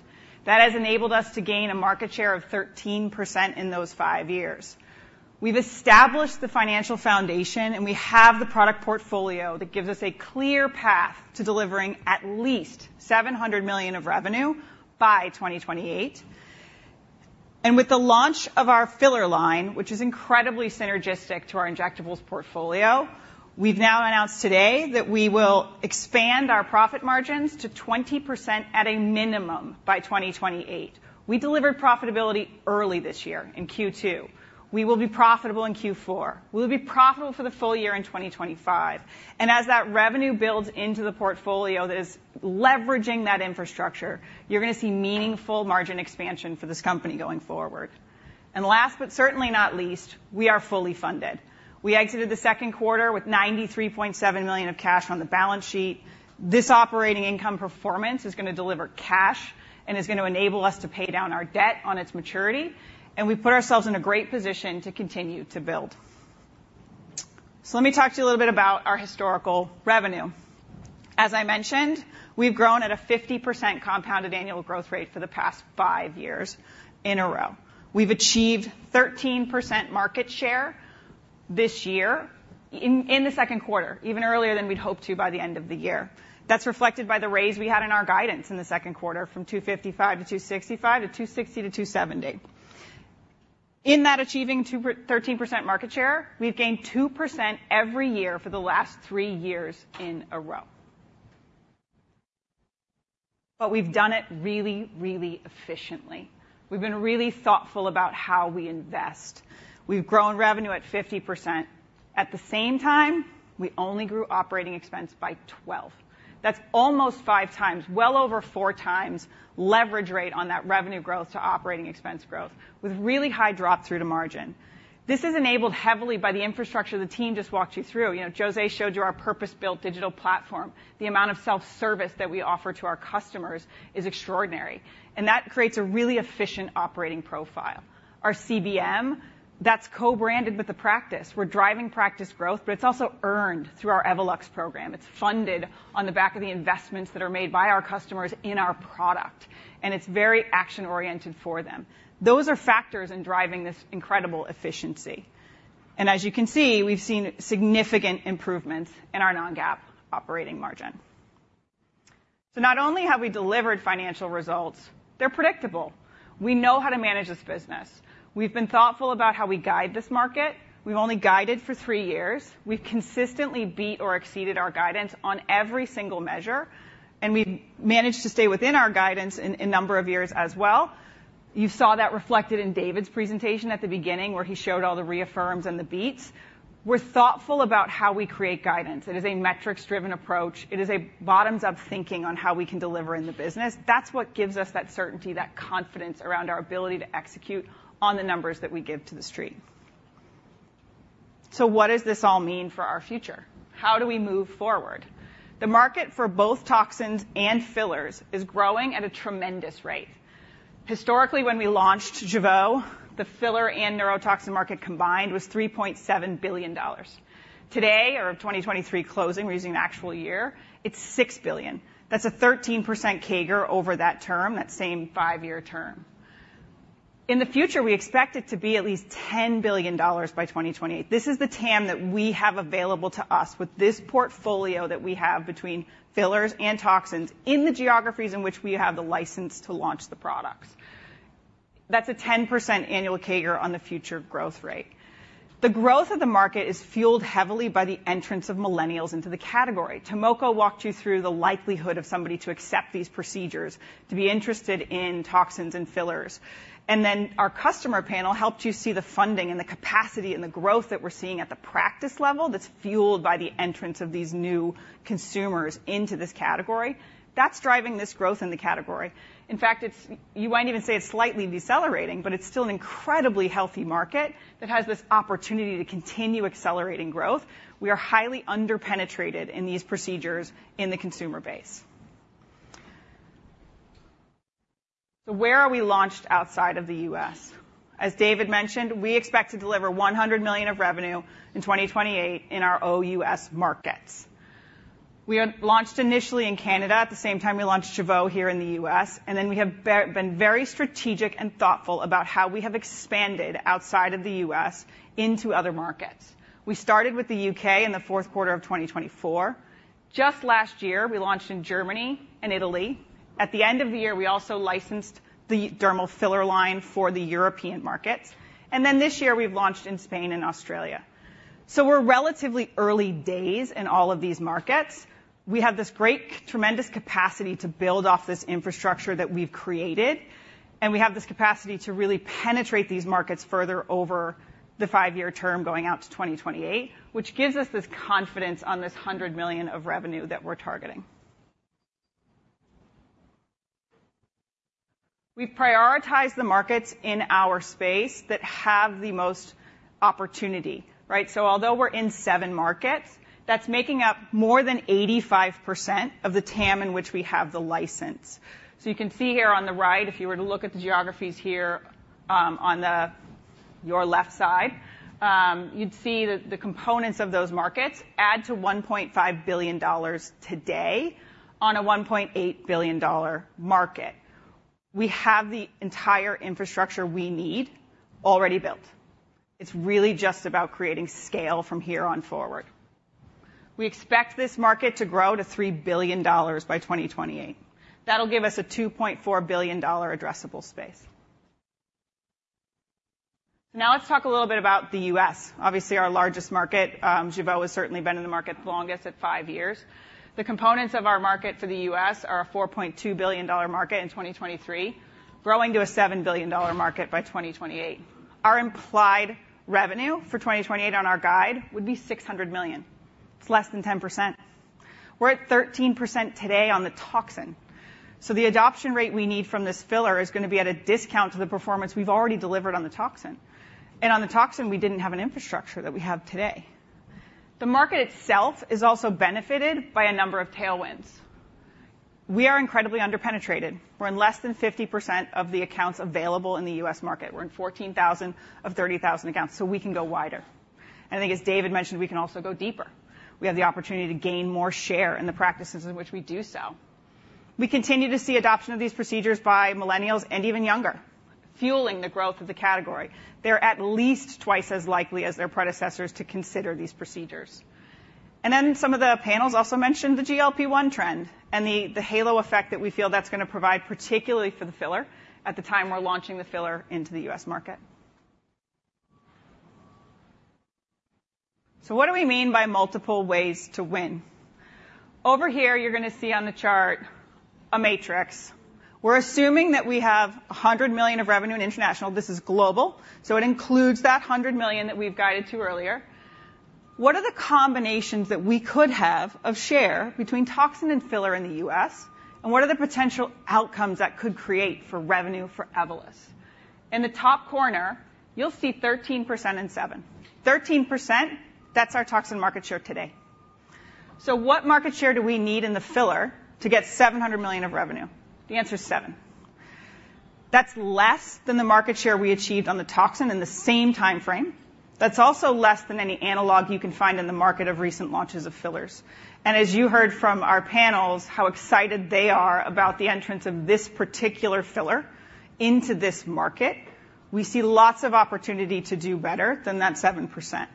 That has enabled us to gain a market share of 13% in those five years. We've established the financial foundation, and we have the product portfolio that gives us a clear path to delivering at least $700 million of revenue by 2028. And with the launch of our filler line, which is incredibly synergistic to our injectables portfolio, we've now announced today that we will expand our profit margins to 20% at a minimum by 2028. We delivered profitability early this year in Q2. We will be profitable in Q4. We will be profitable for the full year in 2025, and as that revenue builds into the portfolio that is leveraging that infrastructure, you're going to see meaningful margin expansion for this company going forward. And last, but certainly not least, we are fully funded. We exited the second quarter with $93.7 million of cash on the balance sheet. This operating income performance is going to deliver cash and is going to enable us to pay down our debt on its maturity, and we've put ourselves in a great position to continue to build. So let me talk to you a little bit about our historical revenue. As I mentioned, we've grown at a 50% compounded annual growth rate for the past five years in a row. We've achieved 13% market share this year, in the second quarter, even earlier than we'd hoped to by the end of the year. That's reflected by the raise we had in our guidance in the second quarter from $255 million to $265 million to $260 million to $270 million. In that achieving 2-13% market share, we've gained 2% every year for the last three years in a row. But we've done it really, really efficiently. We've been really thoughtful about how we invest. We've grown revenue at 50%. At the same time, we only grew operating expense by 12%. That's almost five times, well over four times leverage rate on that revenue growth to operating expense growth, with really high drop-through to margin. This is enabled heavily by the infrastructure the team just walked you through. You know, Jose showed you our purpose-built digital platform. The amount of self-service that we offer to our customers is extraordinary, and that creates a really efficient operating profile. Our CBM, that's co-branded with the practice. We're driving practice growth, but it's also earned through our Evolux program. It's funded on the back of the investments that are made by our customers in our product, and it's very action-oriented for them. Those are factors in driving this incredible efficiency. As you can see, we've seen significant improvements in our non-GAAP operating margin. Not only have we delivered financial results, they're predictable. We know how to manage this business. We've been thoughtful about how we guide this market. We've only guided for three years. We've consistently beat or exceeded our guidance on every single measure, and we've managed to stay within our guidance in a number of years as well. You saw that reflected in David's presentation at the beginning, where he showed all the reaffirms and the beats. We're thoughtful about how we create guidance. It is a metrics-driven approach. It is a bottoms-up thinking on how we can deliver in the business. That's what gives us that certainty, that confidence around our ability to execute on the numbers that we give to The Street. What does this all mean for our future? How do we move forward? The market for both toxins and fillers is growing at a tremendous rate. Historically, when we launched Jeuveau, the filler and neurotoxin market combined was $3.7 billion. Today, or 2023 closing, we're using the actual year, it's $6 billion. That's a 13% CAGR over that term, that same five-year term. In the future, we expect it to be at least $10 billion by 2028. This is the TAM that we have available to us with this portfolio that we have between fillers and toxins in the geographies in which we have the license to launch the products. That's a 10% annual CAGR on the future growth rate. The growth of the market is fueled heavily by the entrance of millennials into the category. Tomoko walked you through the likelihood of somebody to accept these procedures, to be interested in toxins and fillers, and then our customer panel helped you see the funding and the capacity and the growth that we're seeing at the practice level that's fueled by the entrance of these new consumers into this category. That's driving this growth in the category. In fact, it's... You might even say it's slightly decelerating, but it's still an incredibly healthy market that has this opportunity to continue accelerating growth. We are highly underpenetrated in these procedures in the consumer base, so where are we launched outside of the U.S.? As David mentioned, we expect to deliver $100 million of revenue in 2028 in our OUS markets. We had launched initially in Canada at the same time we launched Jeuveau here in the U.S., and then we have been very strategic and thoughtful about how we have expanded outside of the U.S. into other markets. We started with the U.K. in the fourth quarter of twenty twenty-four. Just last year, we launched in Germany and Italy. At the end of the year, we also licensed the dermal filler line for the European markets. Then this year we've launched in Spain and Australia. So we're relatively early days in all of these markets. We have this great, tremendous capacity to build off this infrastructure that we've created, and we have this capacity to really penetrate these markets further over the five-year term going out to twenty twenty-eight, which gives us this confidence on this $100 million of revenue that we're targeting. We've prioritized the markets in our space that have the most opportunity, right? So although we're in seven markets, that's making up more than 85% of the TAM in which we have the license. So you can see here on the right, if you were to look at the geographies here, on your left side, you'd see that the components of those markets add to $1.5 billion today on a $1.8 billion market. We have the entire infrastructure we need already built. It's really just about creating scale from here on forward. We expect this market to grow to $3 billion by 2028. That'll give us a $2.4 billion addressable space. Now, let's talk a little bit about the US, obviously, our largest market. Jeuveau has certainly been in the market the longest at five years. The components of our market for the U.S. are a $4.2 billion market in 2023, growing to a $7 billion market by 2028. Our implied revenue for 2028 on our guide would be $600 million. It's less than 10%. We're at 13% today on the toxin, so the adoption rate we need from this filler is going to be at a discount to the performance we've already delivered on the toxin. And on the toxin, we didn't have aninfrastructure that we have today. The market itself is also benefited by a number of tailwinds... We are incredibly underpenetrated. We're in less than 50% of the accounts available in the U.S. market. We're in 14,000 of 30,000 accounts, so we can go wider. I think as David mentioned, we can also go deeper. We have the opportunity to gain more share in the practices in which we do so. We continue to see adoption of these procedures by millennials and even younger, fueling the growth of the category. They're at least twice as likely as their predecessors to consider these procedures. Some of the panels also menti oned the GLP-1 trend and the halo effect that we feel that's going to provide, particularly for the filler, at the time we're launching the filler into the U.S. market. What do we mean by multiple ways to win? Over here, you're going to see on the chart a matrix. We're assuming that we have $100 million of revenue in international. This is global, so it includes that $100 million that we've guided to earlier. What are the combinations that we could have of share between toxin and filler in the U.S., and what are the potential outcomes that could create for revenue for Evolus? In the top corner, you'll see 13% and 7. 13%, that's our toxin market share today. So what market share do we need in the filler to get $700 million of revenue? The answer is 7. That's less than the market share we achieved on the toxin in the same time frame. That's also less than any analog you can find in the market of recent launches of fillers. And as you heard from our panels, how excited they are about the entrance of this particular filler into this market, we see lots of opportunity to do better than that 7%.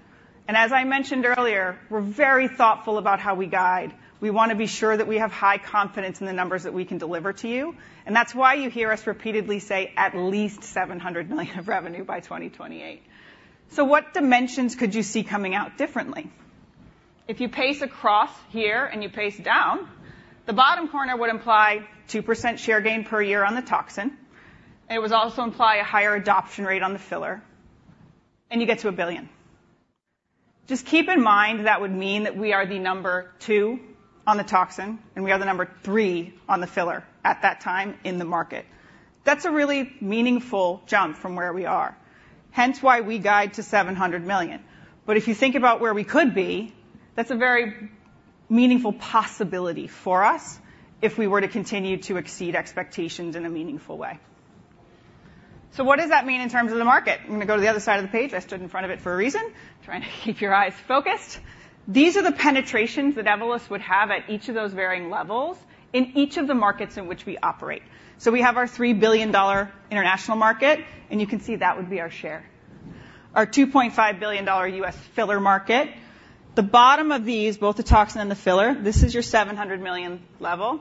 And as I mentioned earlier, we're very thoughtful about how we guide. We want to be sure that we have high confidence in the numbers that we can deliver to you, and that's why you hear us repeatedly say at least $700 million of revenue by 2028. So what dimensions could you see coming out differently? If you pace across here and you pace down, the bottom corner would imply 2% share gain per year on the toxin, and it would also imply a higher adoption rate on the filler, and you get to $1 billion. Just keep in mind, that would mean that we are the number two on the toxin, and we are the number three on the filler at that time in the market. That's a really meaningful jump from where we are, hence why we guide to $700 million. But if you think about where we could be, that's a very meaningful possibility for us if we were to continue to exceed expectations in a meaningful way. So what does that mean in terms of the market? I'm going to go to the other side of the page. I stood in front of it for a reason. Trying to keep your eyes focused. These are the penetrations that Evolus would have at each of those varying levels in each of the markets in which we operate. So we have our $3 billion international market, and you can see that would be our share. Our $2.5 billion U.S. filler market. The bottom of these, both the toxin and the filler, this is your $700 million level.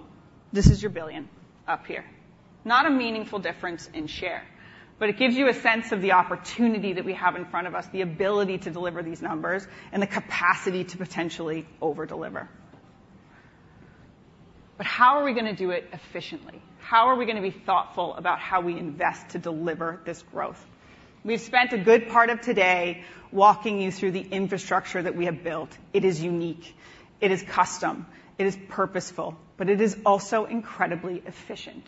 This is your $1 billion up here. Not a meaningful difference in share, but it gives you a sense of the opportunity that we have in front of us, the ability to deliver these numbers, and the capacity to potentially over-deliver. But how are we going to do it efficiently? How are we going to be thoughtful about how we invest to deliver this growth? We've spent a good part of today walking you through the infrastructure that we have built. It is unique, it is custom, it is purposeful, but it is also incredibly efficient.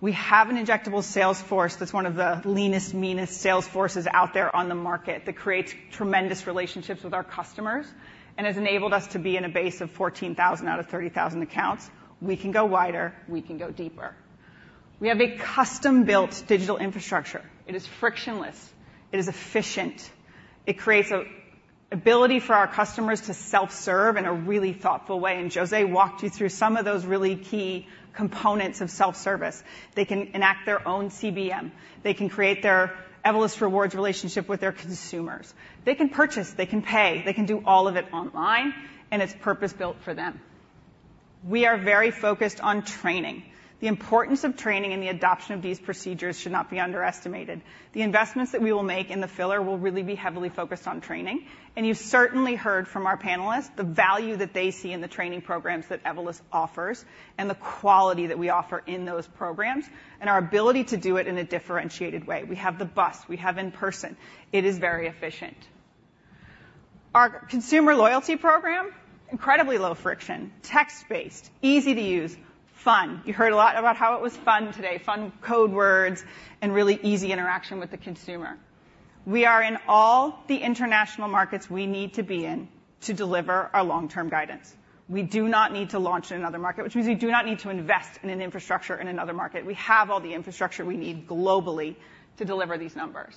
We have an injectable sales force that's one of the leanest, meanest sales forces out there on the market that creates tremendous relationships with our customers and has enabled us to be in a base of fourteen thousand out of thirty thousand accounts. We can go wider, we can go deeper. We have a custom-built digital infrastructure. It is frictionless, it is efficient, it creates a ability for our customers to self-serve in a really thoughtful way, and Jose walked you through some of those really key components of self-service. They can enact their own CBM. They can create their Evolus Rewards relationship with their consumers. They can purchase, they can pay, they can do all of it online, and it's purpose-built for them. We are very focused on training. The importance of training and the adoption of these procedures should not be underestimated. The investments that we will make in the filler will really be heavily focused on training, and you've certainly heard from our panelists the value that they see in the training programs that Evolus offers and the quality that we offer in those programs, and our ability to do it in a differentiated way. We have the bus, we have in person. It is very efficient. Our consumer loyalty program, incredibly low friction, text-based, easy to use, fun. You heard a lot about how it was fun today, fun code words and really easy interaction with the consumer. We are in all the international markets we need to be in to deliver our long-term guidance. We do not need to launch in another market, which means we do not need to invest in an infrastructure in another market. We have all the infrastructure we need globally to deliver these numbers.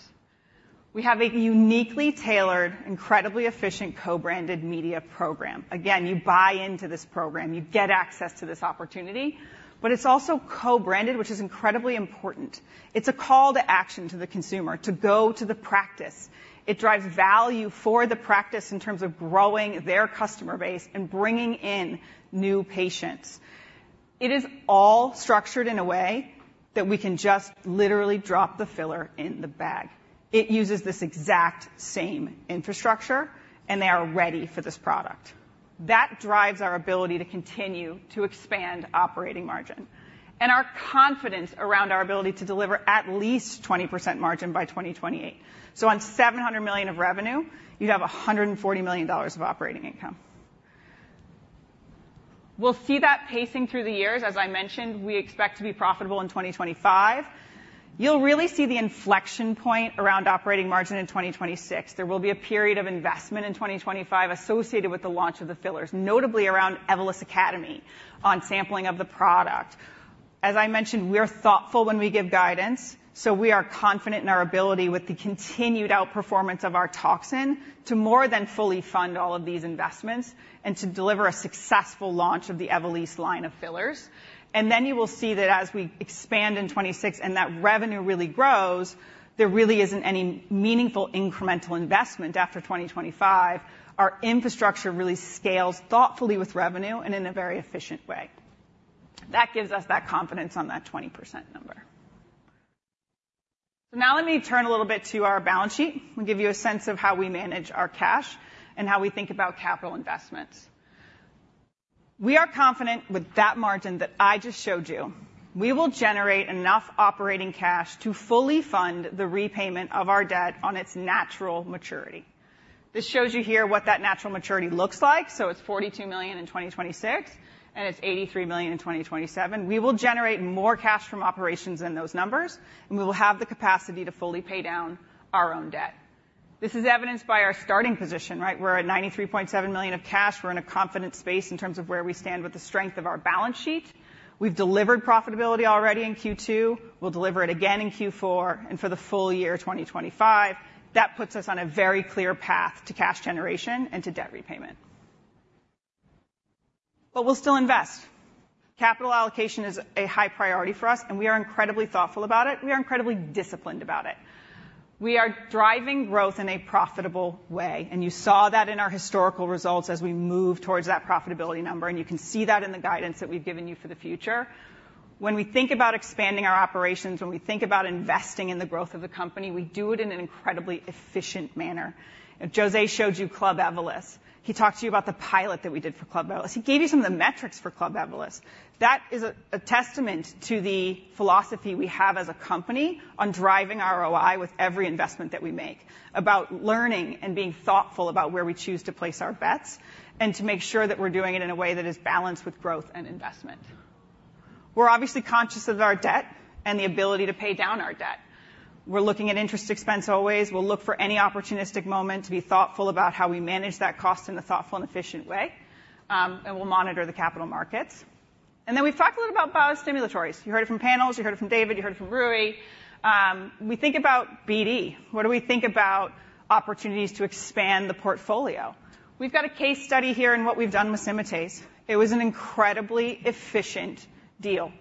We have a uniquely tailored, incredibly efficient co-branded media program. Again, you buy into this program, you get access to this opportunity, but it's also co-branded, which is incredibly important. It's a call to action to the consumer to go to the practice. It drives value for the practice in terms of growing their customer base and bringing in new patients. It is all structured in a way that we can just literally drop the filler in the bag. It uses this exact same infrastructure, and they are ready for this product. That drives our ability to continue to expand operating margin and our confidence around our ability to deliver at least 20% margin by 2028. So on $700 million of revenue, you'd have $140 million of operating income. We'll see that pacing through the years. As I mentioned, we expect to be profitable in 2025. You'll really see the inflection point around operating margin in 2026. There will be a period of investment in 2025 associated with the launch of the fillers, notably around Evolus Academy, on sampling of the product. As I mentioned, we are thoughtful when we give guidance, so we are confident in our ability, with the continued outperformance of our toxin, to more than fully fund all of these investments and to deliver a successful launch of the Evolysse line of fillers. And then you will see that as we expand in 2026 and that revenue really grows, there really isn't any meaningful incremental investment after 2025. Our infrastructure really scales thoughtfully with revenue and in a very efficient way. That gives us that confidence on that 20% number. So now let me turn a little bit to our balance sheet and give you a sense of how we manage our cash and how we think about capital investments. We are confident, with that margin that I just showed you, we will generate enough operating cash to fully fund the repayment of our debt on its natural maturity. This shows you here what that natural maturity looks like. So it's $42 million in 2026, and it's $83 million in 2027. We will generate more cash from operations than those numbers, and we will have the capacity to fully pay down our own debt. This is evidenced by our starting position, right? We're at $93.7 million of cash. We're in a confident space in terms of where we stand with the strength of our balance sheet. We've delivered profitability already in Q2. We'll deliver it again in Q4 and for the full year, 2025. That puts us on a very clear path to cash generation and to debt repayment. But we'll still invest. Capital allocation is a high priority for us, and we are incredibly thoughtful about it. We are incredibly disciplined about it. We are driving growth in a profitable way, and you saw that in our historical results as we move towards that profitability number, and you can see that in the guidance that we've given you for the future. When we think about expanding our operations, when we think about investing in the growth of the company, we do it in an incredibly efficient manner. Jose showed you Club Evolus. He talked to you about the pilot that we did for Club Evolus. He gave you some of the metrics for Club Evolus. That is a testament to the philosophy we have as a company on driving ROI with every investment that we make, about learning and being thoughtful about where we choose to place our bets, and to make sure that we're doing it in a way that is balanced with growth and investment. We're obviously conscious of our debt and the ability to pay down our debt. We're looking at interest expense always. We'll look for any opportunistic moment to be thoughtful about how we manage that cost in a thoughtful and efficient way, and we'll monitor the capital markets, and then we've talked a little about biostimulators. You heard it from panels, you heard it from David, you heard it from Rui. We think about BD. What do we think about opportunities to expand the portfolio? We've got a case study here in what we've done with Symatese. It was an incredibly efficient deal,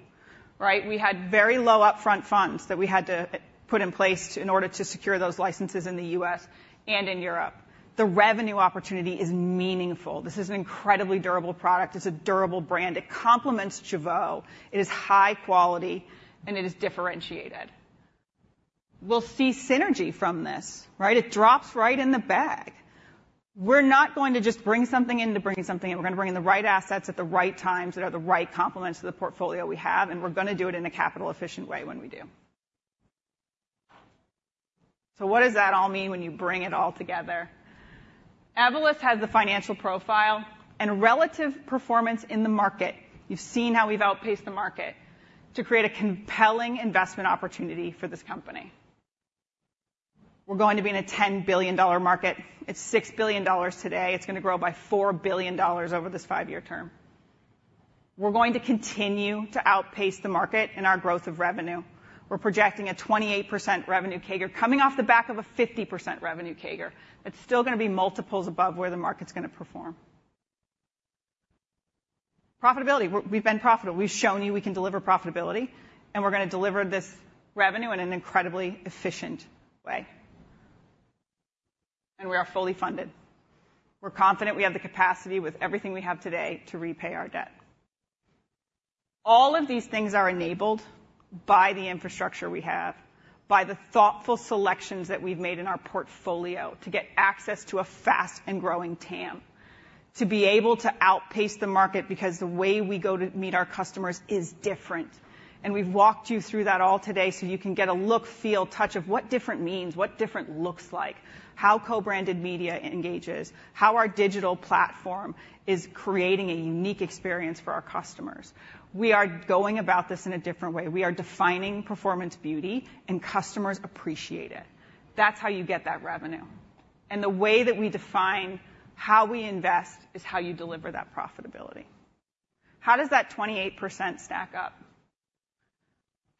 right? We had very low upfront funds that we had to put in place in order to secure those licenses in the U.S. and in Europe. The revenue opportunity is meaningful. This is an incredibly durable product. It's a durable brand. It complements Jeuveau. It is high quality, and it is differentiated. We'll see synergy from this, right? It drops right in the bag. We're not going to just bring something in to bring something in. We're going to bring in the right assets at the right times that are the right complements to the portfolio we have, and we're going to do it in a capital-efficient way when we do. So what does that all mean when you bring it all together? Evolus has the financial profile and relative performance in the market. You've seen how we've outpaced the market to create a compelling investment opportunity for this company. We're going to be in a $10 billion market. It's $6 billion today. It's going to grow by $4 billion over this five-year term. We're going to continue to outpace the market in our growth of revenue. We're projecting a 28% revenue CAGR, coming off the back of a 50% revenue CAGR. It's still going to be multiples above where the market's going to perform. Profitability. We've been profitable. We've shown you we can deliver profitability, and we're going to deliver this revenue in an incredibly efficient way, and we are fully funded. We're confident we have the capacity, with everything we have today, to repay our debt. All of these things are enabled by the infrastructure we have, by the thoughtful selections that we've made in our portfolio to get access to a fast and growing TAM, to be able to outpace the market because the way we go to meet our customers is different, and we've walked you through that all today so you can get a look, feel, touch of what different means, what different looks like, how co-branded media engages, how our digital platform is creating a unique experience for our customers. We are going about this in a different way. We are defining performance beauty, and customers appreciate it. That's how you get that revenue, and the way that we define how we invest is how you deliver that profitability. How does that 28% stack up?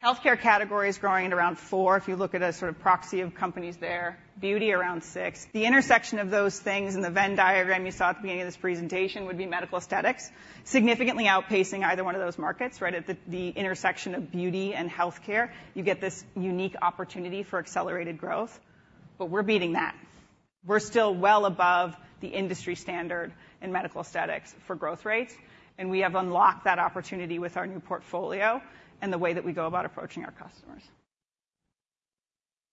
Healthcare category is growing at around 4%, if you look at a sort of proxy of companies there. Beauty, around 6%. The intersection of those things in the Venn diagram you saw at the beginning of this presentation would be medical aesthetics, significantly outpacing either one of those markets, right at the intersection of beauty and healthcare. You get this unique opportunity for accelerated growth, but we're beating that. We're still well above the industry standard in medical aesthetics for growth rates, and we have unlocked that opportunity with our new portfolio and the way that we go about approaching our customers.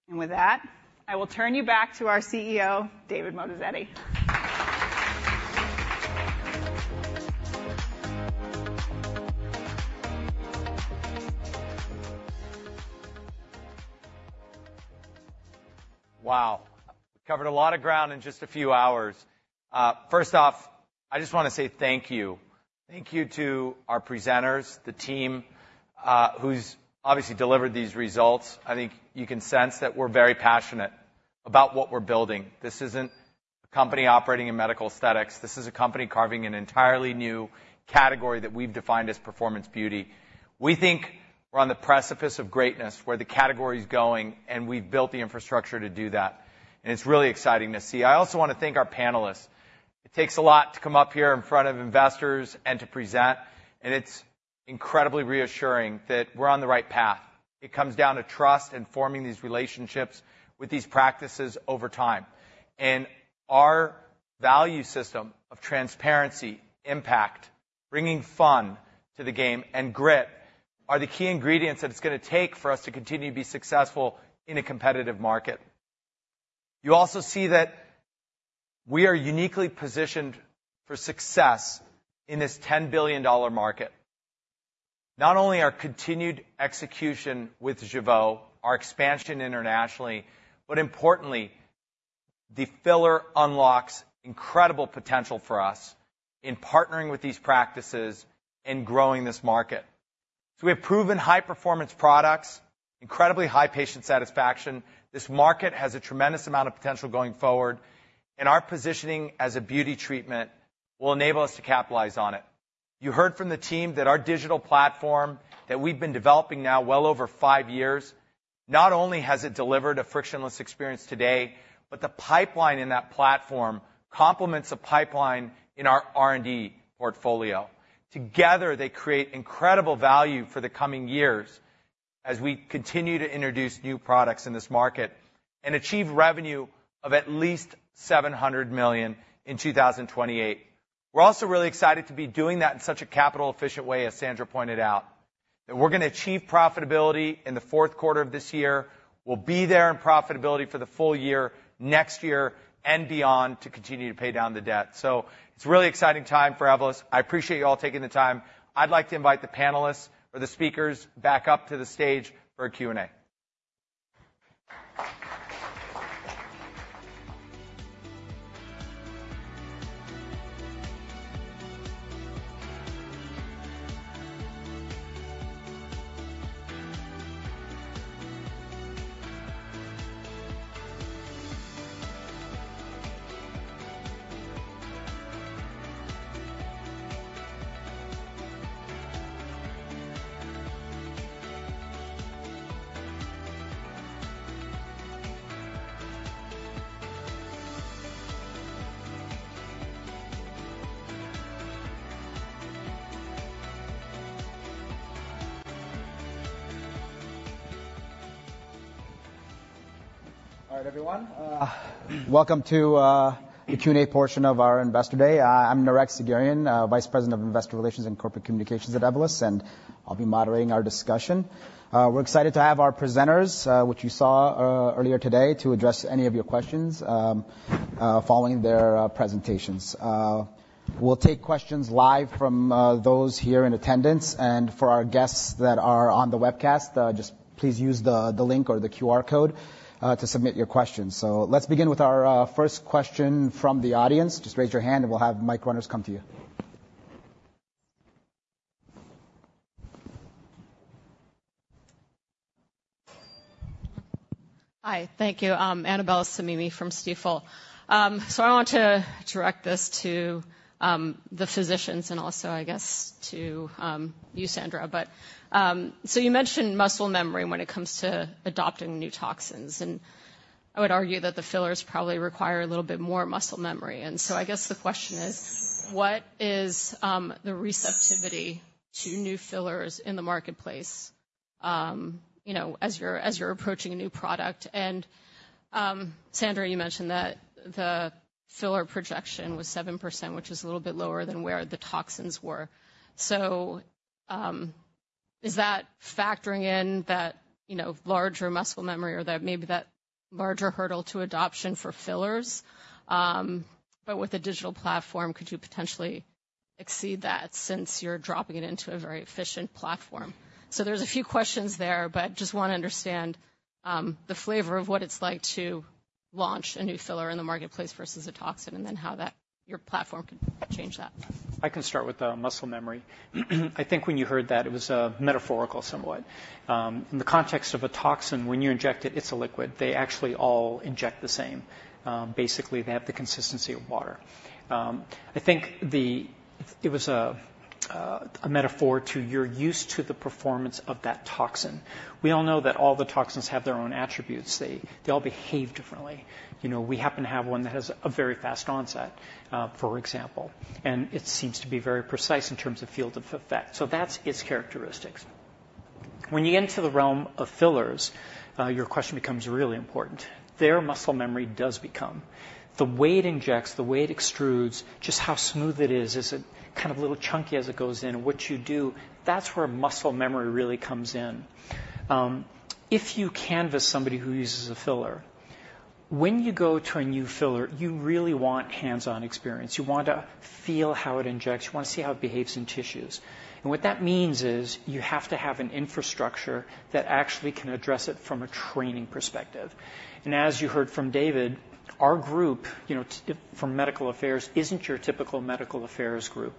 And with that, I will turn you back to our CEO, David Moatazedi. ...Wow! We covered a lot of ground in just a few hours. First off, I just wanna say thank you. Thank you to our presenters, the team, who's obviously delivered these results. I think you can sense that we're very passionate about what we're building. This isn't a company operating in medical aesthetics. This is a company carving an entirely new category that we've defined as performance beauty. We think we're on the precipice of greatness, where the category is going, and we've built the infrastructure to do that, and it's really exciting to see. I also want to thank our panelists. It takes a lot to come up here in front of investors and to present, and it's incredibly reassuring that we're on the right path. It comes down to trust and forming these relationships with these practices over time. And our value system of transparency, impact, bringing fun to the game, and grit are the key ingredients that it's gonna take for us to continue to be successful in a competitive market. You also see that we are uniquely positioned for success in this $10 billion market. Not only our continued execution with Jeuveau, our expansion internationally, but importantly, the filler unlocks incredible potential for us in partnering with these practices and growing this market. So we have proven high performance products, incredibly high patient satisfaction. This market has a tremendous amount of potential going forward, and our positioning as a beauty treatment will enable us to capitalize on it. You heard from the team that our digital platform, that we've been developing now well over five years, not only has it delivered a frictionless experience today, but the pipeline in that platform complements a pipeline in our R&D portfolio. Together, they create incredible value for the coming years as we continue to introduce new products in this market and achieve revenue of at least $700 million in 2028. We're also really excited to be doing that in such a capital-efficient way, as Sandra pointed out, that we're gonna achieve profitability in the fourth quarter of this year. We'll be there in profitability for the full year, next year, and beyond to continue to pay down the debt. So it's a really exciting time for Evolus. I appreciate you all taking the time. I'd like to invite the panelists or the speakers back up to the stage for a Q&A. All right, everyone, welcome to the Q&A portion of our Investor Day. I'm Nareg Sagherian, Vice President of Investor Relations and Corporate Communications at Evolus, and I'll be moderating our discussion. We're excited to have our presenters, which you saw earlier today, to address any of your questions, following their presentations. We'll take questions live from those here in attendance, and for our guests that are on the webcast, just please use the link or the QR code to submit your questions. So let's begin with our first question from the audience. Just raise your hand, and we'll have mic runners come to you. Hi, thank you. Annabel Samimy from Stifel. So I want to direct this to the physicians and also, I guess, to you, Sandra. But so you mentioned muscle memory when it comes to adopting new toxins, and I would argue that the fillers probably require a little bit more muscle memory. And so I guess the question is: What is the receptivity to new fillers in the marketplace, you know, as you're approaching a new product? And Sandra, you mentioned that the filler projection was 7%, which is a little bit lower than where the toxins were. So is that factoring in that, you know, larger muscle memory or that maybe that larger hurdle to adoption for fillers? But with a digital platform, could you potentially exceed that since you're dropping it into a very efficient platform? So there's a few questions there, but just wanna understand, the flavor of what it's like to launch a new filler in the marketplace versus a toxin, and then how that- your platform can change that. I can start with the muscle memory. I think when you heard that, it was, metaphorical, somewhat. In the context of a toxin, when you inject it, it's a liquid. They actually all inject the same. Basically, they have the consistency of water. I think it was a metaphor to you're used to the performance of that toxin. We all know that all the toxins have their own attributes. They, they all behave differently. You know, we happen to have one that has a very fast onset, for example, and it seems to be very precise in terms of field of effect. So that's its characteristics. When you get into the realm of fillers, your question becomes really important. Their muscle memory does become the way it injects, the way it extrudes, just how smooth it is. Is it kind of a little chunky as it goes in? What you do, that's where muscle memory really comes in. If you canvass somebody who uses a filler, when you go to a new filler, you really want hands-on experience. You want to feel how it injects. You want to see how it behaves in tissues. And what that means is you have to have an infrastructure that actually can address it from a training perspective. And as you heard from David... Our group, you know, for medical affairs, isn't your typical medical affairs group,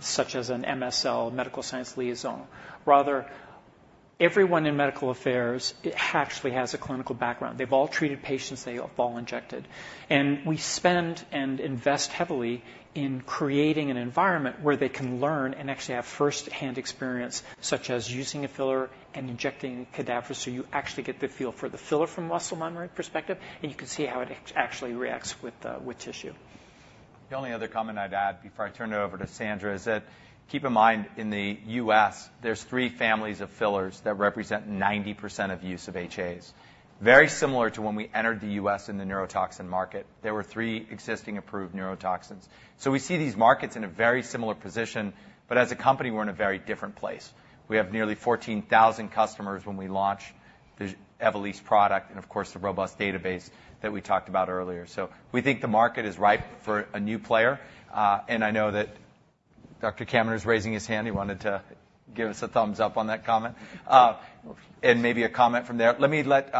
such as an MSL, medical science liaison. Rather, everyone in medical affairs actually has a clinical background. They've all treated patients, they have all injected. We spend and invest heavily in creating an environment where they can learn and actually have first-hand experience, such as using a filler and injecting cadavers, so you actually get the feel for the filler from muscle memory perspective, and you can see how it actually reacts with tissue. The only other comment I'd add before I turn it over to Sandra is that keep in mind, in the US, there's three families of fillers that represent 90% of use of HAs. Very similar to when we entered the US in the neurotoxin market, there were three existing approved neurotoxins. So we see these markets in a very similar position, but as a company, we're in a very different place. We have nearly 14,000 customers when we launch the Evolysse product, and of course, the robust database that we talked about earlier. So we think the market is ripe for a new player, and I know that Dr. Kaminer is raising his hand. He wanted to give us a thumbs up on that comment. And maybe a comment from there. Let me let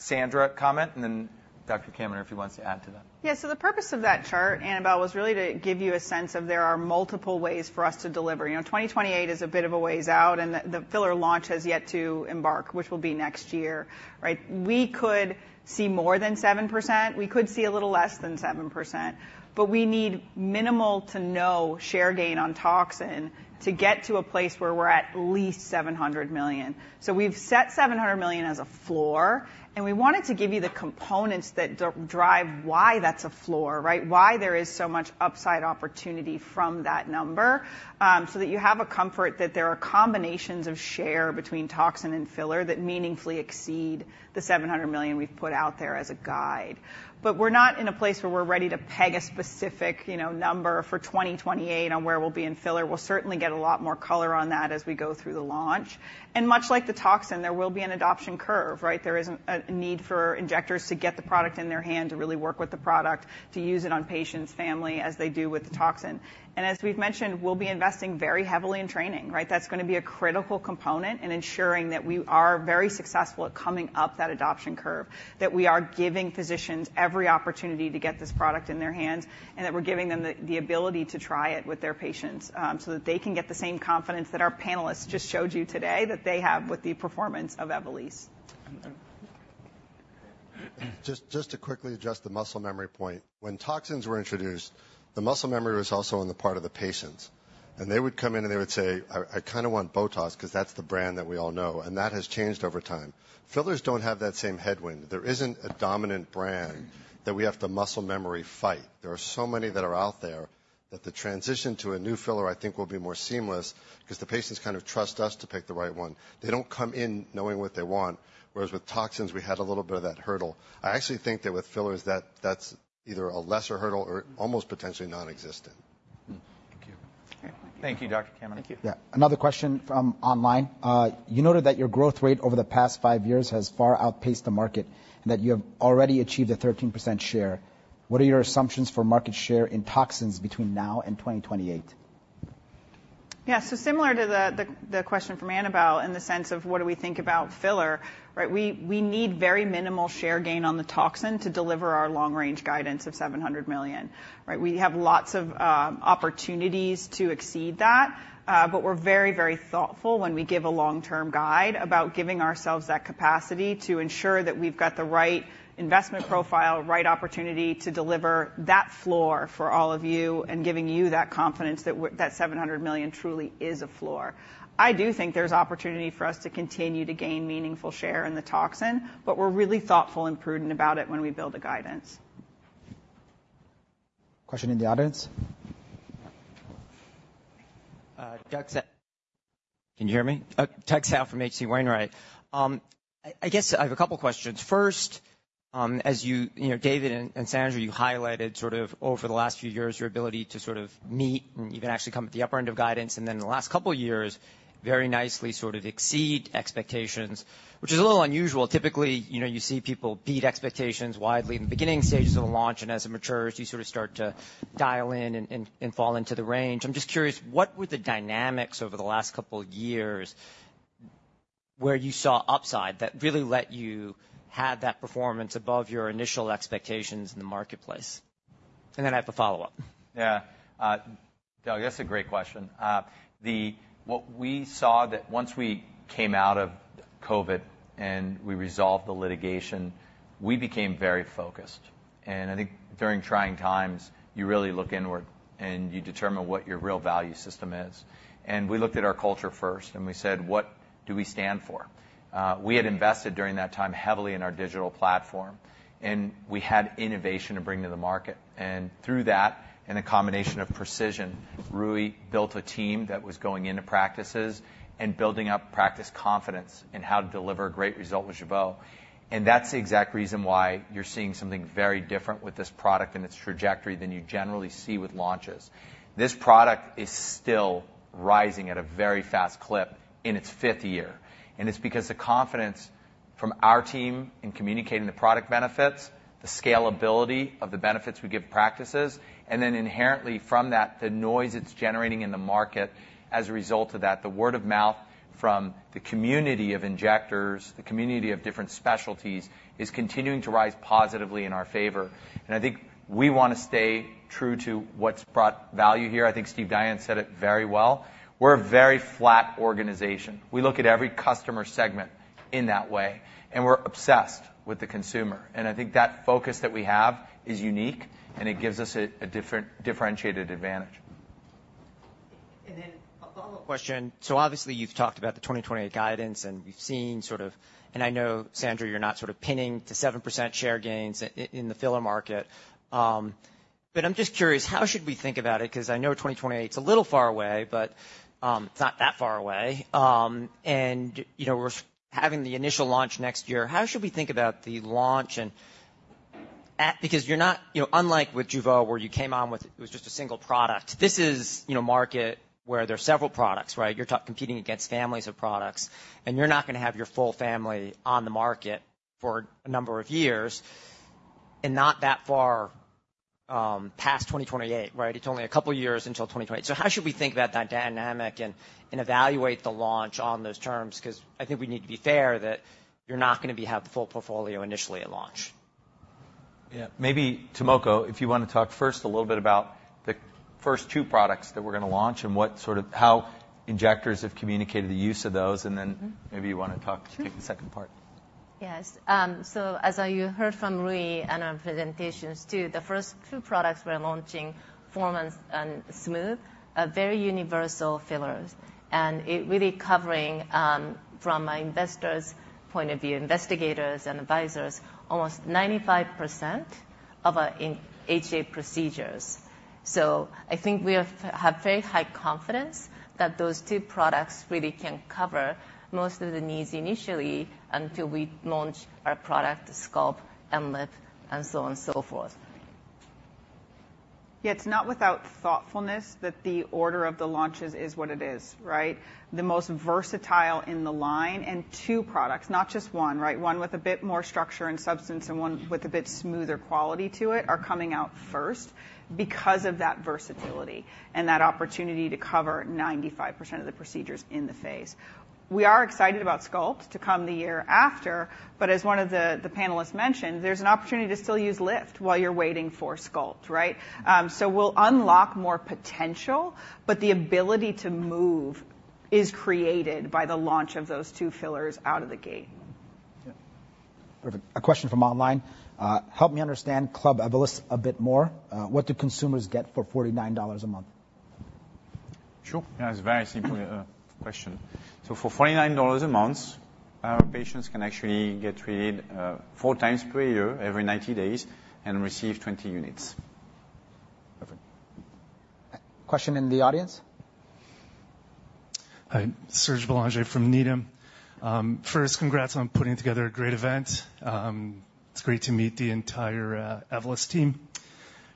Sandra comment, and then Dr. Kaminer, if he wants to add to that. Yeah, so the purpose of that chart, Annabel, was really to give you a sense of there are multiple ways for us to deliver. You know, twenty twenty-eight is a bit of a ways out, and the filler launch has yet to embark, which will be next year, right? We could see more than 7%, we could see a little less than 7%, but we need minimal to no share gain on toxin to get to a place where we're at least $700 million. So we've set $700 million as a floor, and we wanted to give you the components that drive why that's a floor, right? Why there is so much upside opportunity from that number, so that you have a comfort that there are combinations of share between toxin and filler that meaningfully exceed the $700 million we've put out there as a guide. But we're not in a place where we're ready to peg a specific, you know, number for 2028 on where we'll be in filler. We'll certainly get a lot more color on that as we go through the launch. And much like the toxin, there will be an adoption curve, right? There is a need for injectors to get the product in their hand to really work with the product, to use it on patients' family, as they do with the toxin. And as we've mentioned, we'll be investing very heavily in training, right? That's gonna be a critical component in ensuring that we are very successful at coming up that adoption curve, that we are giving physicians every opportunity to get this product in their hands, and that we're giving them the ability to try it with their patients, so that they can get the same confidence that our panelists just showed you today that they have with the performance of Evolysse. Just, just to quickly adjust the muscle memory point. When toxins were introduced, the muscle memory was also on the part of the patients, and they would come in, and they would say, "I kinda want Botox," 'cause that's the brand that we all know, and that has changed over time. Fillers don't have that same headwind. There isn't a dominant brand that we have to muscle memory fight. There are so many that are out there, that the transition to a new filler, I think, will be more seamless because the patients kind of trust us to pick the right one. They don't come in knowing what they want, whereas with toxins, we had a little bit of that hurdle. I actually think that with fillers, that's either a lesser hurdle or almost potentially non-existent. Hmm. Thank you. Thank you, Dr. Kaminer. Thank you. Yeah. Another question from online. You noted that your growth rate over the past five years has far outpaced the market, and that you have already achieved a 13% share. What are your assumptions for market share in toxins between now and 2028? Yeah, so similar to the question from Annabel, in the sense of what do we think about filler, right? We need very minimal share gain on the toxin to deliver our long-range guidance of $700 million. Right, we have lots of opportunities to exceed that, but we're very, very thoughtful when we give a long-term guide about giving ourselves that capacity to ensure that we've got the right investment profile, right opportunity to deliver that floor for all of you, and giving you that confidence that that $700 million truly is a floor. I do think there's opportunity for us to continue to gain meaningful share in the toxin, but we're really thoughtful and prudent about it when we build a guidance. Question in the audience? Doug Tsao from H.C. Wainwright. I guess I have a couple questions. First, as you know, David and Sandra, you highlighted sort of over the last few years, your ability to sort of meet and even actually come at the upper end of guidance, and then the last couple of years, very nicely, sort of exceed expectations, which is a little unusual. Typically, you know, you see people beat expectations widely in the beginning stages of the launch, and as it matures, you sort of start to dial in and fall into the range. I'm just curious, what were the dynamics over the last couple of years where you saw upside, that really let you have that performance above your initial expectations in the marketplace? And then I have a follow-up. Yeah. Doug, that's a great question. What we saw that once we came out of COVID, and we resolved the litigation, we became very focused. And I think during trying times, you really look inward, and you determine what your real value system is. And we looked at our culture first, and we said: What do we stand for? We had invested, during that time, heavily in our digital platform, and we had innovation to bring to the market. And through that, and a combination of precision, Rui built a team that was going into practices and building up practice confidence in how to deliver great result with Jeuveau. And that's the exact reason why you're seeing something very different with this product and its trajectory than you generally see with launches. This product is still rising at a very fast clip in its fifth year, and it's because the confidence from our team in communicating the product benefits, the scalability of the benefits we give practices, and then inherently from that, the noise it's generating in the market as a result of that, the word of mouth from the community of injectors, the community of different specialties, is continuing to rise positively in our favor, and I think we wanna stay true to what's brought value here. I think Steve Dayan said it very well. We're a very flat organization. We look at every customer segment in that way, and we're obsessed with the consumer, and I think that focus that we have is unique, and it gives us a, a different differentiated advantage. And then a follow-up question. So obviously, you've talked about the 2028 guidance, and we've seen sort of and I know, Sandra, you're not sort of pinning to 7% share gains in the filler market. But I'm just curious, how should we think about it? 'Cause I know 2028's a little far away, but, it's not that far away. And, you know, we're having the initial launch next year. How should we think about the launch and because you're not, you know, unlike with Jeuveau, where you came on with, it was just a single product. This is, you know, market where there are several products, right? You're competing against families of products, and you're not gonna have your full family on the market for a number of years and not that far past 2028, right? It's only a couple of years until 2028. So how should we think about that dynamic and evaluate the launch on those terms? 'Cause I think we need to be fair that you're not gonna have the full portfolio initially at launch. Yeah. Maybe Tomoko, if you wanna talk first a little bit about the first two products that we're gonna launch and what sort of, how injectors have communicated the use of those, and then- Mm-hmm. Maybe you wanna talk, take the second part. Yes. So as you heard from Louis and our presentations, too, the first two products we're launching, Form and Smooth, are very universal fillers. And it really covering, from an investor's point of view, investigators and advisors, almost 95% of in HA procedures. So I think we have very high confidence that those two products really can cover most of the needs initially until we launch our product, Sculpt and Lift, and so on and so forth. Yeah, it's not without thoughtfulness that the order of the launches is what it is, right? The most versatile in the line, and two products, not just one, right? One with a bit more structure and substance and one with a bit smoother quality to it, are coming out first because of that versatility and that opportunity to cover 95% of the procedures in the space. We are excited about Sculpt to come the year after, but as one of the panelists mentioned, there's an opportunity to still use Lift while you're waiting for Sculpt, right? So we'll unlock more potential, but the ability to move is created by the launch of those two fillers out of the gate. Yeah. Perfect. A question from online: Help me understand Club Evolus a bit more. What do consumers get for $49 a month? Sure. Yeah, it's a very simple question. So for $49 a month, our patients can actually get treated four times per year, every 90 days, and receive 20 units. Perfect. A question in the audience? Hi, Serge Belanger from Needham. First, congrats on putting together a great event. It's great to meet the entire Evolus team.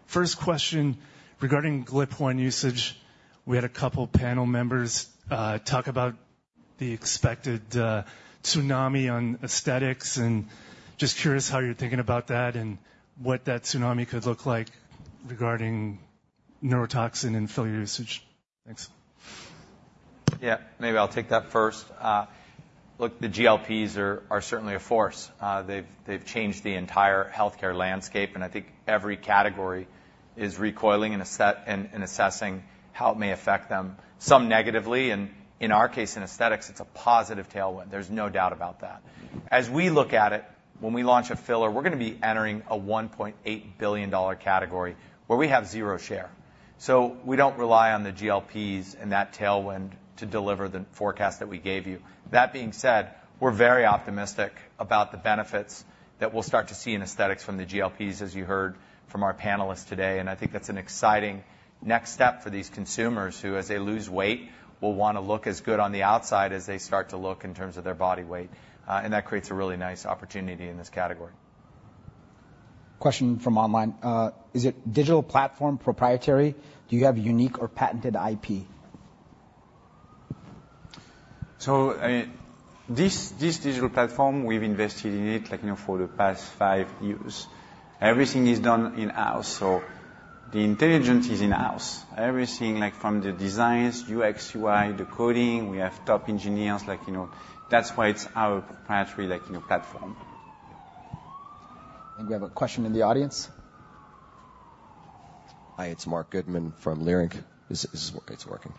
First question: regarding GLP-1 usage, we had a couple panel members talk about the expected tsunami on aesthetics, and just curious how you're thinking about that and what that tsunami could look like regarding neurotoxin and filler usage. Thanks. Yeah, maybe I'll take that first. Look, the GLPs are certainly a force. They've changed the entire healthcare landscape, and I think every category is recoiling and assessing how it may affect them, some negatively, and in our case, in aesthetics, it's a positive tailwind. There's no doubt about that. As we look at it, when we launch a filler, we're gonna be entering a $1.8 billion category where we have zero share. So we don't rely on the GLPs and that tailwind to deliver the forecast that we gave you. That being said, we're very optimistic about the benefits that we'll start to see in aesthetics from the GLPs, as you heard from our panelists today, and I think that's an exciting next step for these consumers, who, as they lose weight, will wanna look as good on the outside as they start to look in terms of their body weight, and that creates a really nice opportunity in this category. Question from online: Is it digital platform proprietary? Do you have unique or patented IP? This digital platform, we've invested in it, like, you know, for the past five years. Everything is done in-house, so the intelligence is in-house. Everything, like, from the designs, UX, UI, the coding, we have top engineers. Like, you know, that's why it's our proprietary, like, you know, platform. We have a question in the audience. Hi, it's Marc Goodman from Leerink Partners.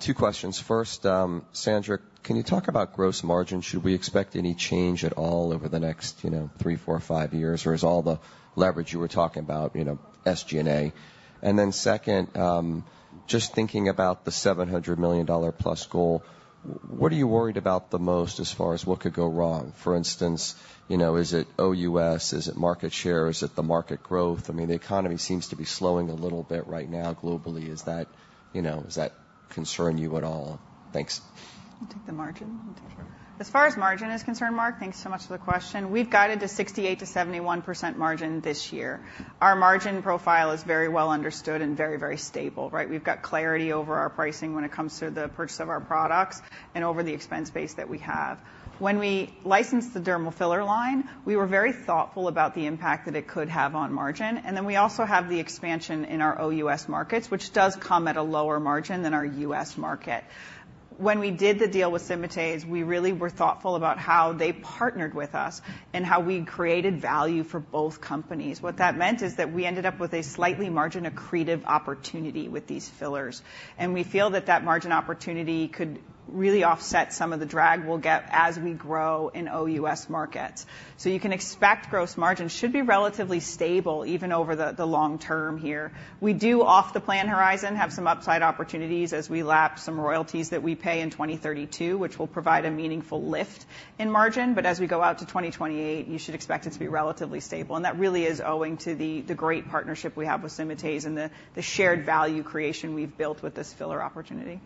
Two questions. First, Sandra, can you talk about gross margin? Should we expect any change at all over the next, you know, three, four, or five years, or is all the leverage you were talking about, you know, SG&A? And then second, just thinking about the $700 million-plus goal, what are you worried about the most as far as what could go wrong? For instance, you know, is it OUS? Is it market share? Is it the market growth? I mean, the economy seems to be slowing a little bit right now globally. Is that, you know, does that concern you at all? Thanks. I'll take the margin. As far as margin is concerned, Mark, thanks so much for the question. We've guided to 68%-71% margin this year. Our margin profile is very well understood and very, very stable, right? We've got clarity over our pricing when it comes to the purchase of our products and over the expense base that we have. When we licensed the dermal filler line, we were very thoughtful about the impact that it could have on margin, and then we also have the expansion in our OUS markets, which does come at a lower margin than our US market. When we did the deal with Symatese, we really were thoughtful about how they partnered with us and how we created value for both companies. What that meant is that we ended up with a slightly margin-accretive opportunity with these fillers, and we feel that that margin opportunity could really offset some of the drag we'll get as we grow in OUS markets, so you can expect gross margins should be relatively stable, even over the long term here. We do, off the plan horizon, have some upside opportunities as we lap some royalties that we pay in 2032, which will provide a meaningful lift in margin, but as we go out to 2028, you should expect it to be relatively stable, and that really is owing to the great partnership we have with Symatese and the shared value creation we've built with this filler opportunity.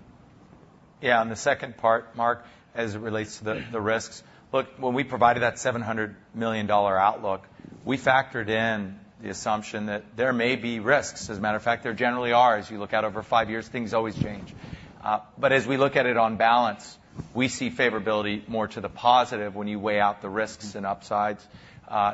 Yeah, on the second part, Mark, as it relates to the risks, look, when we provided that $700 million outlook, we factored in the assumption that there may be risks. As a matter of fact, there generally are. As you look out over five years, things always change. But as we look at it on balance, we see favorability more to the positive when you weigh out the risks and upsides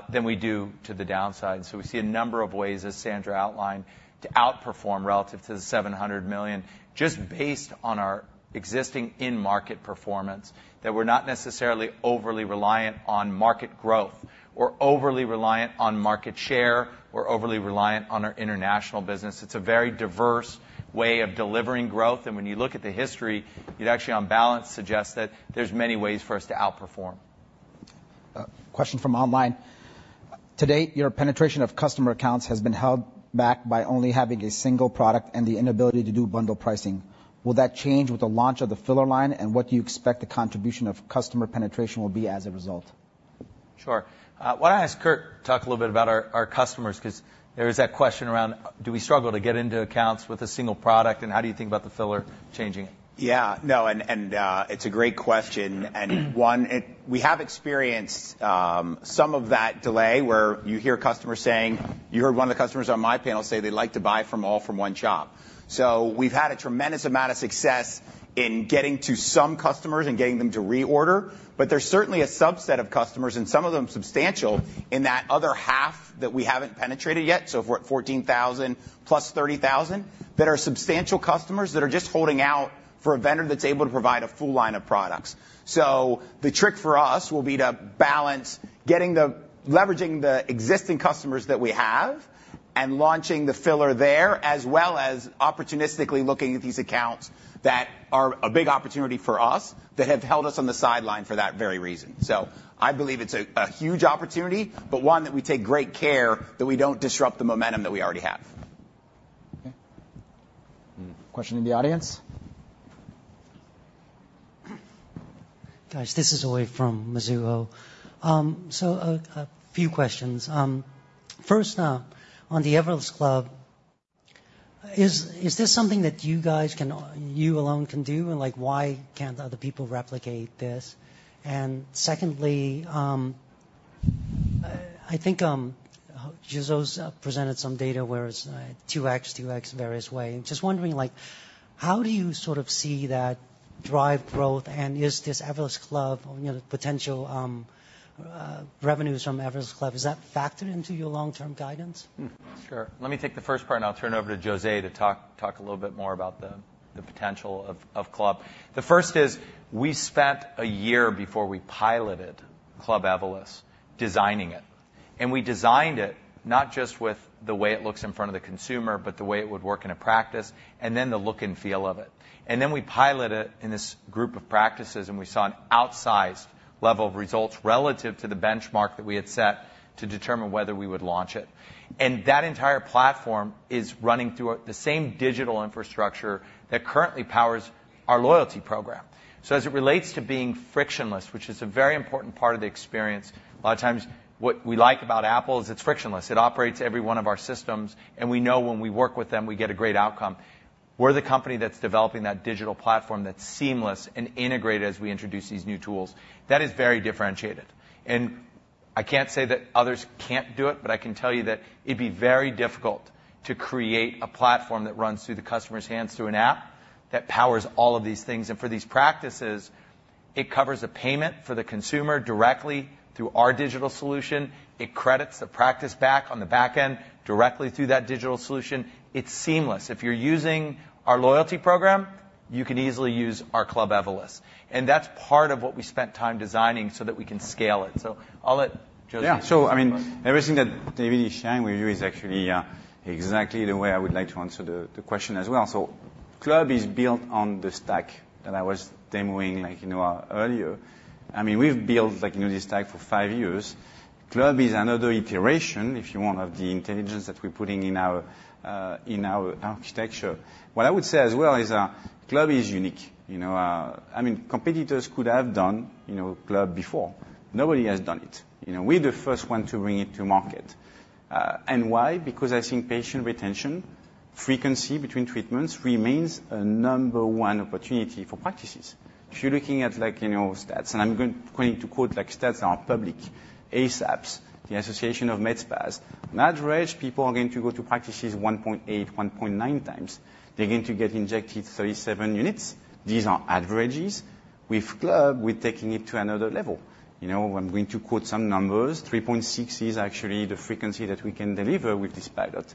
than we do to the downside. So we see a number of ways, as Sandra outlined, to outperform relative to the $700 million, just based on our existing in-market performance, that we're not necessarily overly reliant on market growth or overly reliant on market share or overly reliant on our international business. It's a very diverse way of delivering growth, and when you look at the history, it actually, on balance, suggests that there's many ways for us to outperform. Question from online: To date, your penetration of customer accounts has been held back by only having a single product and the inability to do bundle pricing. Will that change with the launch of the filler line, and what do you expect the contribution of customer penetration will be as a result? Sure. Why don't I ask Kurt to talk a little bit about our customers? Because there is that question around, do we struggle to get into accounts with a single product, and how do you think about the filler changing it? Yeah, no, and it's a great question, and one we have experienced some of that delay, where you hear customers saying... You heard one of the customers on my panel say they like to buy all from one shop. So we've had a tremendous amount of success in getting to some customers and getting them to reorder, but there's certainly a subset of customers, and some of them substantial, in that other half that we haven't penetrated yet. So if we're at 14,000 plus 30,000, that are substantial customers that are just holding out for a vendor that's able to provide a full line of products. So the trick for us will be to balance getting the, leveraging the existing customers that we have and launching the filler there, as well as opportunistically looking at these accounts that are a big opportunity for us, that have held us on the sideline for that very reason. So I believe it's a huge opportunity, but one that we take great care that we don't disrupt the momentum that we already have. Okay. Question in the audience? Guys, this is Uy from Mizuho. So a few questions. First, on the Evolus Club, is this something that only you guys can do? And, like, why can't other people replicate this? And secondly, I think José presented some data whereas 2x various ways. Just wondering, like, how do you sort of see that drive growth? And is this Evolus Club, you know, potential revenues from Evolus Club, is that factored into your long-term guidance? Mm-hmm. Sure. Let me take the first part, and I'll turn it over to José to talk a little bit more about the potential of Club. The first is, we spent a year before we piloted Club Evolus, designing it. And we designed it not just with the way it looks in front of the consumer, but the way it would work in a practice, and then the look and feel of it. And then we piloted it in this group of practices, and we saw an outsized level of results relative to the benchmark that we had set to determine whether we would launch it. And that entire platform is running through the same digital infrastructure that currently powers our loyalty program. So as it relates to being frictionless, which is a very important part of the experience, a lot of times what we like about Apple is it's frictionless. It operates every one of our systems, and we know when we work with them, we get a great outcome. We're the company that's developing that digital platform that's seamless and integrated as we introduce these new tools. That is very differentiated. And I can't say that others can't do it, but I can tell you that it'd be very difficult to create a platform that runs through the customer's hands through an app that powers all of these things. And for these practices, it covers the payment for the consumer directly through our digital solution. It credits the practice back on the back end, directly through that digital solution. It's seamless. If you're using our loyalty program, you can easily use our Club Evolus, and that's part of what we spent time designing so that we can scale it. So I'll let Jose- Yeah. So, I mean, everything that David is sharing with you is actually exactly the way I would like to answer the question as well. So Club is built on the stack that I was demoing, like, you know, earlier. I mean, we've built, like, you know, this stack for five years. Club is another iteration, if you want, of the intelligence that we're putting in our architecture. What I would say as well is, Club is unique. You know, I mean, competitors could have done, you know, Club before. Nobody has done it. You know, we're the first one to bring it to market, and why? Because I think patient retention frequency between treatments remains a number one opportunity for practices. If you're looking at, like, you know, stats, and I'm going to quote, like, stats that are public, ASPS, the Association of MedSpas, on average, people are going to go to practices 1.8, 1.9 times. They're going to get injected 37 units. These are averages. With Club, we're taking it to another level. You know, I'm going to quote some numbers. 3.6 is actually the frequency that we can deliver with this pilot,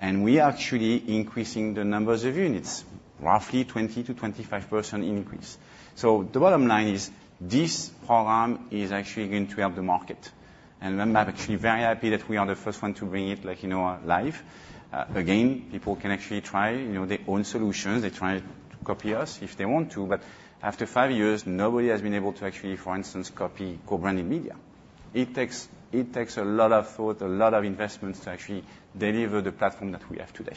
and we are actually increasing the numbers of units, roughly 20-25% increase. So the bottom line is, this program is actually going to help the market, and I'm actually very happy that we are the first one to bring it, like, you know, live. Again, people can actually try, you know, their own solutions. They try to copy us if they want to, but after five years, nobody has been able to actually, for instance, copy co-branded media. It takes, it takes a lot of thought, a lot of investments to actually deliver the platform that we have today.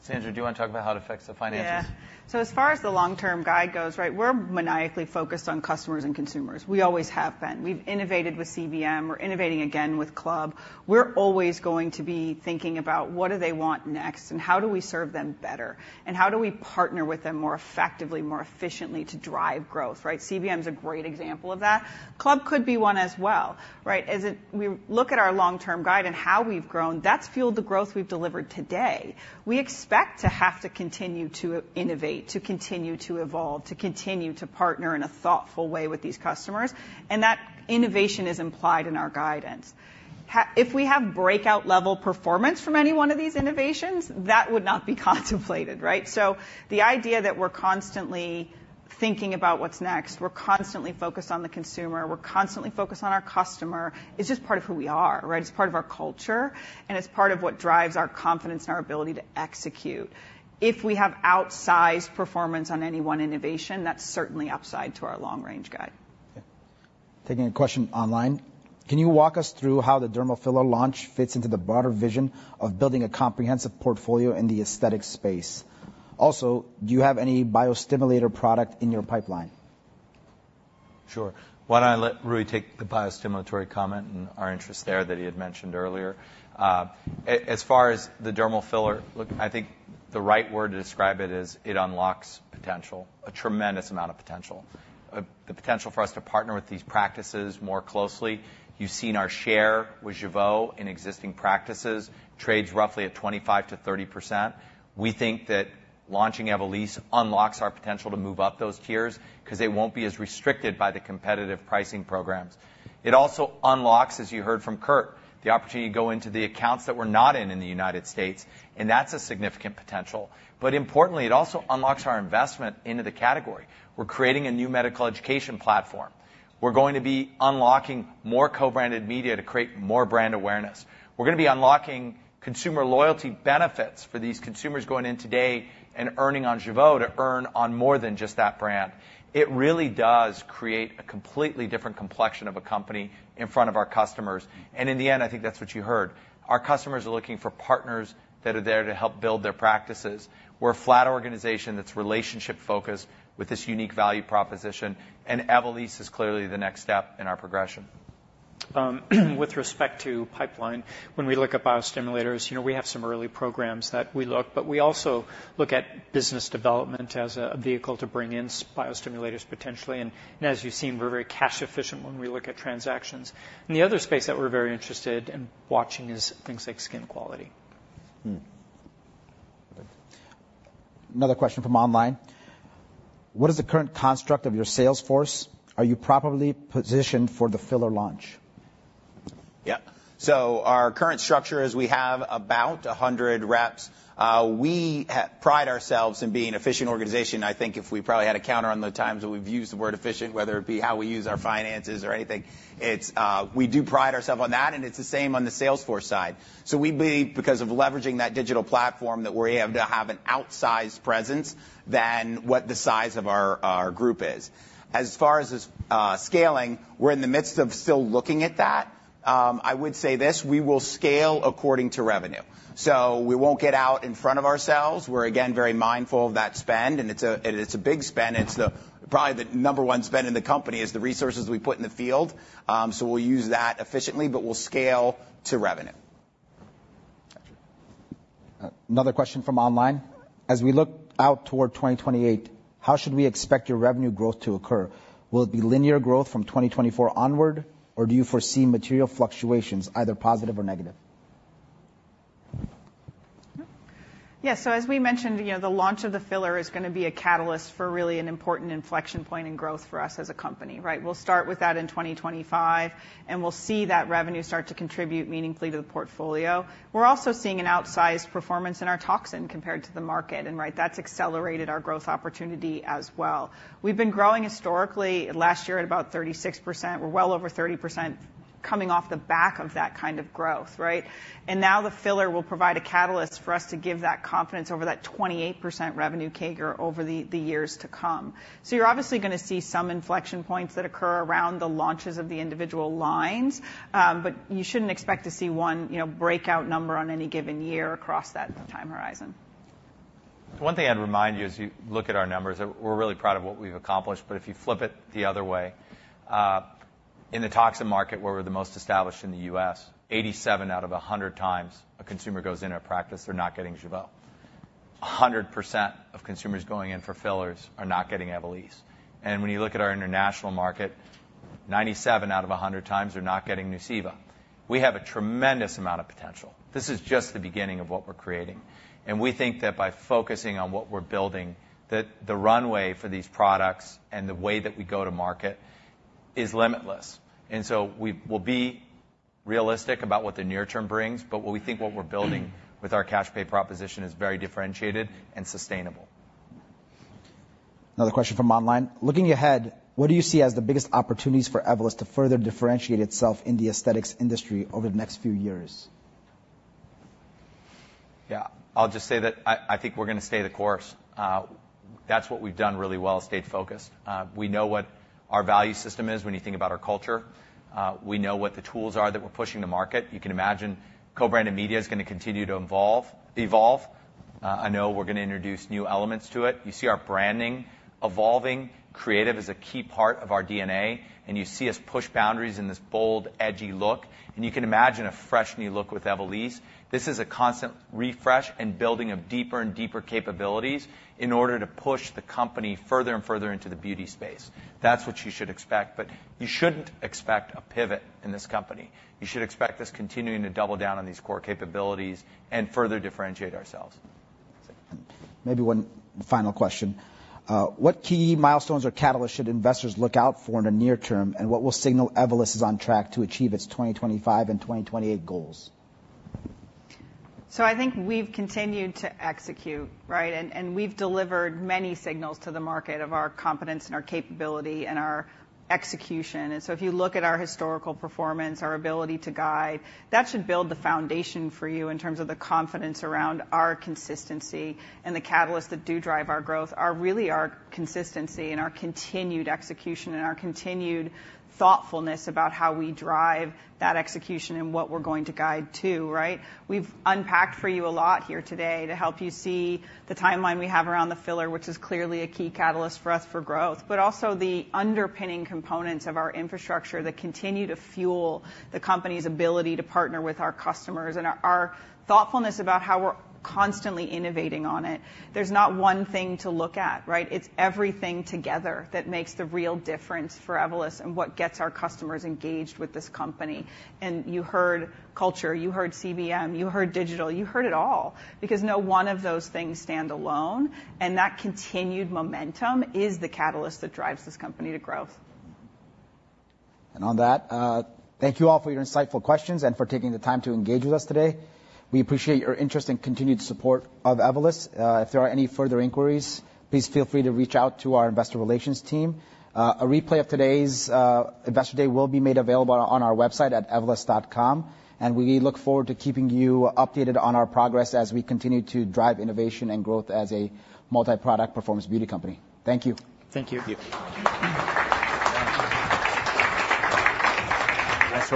Sandra, do you want to talk about how it affects the finances? Yeah, so as far as the long-term guide goes, right, we're maniacally focused on customers and consumers. We always have been. We've innovated with CBM. We're innovating again with Club. We're always going to be thinking about what do they want next, and how do we serve them better, and how do we partner with them more effectively, more efficiently to drive growth, right? CBM is a great example of that. Club could be one as well, right? We look at our long-term guide and how we've grown, that's fueled the growth we've delivered today. We expect to have to continue to innovate, to continue to evolve, to continue to partner in a thoughtful way with these customers, and that innovation is implied in our guidance. If we have breakout level performance from any one of these innovations, that would not be contemplated, right? So the idea that we're constantly thinking about what's next, we're constantly focused on the consumer, we're constantly focused on our customer, it's just part of who we are, right? It's part of our culture, and it's part of what drives our confidence and our ability to execute. If we have outsized performance on any one innovation, that's certainly upside to our long range guide. Taking a question online: Can you walk us through how the dermal filler launch fits into the broader vision of building a comprehensive portfolio in the aesthetic space? Also, do you have any biostimulator product in your pipeline? Sure. Why don't I let Rui take the biostimulatory comment and our interest there that he had mentioned earlier? As far as the dermal filler, look, I think the right word to describe it is it unlocks potential, a tremendous amount of potential, the potential for us to partner with these practices more closely. You've seen our share with Jeuveau in existing practices, trades roughly at 25%-30%. We think that launching Evolysse unlocks our potential to move up those tiers, because they won't be as restricted by the competitive pricing programs. It also unlocks, as you heard from Kurt, the opportunity to go into the accounts that we're not in in the United States, and that's a significant potential. But importantly, it also unlocks our investment into the category. We're creating a new medical education platform. We're going to be unlocking more co-branded media to create more brand awareness. We're going to be unlocking consumer loyalty benefits for these consumers going in today and earning on Jeuveau to earn on more than just that brand. It really does create a completely different complexion of a company in front of our customers, and in the end, I think that's what you heard. Our customers are looking for partners that are there to help build their practices. We're a flat organization that's relationship focused with this unique value proposition, and Evolysse is clearly the next step in our progression. With respect to pipeline, when we look at biostimulators, you know, we have some early programs that we look, but we also look at business development as a vehicle to bring in biostimulators, potentially. And as you've seen, we're very cash efficient when we look at transactions. And the other space that we're very interested in watching is things like skin quality. Another question from online: What is the current construct of your sales force? Are you properly positioned for the filler launch? Yeah. So our current structure is we have about 100 reps. We pride ourselves in being an efficient organization. I think if we probably had a counter on the times that we've used the word efficient, whether it be how we use our finances or anything, it's... We do pride ourselves on that, and it's the same on the sales force side. So we believe, because of leveraging that digital platform, that we're able to have an outsized presence than what the size of our group is. As far as scaling, we're in the midst of still looking at that. I would say this, we will scale according to revenue. So we won't get out in front of ourselves. We're, again, very mindful of that spend, and it's a big spend. It's the, probably the number one spend in the company, is the resources we put in the field. So we'll use that efficiently, but we'll scale to revenue. Another question from online: As we look out toward 2028, how should we expect your revenue growth to occur? Will it be linear growth from 2024 onward, or do you foresee material fluctuations, either positive or negative? Yeah, so as we mentioned, you know, the launch of the filler is going to be a catalyst for really an important inflection point in growth for us as a company, right? We'll start with that in 2025, and we'll see that revenue start to contribute meaningfully to the portfolio. We're also seeing an outsized performance in our toxin compared to the market, and right, that's accelerated our growth opportunity as well. We've been growing historically, last year, at about 36%. We're well over 30% coming off the back of that kind of growth, right? And now the filler will provide a catalyst for us to give that confidence over that 28% revenue CAGR over the years to come. So you're obviously going to see some inflection points that occur around the launches of the individual lines, but you shouldn't expect to see one, you know, breakout number on any given year across that time horizon.... One thing I'd remind you as you look at our numbers, that we're really proud of what we've accomplished, but if you flip it the other way, in the toxin market, where we're the most established in the US, 87 out of 100 times, a consumer goes into a practice, they're not getting Jeuveau. 100% of consumers going in for fillers are not getting Evolus. And when you look at our international market, 97 out of 100 times, they're not getting Nuceiva. We have a tremendous amount of potential. This is just the beginning of what we're creating, and we think that by focusing on what we're building, that the runway for these products and the way that we go to market is limitless. And so we'll be realistic about what the near term brings, but what we think we're building with our cash pay proposition is very differentiated and sustainable. Another question from online: Looking ahead, what do you see as the biggest opportunities for Evolus to further differentiate itself in the aesthetics industry over the next few years? Yeah, I'll just say that I think we're gonna stay the course. That's what we've done really well, stayed focused. We know what our value system is when you think about our culture. We know what the tools are that we're pushing to market. You can imagine co-branded media is gonna continue to evolve. I know we're gonna introduce new elements to it. You see our branding evolving. Creative is a key part of our DNA, and you see us push boundaries in this bold, edgy look, and you can imagine a fresh, new look with Evolus. This is a constant refresh and building of deeper and deeper capabilities in order to push the company further and further into the beauty space. That's what you should expect, but you shouldn't expect a pivot in this company. You should expect us continuing to double down on these core capabilities and further differentiate ourselves. Maybe one final question. What key milestones or catalysts should investors look out for in the near term, and what will signal Evolus is on track to achieve its 2025 and 2028 goals? So I think we've continued to execute, right? And we've delivered many signals to the market of our competence and our capability and our execution. And so if you look at our historical performance, our ability to guide, that should build the foundation for you in terms of the confidence around our consistency and the catalysts that do drive our growth, are really our consistency and our continued execution, and our continued thoughtfulness about how we drive that execution and what we're going to guide to, right? We've unp acked for you a lot here today to help you see the timeline we have around the filler, which is clearly a key catalyst for us for growth, but also the underpinning components of our infrastructure that continue to fuel the company's ability to partner with our customers, and our thoughtfulness about how we're constantly innovating on it. There's not one thing to look at, right? It's everything together that makes the real difference for Evolus and what gets our customers engaged with this company. And you heard culture, you heard CBM, you heard digital, you heard it all, because no one of those things stand alone, and that continued momentum is the catalyst that drives this company to growth. And on that, thank you all for your insightful questions and for taking the time to engage with us today. We appreciate your interest and continued support of Evolus. If there are any further inquiries, please feel free to reach out to our investor relations team. A replay of today's Investor Day will be made available on our website at evolus.com, and we look forward to keeping you updated on our progress as we continue to drive innovation and growth as a multi-product performance beauty company. Thank you. Thank you. Thank you. Nice work.